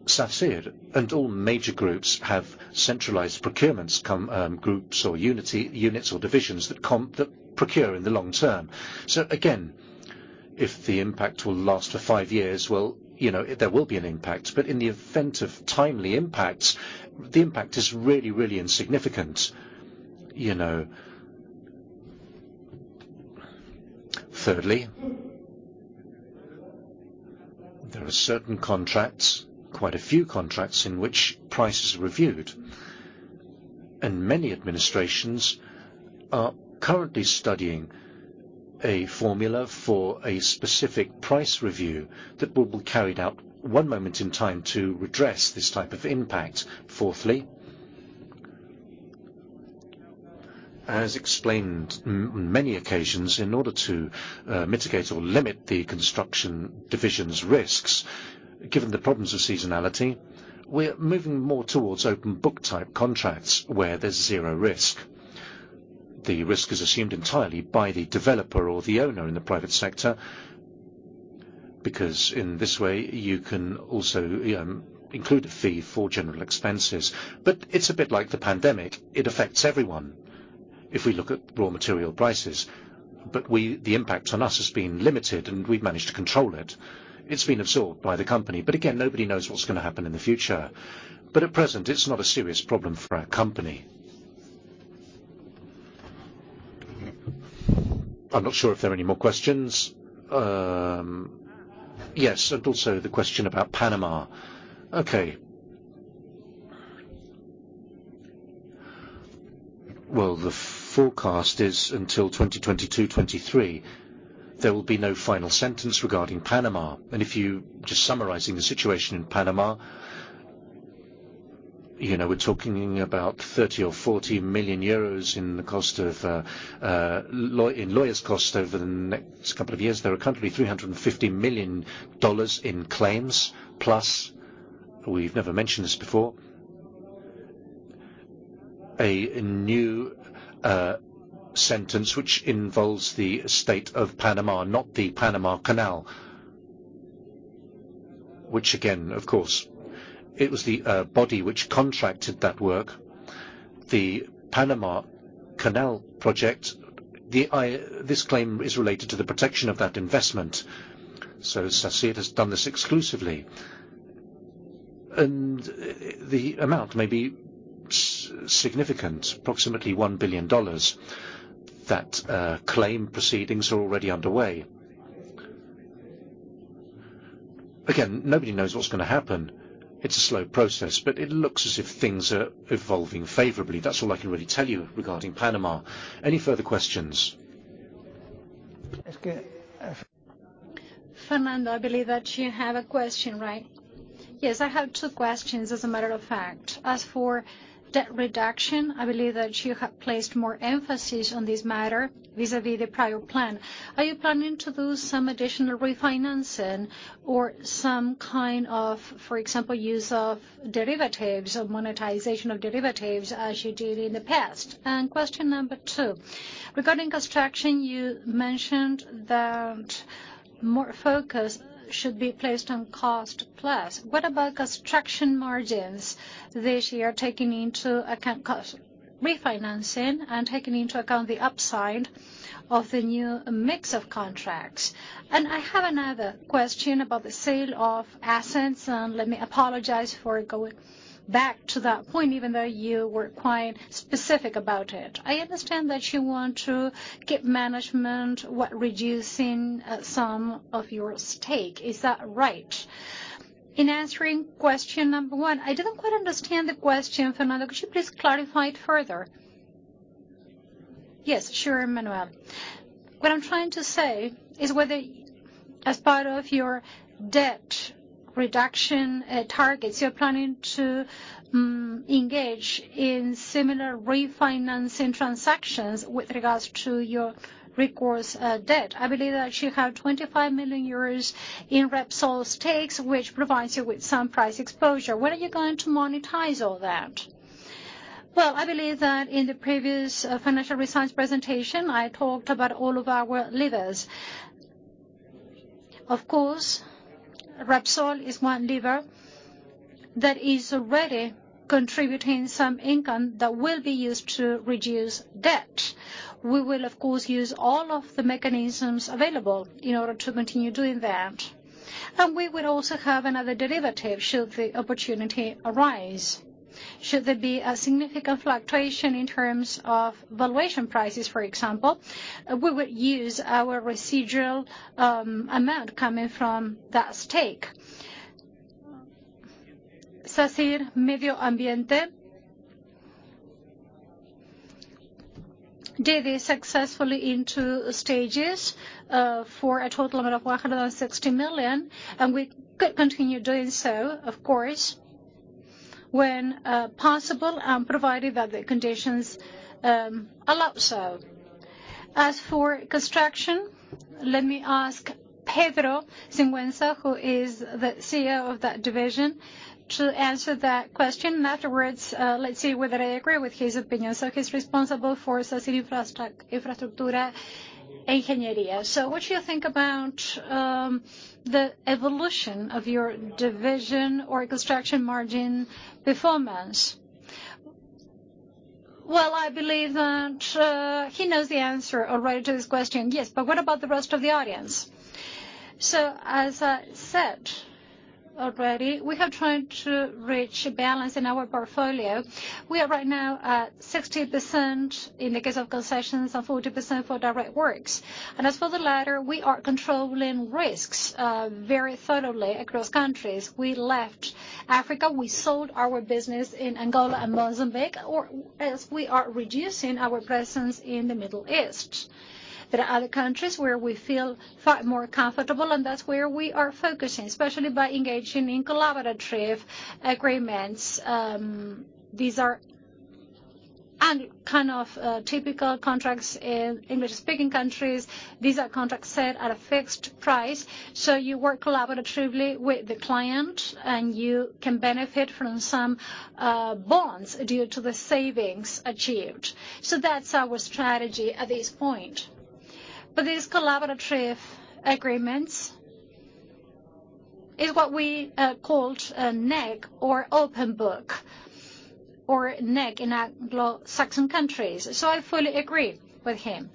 Sacyr and all major groups have centralized procurements groups or units or divisions that procure in the long term. Again, if the impact will last for five years, there will be an impact. In the event of timely impacts, the impact is really, really insignificant. Thirdly, there are certain contracts, quite a few contracts in which prices are reviewed. Many administrations are currently studying a formula for a specific price review that will be carried out one moment in time to redress this type of impact. Fourthly, as explained on many occasions, in order to mitigate or limit the construction division's risks, given the problems of seasonality, we're moving more towards open book type contracts where there's zero risk. The risk is assumed entirely by the developer or the owner in the private sector, because in this way, you can also include a fee for general expenses. It's a bit like the pandemic. It affects everyone, if we look at raw material prices. The impact on us has been limited and we've managed to control it. It's been absorbed by the company. Again, nobody knows what's going to happen in the future. At present, it's not a serious problem for our company. I'm not sure if there are any more questions. Yes, and also the question about Panama. Okay. The forecast is until 2022, 2023, there will be no final sentence regarding Panama. Just summarizing the situation in Panama, we're talking about 30 million or 40 million euros in lawyers' costs over the next couple of years. There are currently EUR 350 million in claims, plus, we've never mentioned this before, a new sentence which involves the state of Panama, not the Panama Canal. Which again, of course, it was the body which contracted that work, the Panama Canal project. This claim is related to the protection of that investment. Sacyr has done this exclusively. The amount may be significant, approximately EUR 1 billion. That claim proceedings are already underway. Again, nobody knows what's going to happen. It's a slow process, but it looks as if things are evolving favorably. That's all I can really tell you regarding Panama. Any further questions? Fernando, I believe that you have a question, right? Yes, I have two questions, as a matter of fact. As for debt reduction, I believe that you have placed more emphasis on this matter vis-à-vis the prior plan. Are you planning to do some additional refinancing or some kind of, for example, use of derivatives or monetization of derivatives as you did in the past? Question number two, regarding construction, you mentioned that more focus should be placed on cost plus. What about construction margins this year, taking into account refinancing and taking into account the upside of the new mix of contracts? I have another question about the sale of assets, and let me apologize for going back to that point, even though you were quite specific about it. I understand that you want to keep management while reducing some of your stake. Is that right? In answering question number one, I didn't quite understand the question, Fernando. Could you please clarify it further? Yes, sure, Manuel. What I'm trying to say is whether, as part of your debt reduction targets, you're planning to engage in similar refinancing transactions with regards to your recourse debt. I believe that you have 25 million euros in Repsol stakes, which provides you with some price exposure. When are you going to monetize all that? Well, I believe that in the previous financial results presentation, I talked about all of our levers. Of course, Repsol is one lever that is already contributing some income that will be used to reduce debt. We will, of course, use all of the mechanisms available in order to continue doing that. We would also have another derivative should the opportunity arise. Should there be a significant fluctuation in terms of valuation prices, for example, we would use our residual amount coming from that stake. Sacyr Medio Ambiente did this successfully in two stages for a total amount of 160 million, and we could continue doing so, of course, when possible, provided that the conditions allow so. As for construction, let me ask Pedro Sigüenza, who is the CEO of that division, to answer that question. Afterwards, let's see whether I agree with his opinion. He's responsible for Sacyr Ingeniería e Infraestructuras. What do you think about the evolution of your division or construction margin performance? Well, I believe that he knows the answer already to this question. Yes, but what about the rest of the audience? As I said already, we are trying to reach a balance in our portfolio. We are right now at 60% in the case of concessions and 40% for direct works. As for the latter, we are controlling risks very thoroughly across countries. We left Africa. We sold our business in Angola and Mozambique. We are reducing our presence in the Middle East. There are other countries where we feel far more comfortable, and that's where we are focusing, especially by engaging in collaborative agreements. These are kind of typical contracts in English-speaking countries. These are contracts set at a fixed price. You work collaboratively with the client, and you can benefit from some bonds due to the savings achieved. That's our strategy at this point. These collaborative agreements is what we called NEC or open book, or NEC in Anglo-Saxon countries. I fully agree with him.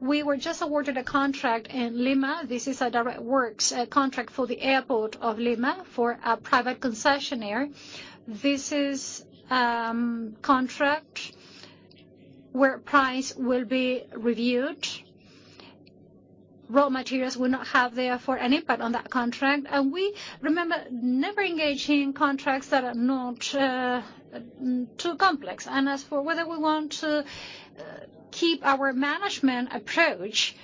We were just awarded a contract in Lima. This is a direct works contract for the airport of Lima for a private concessionaire. This is contract where price will be reviewed. Raw materials will not have, therefore, any impact on that contract. We remember never engaging in contracts that are not too complex. As for whether we want to keep our management approach,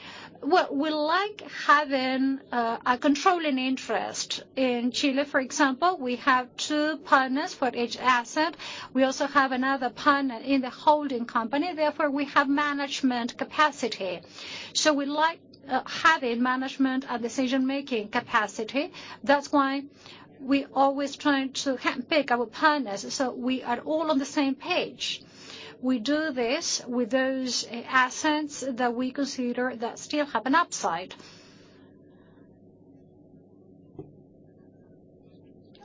we like having a controlling interest. In Chile, for example, we have two partners for each asset. We also have another partner in the holding company. We have management capacity. We like having management and decision-making capacity. That's why we always trying to handpick our partners, so we are all on the same page. We do this with those assets that we consider that still have an upside.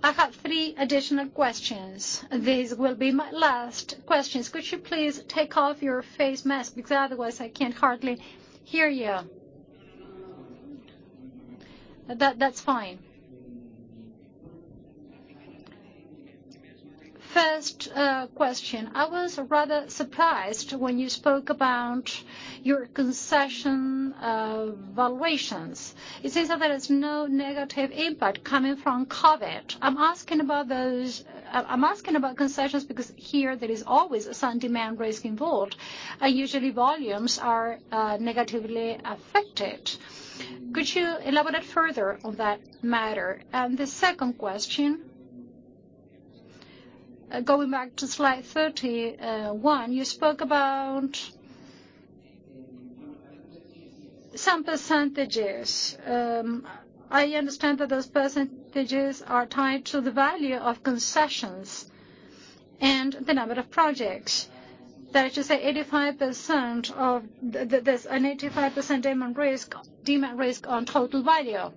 I have three additional questions. These will be my last questions. Could you please take off your face mask? Otherwise, I can hardly hear you. That's fine. First question. I was rather surprised when you spoke about your concession valuations. It says that there is no negative impact coming from COVID. I'm asking about concessions because here there is always some demand risk involved. Usually, volumes are negatively affected. Could you elaborate further on that matter? The second question. Going back to slide 31, you spoke about some percentages. I understand that those percentages are tied to the value of concessions and the number of projects. That is to say, there's an 85% demand risk on total value.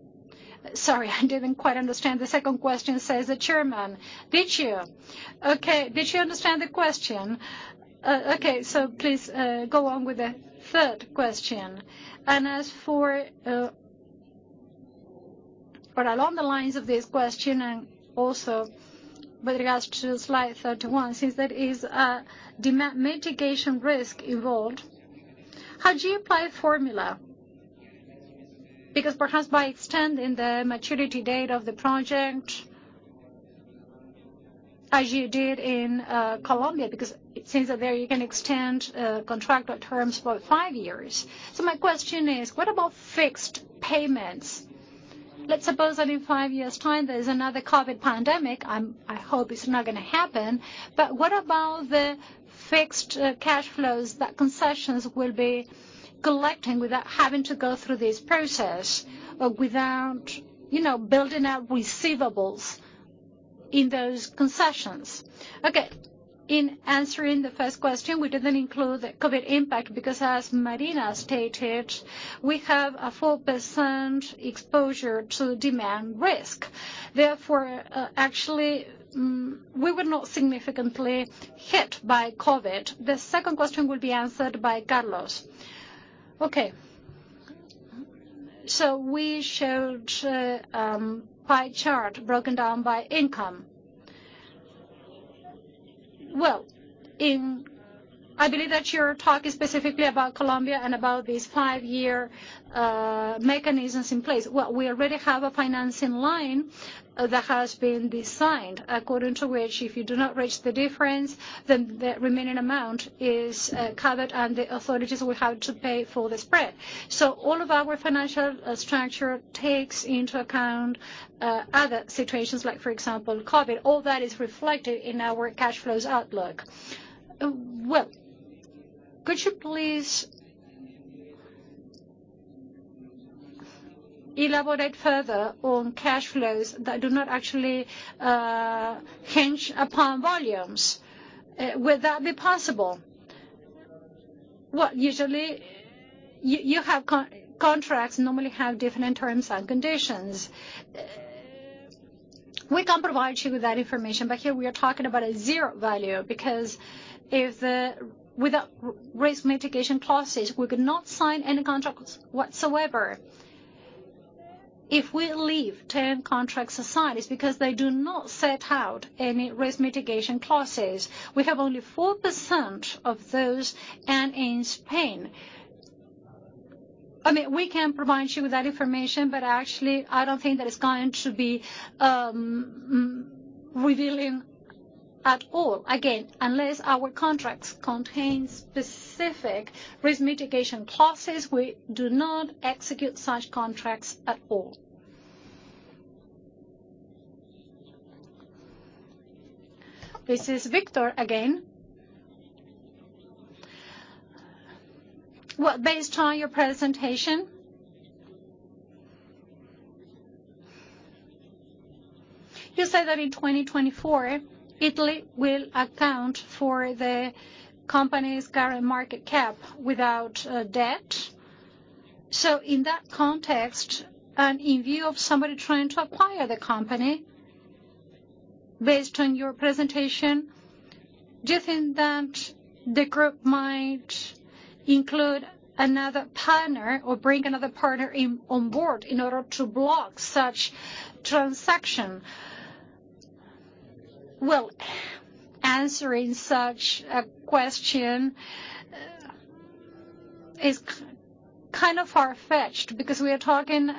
"Sorry, I didn't quite understand the second question," says the chairman. Did you? Okay. Did you understand the question? Okay. Please go on with the third question. As for along the lines of this question, and also with regards to slide 31, since there is a demand mitigation risk involved, how do you apply a formula? Perhaps by extending the maturity date of the project as you did in Colombia, because it seems that there you can extend contractual terms for five years. My question is, what about fixed payments? Let's suppose that in five years' time, there is another COVID pandemic. I hope it's not going to happen, but what about the fixed cash flows that concessions will be collecting without having to go through this process, or without building up receivables in those concessions? In answering the first question, we didn't include the COVID impact because as María Pino Velázquez stated, we have a 4% exposure to demand risk. Actually, we were not significantly hit by COVID. The second question will be answered by Carlos. Okay. We showed a pie chart broken down by income. Well, I believe that you're talking specifically about Colombia and about these five-year mechanisms in place. Well, we already have a financing line that has been designed, according to which, if you do not reach the difference, then the remaining amount is covered, and the authorities will have to pay for the spread. All of our financial structure takes into account other situations, like, for example, COVID. All that is reflected in our cash flows outlook. Well, could you please elaborate further on cash flows that do not actually hinge upon volumes? Would that be possible? Well, usually, contracts normally have different terms and conditions. We can provide you with that information. Here we are talking about a zero value because without risk mitigation clauses, we could not sign any contracts whatsoever. If we leave term contracts aside is because they do not set out any risk mitigation clauses. We have only 4% of those, and in Spain. We can provide you with that information. Actually, I don't think that it's going to be revealing at all. Again, unless our contracts contain specific risk mitigation clauses, we do not execute such contracts at all. This is Victor again. Well, based on your presentation, you said that in 2024, Italy will account for the company's current market cap without debt. In that context, and in view of somebody trying to acquire the company, based on your presentation, do you think that the group might include another partner or bring another partner on board in order to block such transaction? Answering such a question is kind of far-fetched because we are talking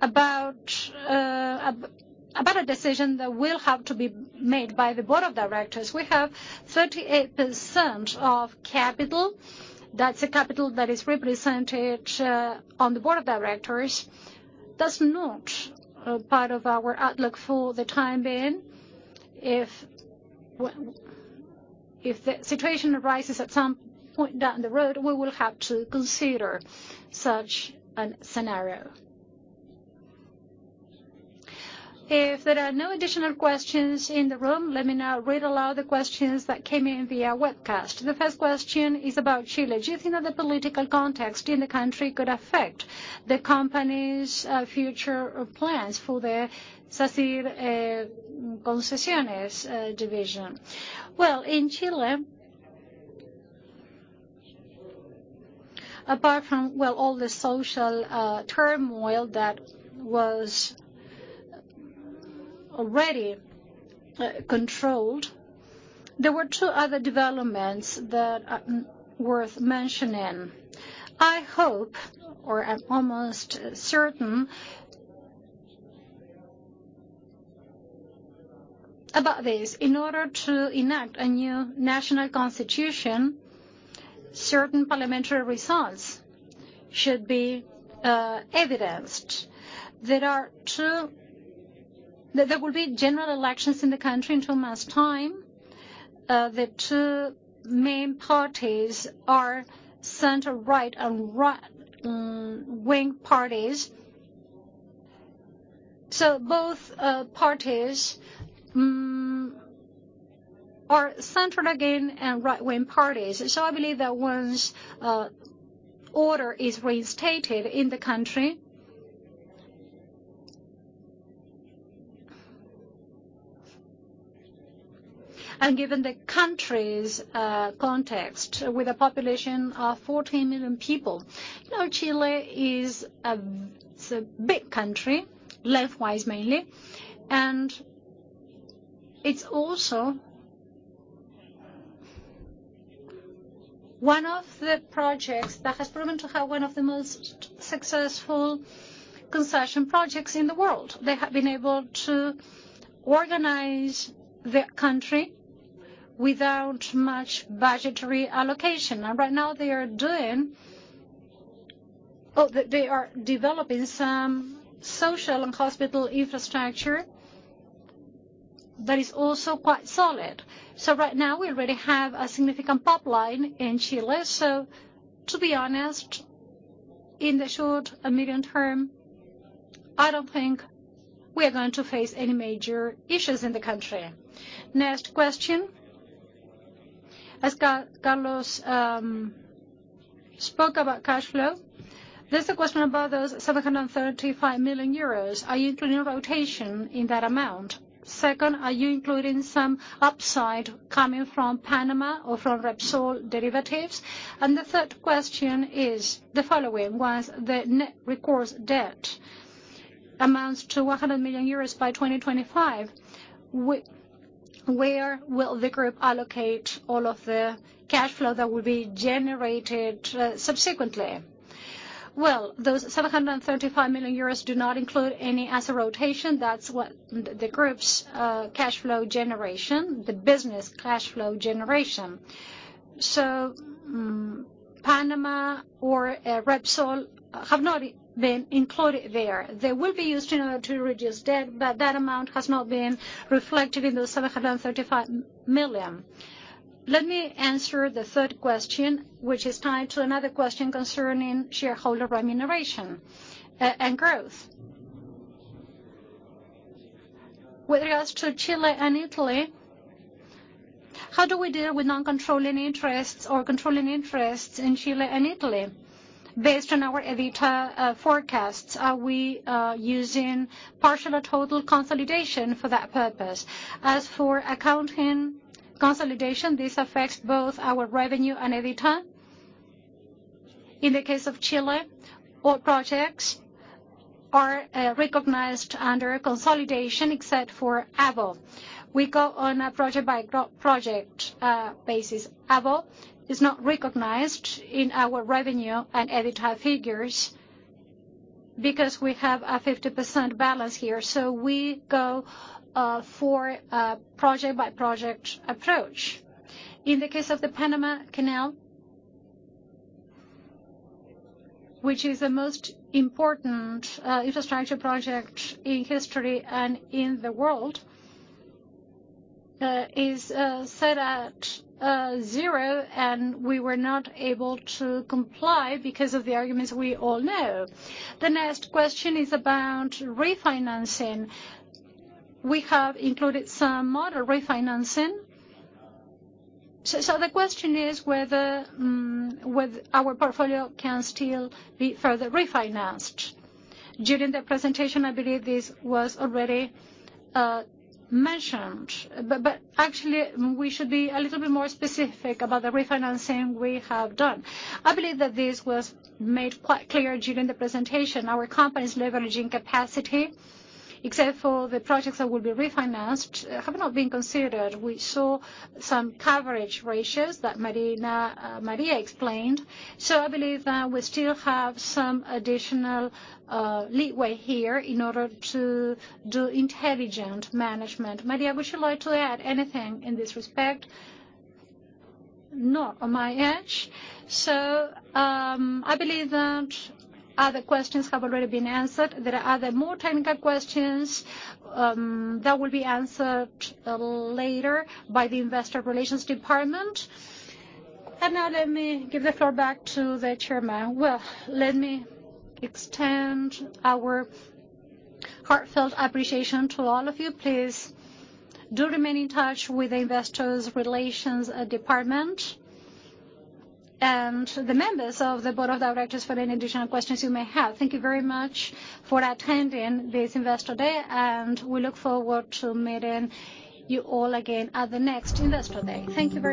about a decision that will have to be made by the board of directors. We have 38% of capital. That's a capital that is represented on the board of directors. That's not a part of our outlook for the time being. If the situation arises at some point down the road, we will have to consider such a scenario. If there are no additional questions in the room, let me now read aloud the questions that came in via webcast. The first question is about Chile. Do you think that the political context in the country could affect the company's future plans for the Sacyr Concesiones division? In Chile, apart from all the social turmoil that was already controlled, there were two other developments that are worth mentioning. I hope, or I'm almost certain about this. In order to enact a new national constitution, certain parliamentary results should be evidenced. There will be general elections in the country in two months' time. The two main parties are center-right and right-wing parties. Both parties are center, again, and right-wing parties. I believe that once order is reinstated in the country, and given the country's context with a population of 14 million people. Chile is a big country, lengthwise mainly, and it's also one of the projects that has proven to have one of the most successful concession projects in the world They have been able to organize their country without much budgetary allocation. Right now they are developing some social and hospital infrastructure that is also quite solid. Right now we already have a significant pipeline in Chile. To be honest, in the short and medium term, I don't think we are going to face any major issues in the country. Next question. As Carlos spoke about cash flow, there's a question about those 735 million euros. Are you including rotation in that amount? Second, are you including some upside coming from Panama or from Repsol derivatives? The third question is the following: once the net recourse debt amounts to 100 million euros by 2025, where will the group allocate all of the cash flow that will be generated subsequently? Those 735 million euros do not include any asset rotation. That's what the group's cash flow generation, the business cash flow generation. Panama or Repsol have not been included there. They will be used in order to reduce debt, that amount has not been reflected in those 735 million. Let me answer the third question, which is tied to another question concerning shareholder remuneration and growth. With regards to Chile and Italy, how do we deal with non-controlling interests or controlling interests in Chile and Italy? Based on our EBITDA forecasts, are we using partial or total consolidation for that purpose? As for accounting consolidation, this affects both our revenue and EBITDA. In the case of Chile, all projects are recognized under consolidation except for AVO. We go on a project-by-project basis. AVO is not recognized in our revenue and EBITDA figures because we have a 50% balance here. We go for a project-by-project approach. In the case of the Panama Canal, which is the most important infrastructure project in history and in the world, is set at zero, and we were not able to comply because of the arguments we all know. The next question is about refinancing. We have included some model refinancing. The question is whether our portfolio can still be further refinanced. During the presentation, I believe this was already mentioned, but actually, we should be a little bit more specific about the refinancing we have done. I believe that this was made quite clear during the presentation. Our company's leveraging capacity, except for the projects that will be refinanced, have not been considered. We saw some coverage ratios that María explained. I believe that we still have some additional leeway here in order to do intelligent management. María, would you like to add anything in this respect? Not on my edge. I believe that other questions have already been answered. There are other more technical questions that will be answered later by the investor relations department. Now let me give the floor back to the chairman. Well, let me extend our heartfelt appreciation to all of you. Please do remain in touch with the investors relations department and the members of the board of directors for any additional questions you may have. Thank you very much for attending this Investor Day, and we look forward to meeting you all again at the next Investor Day. Thank you very much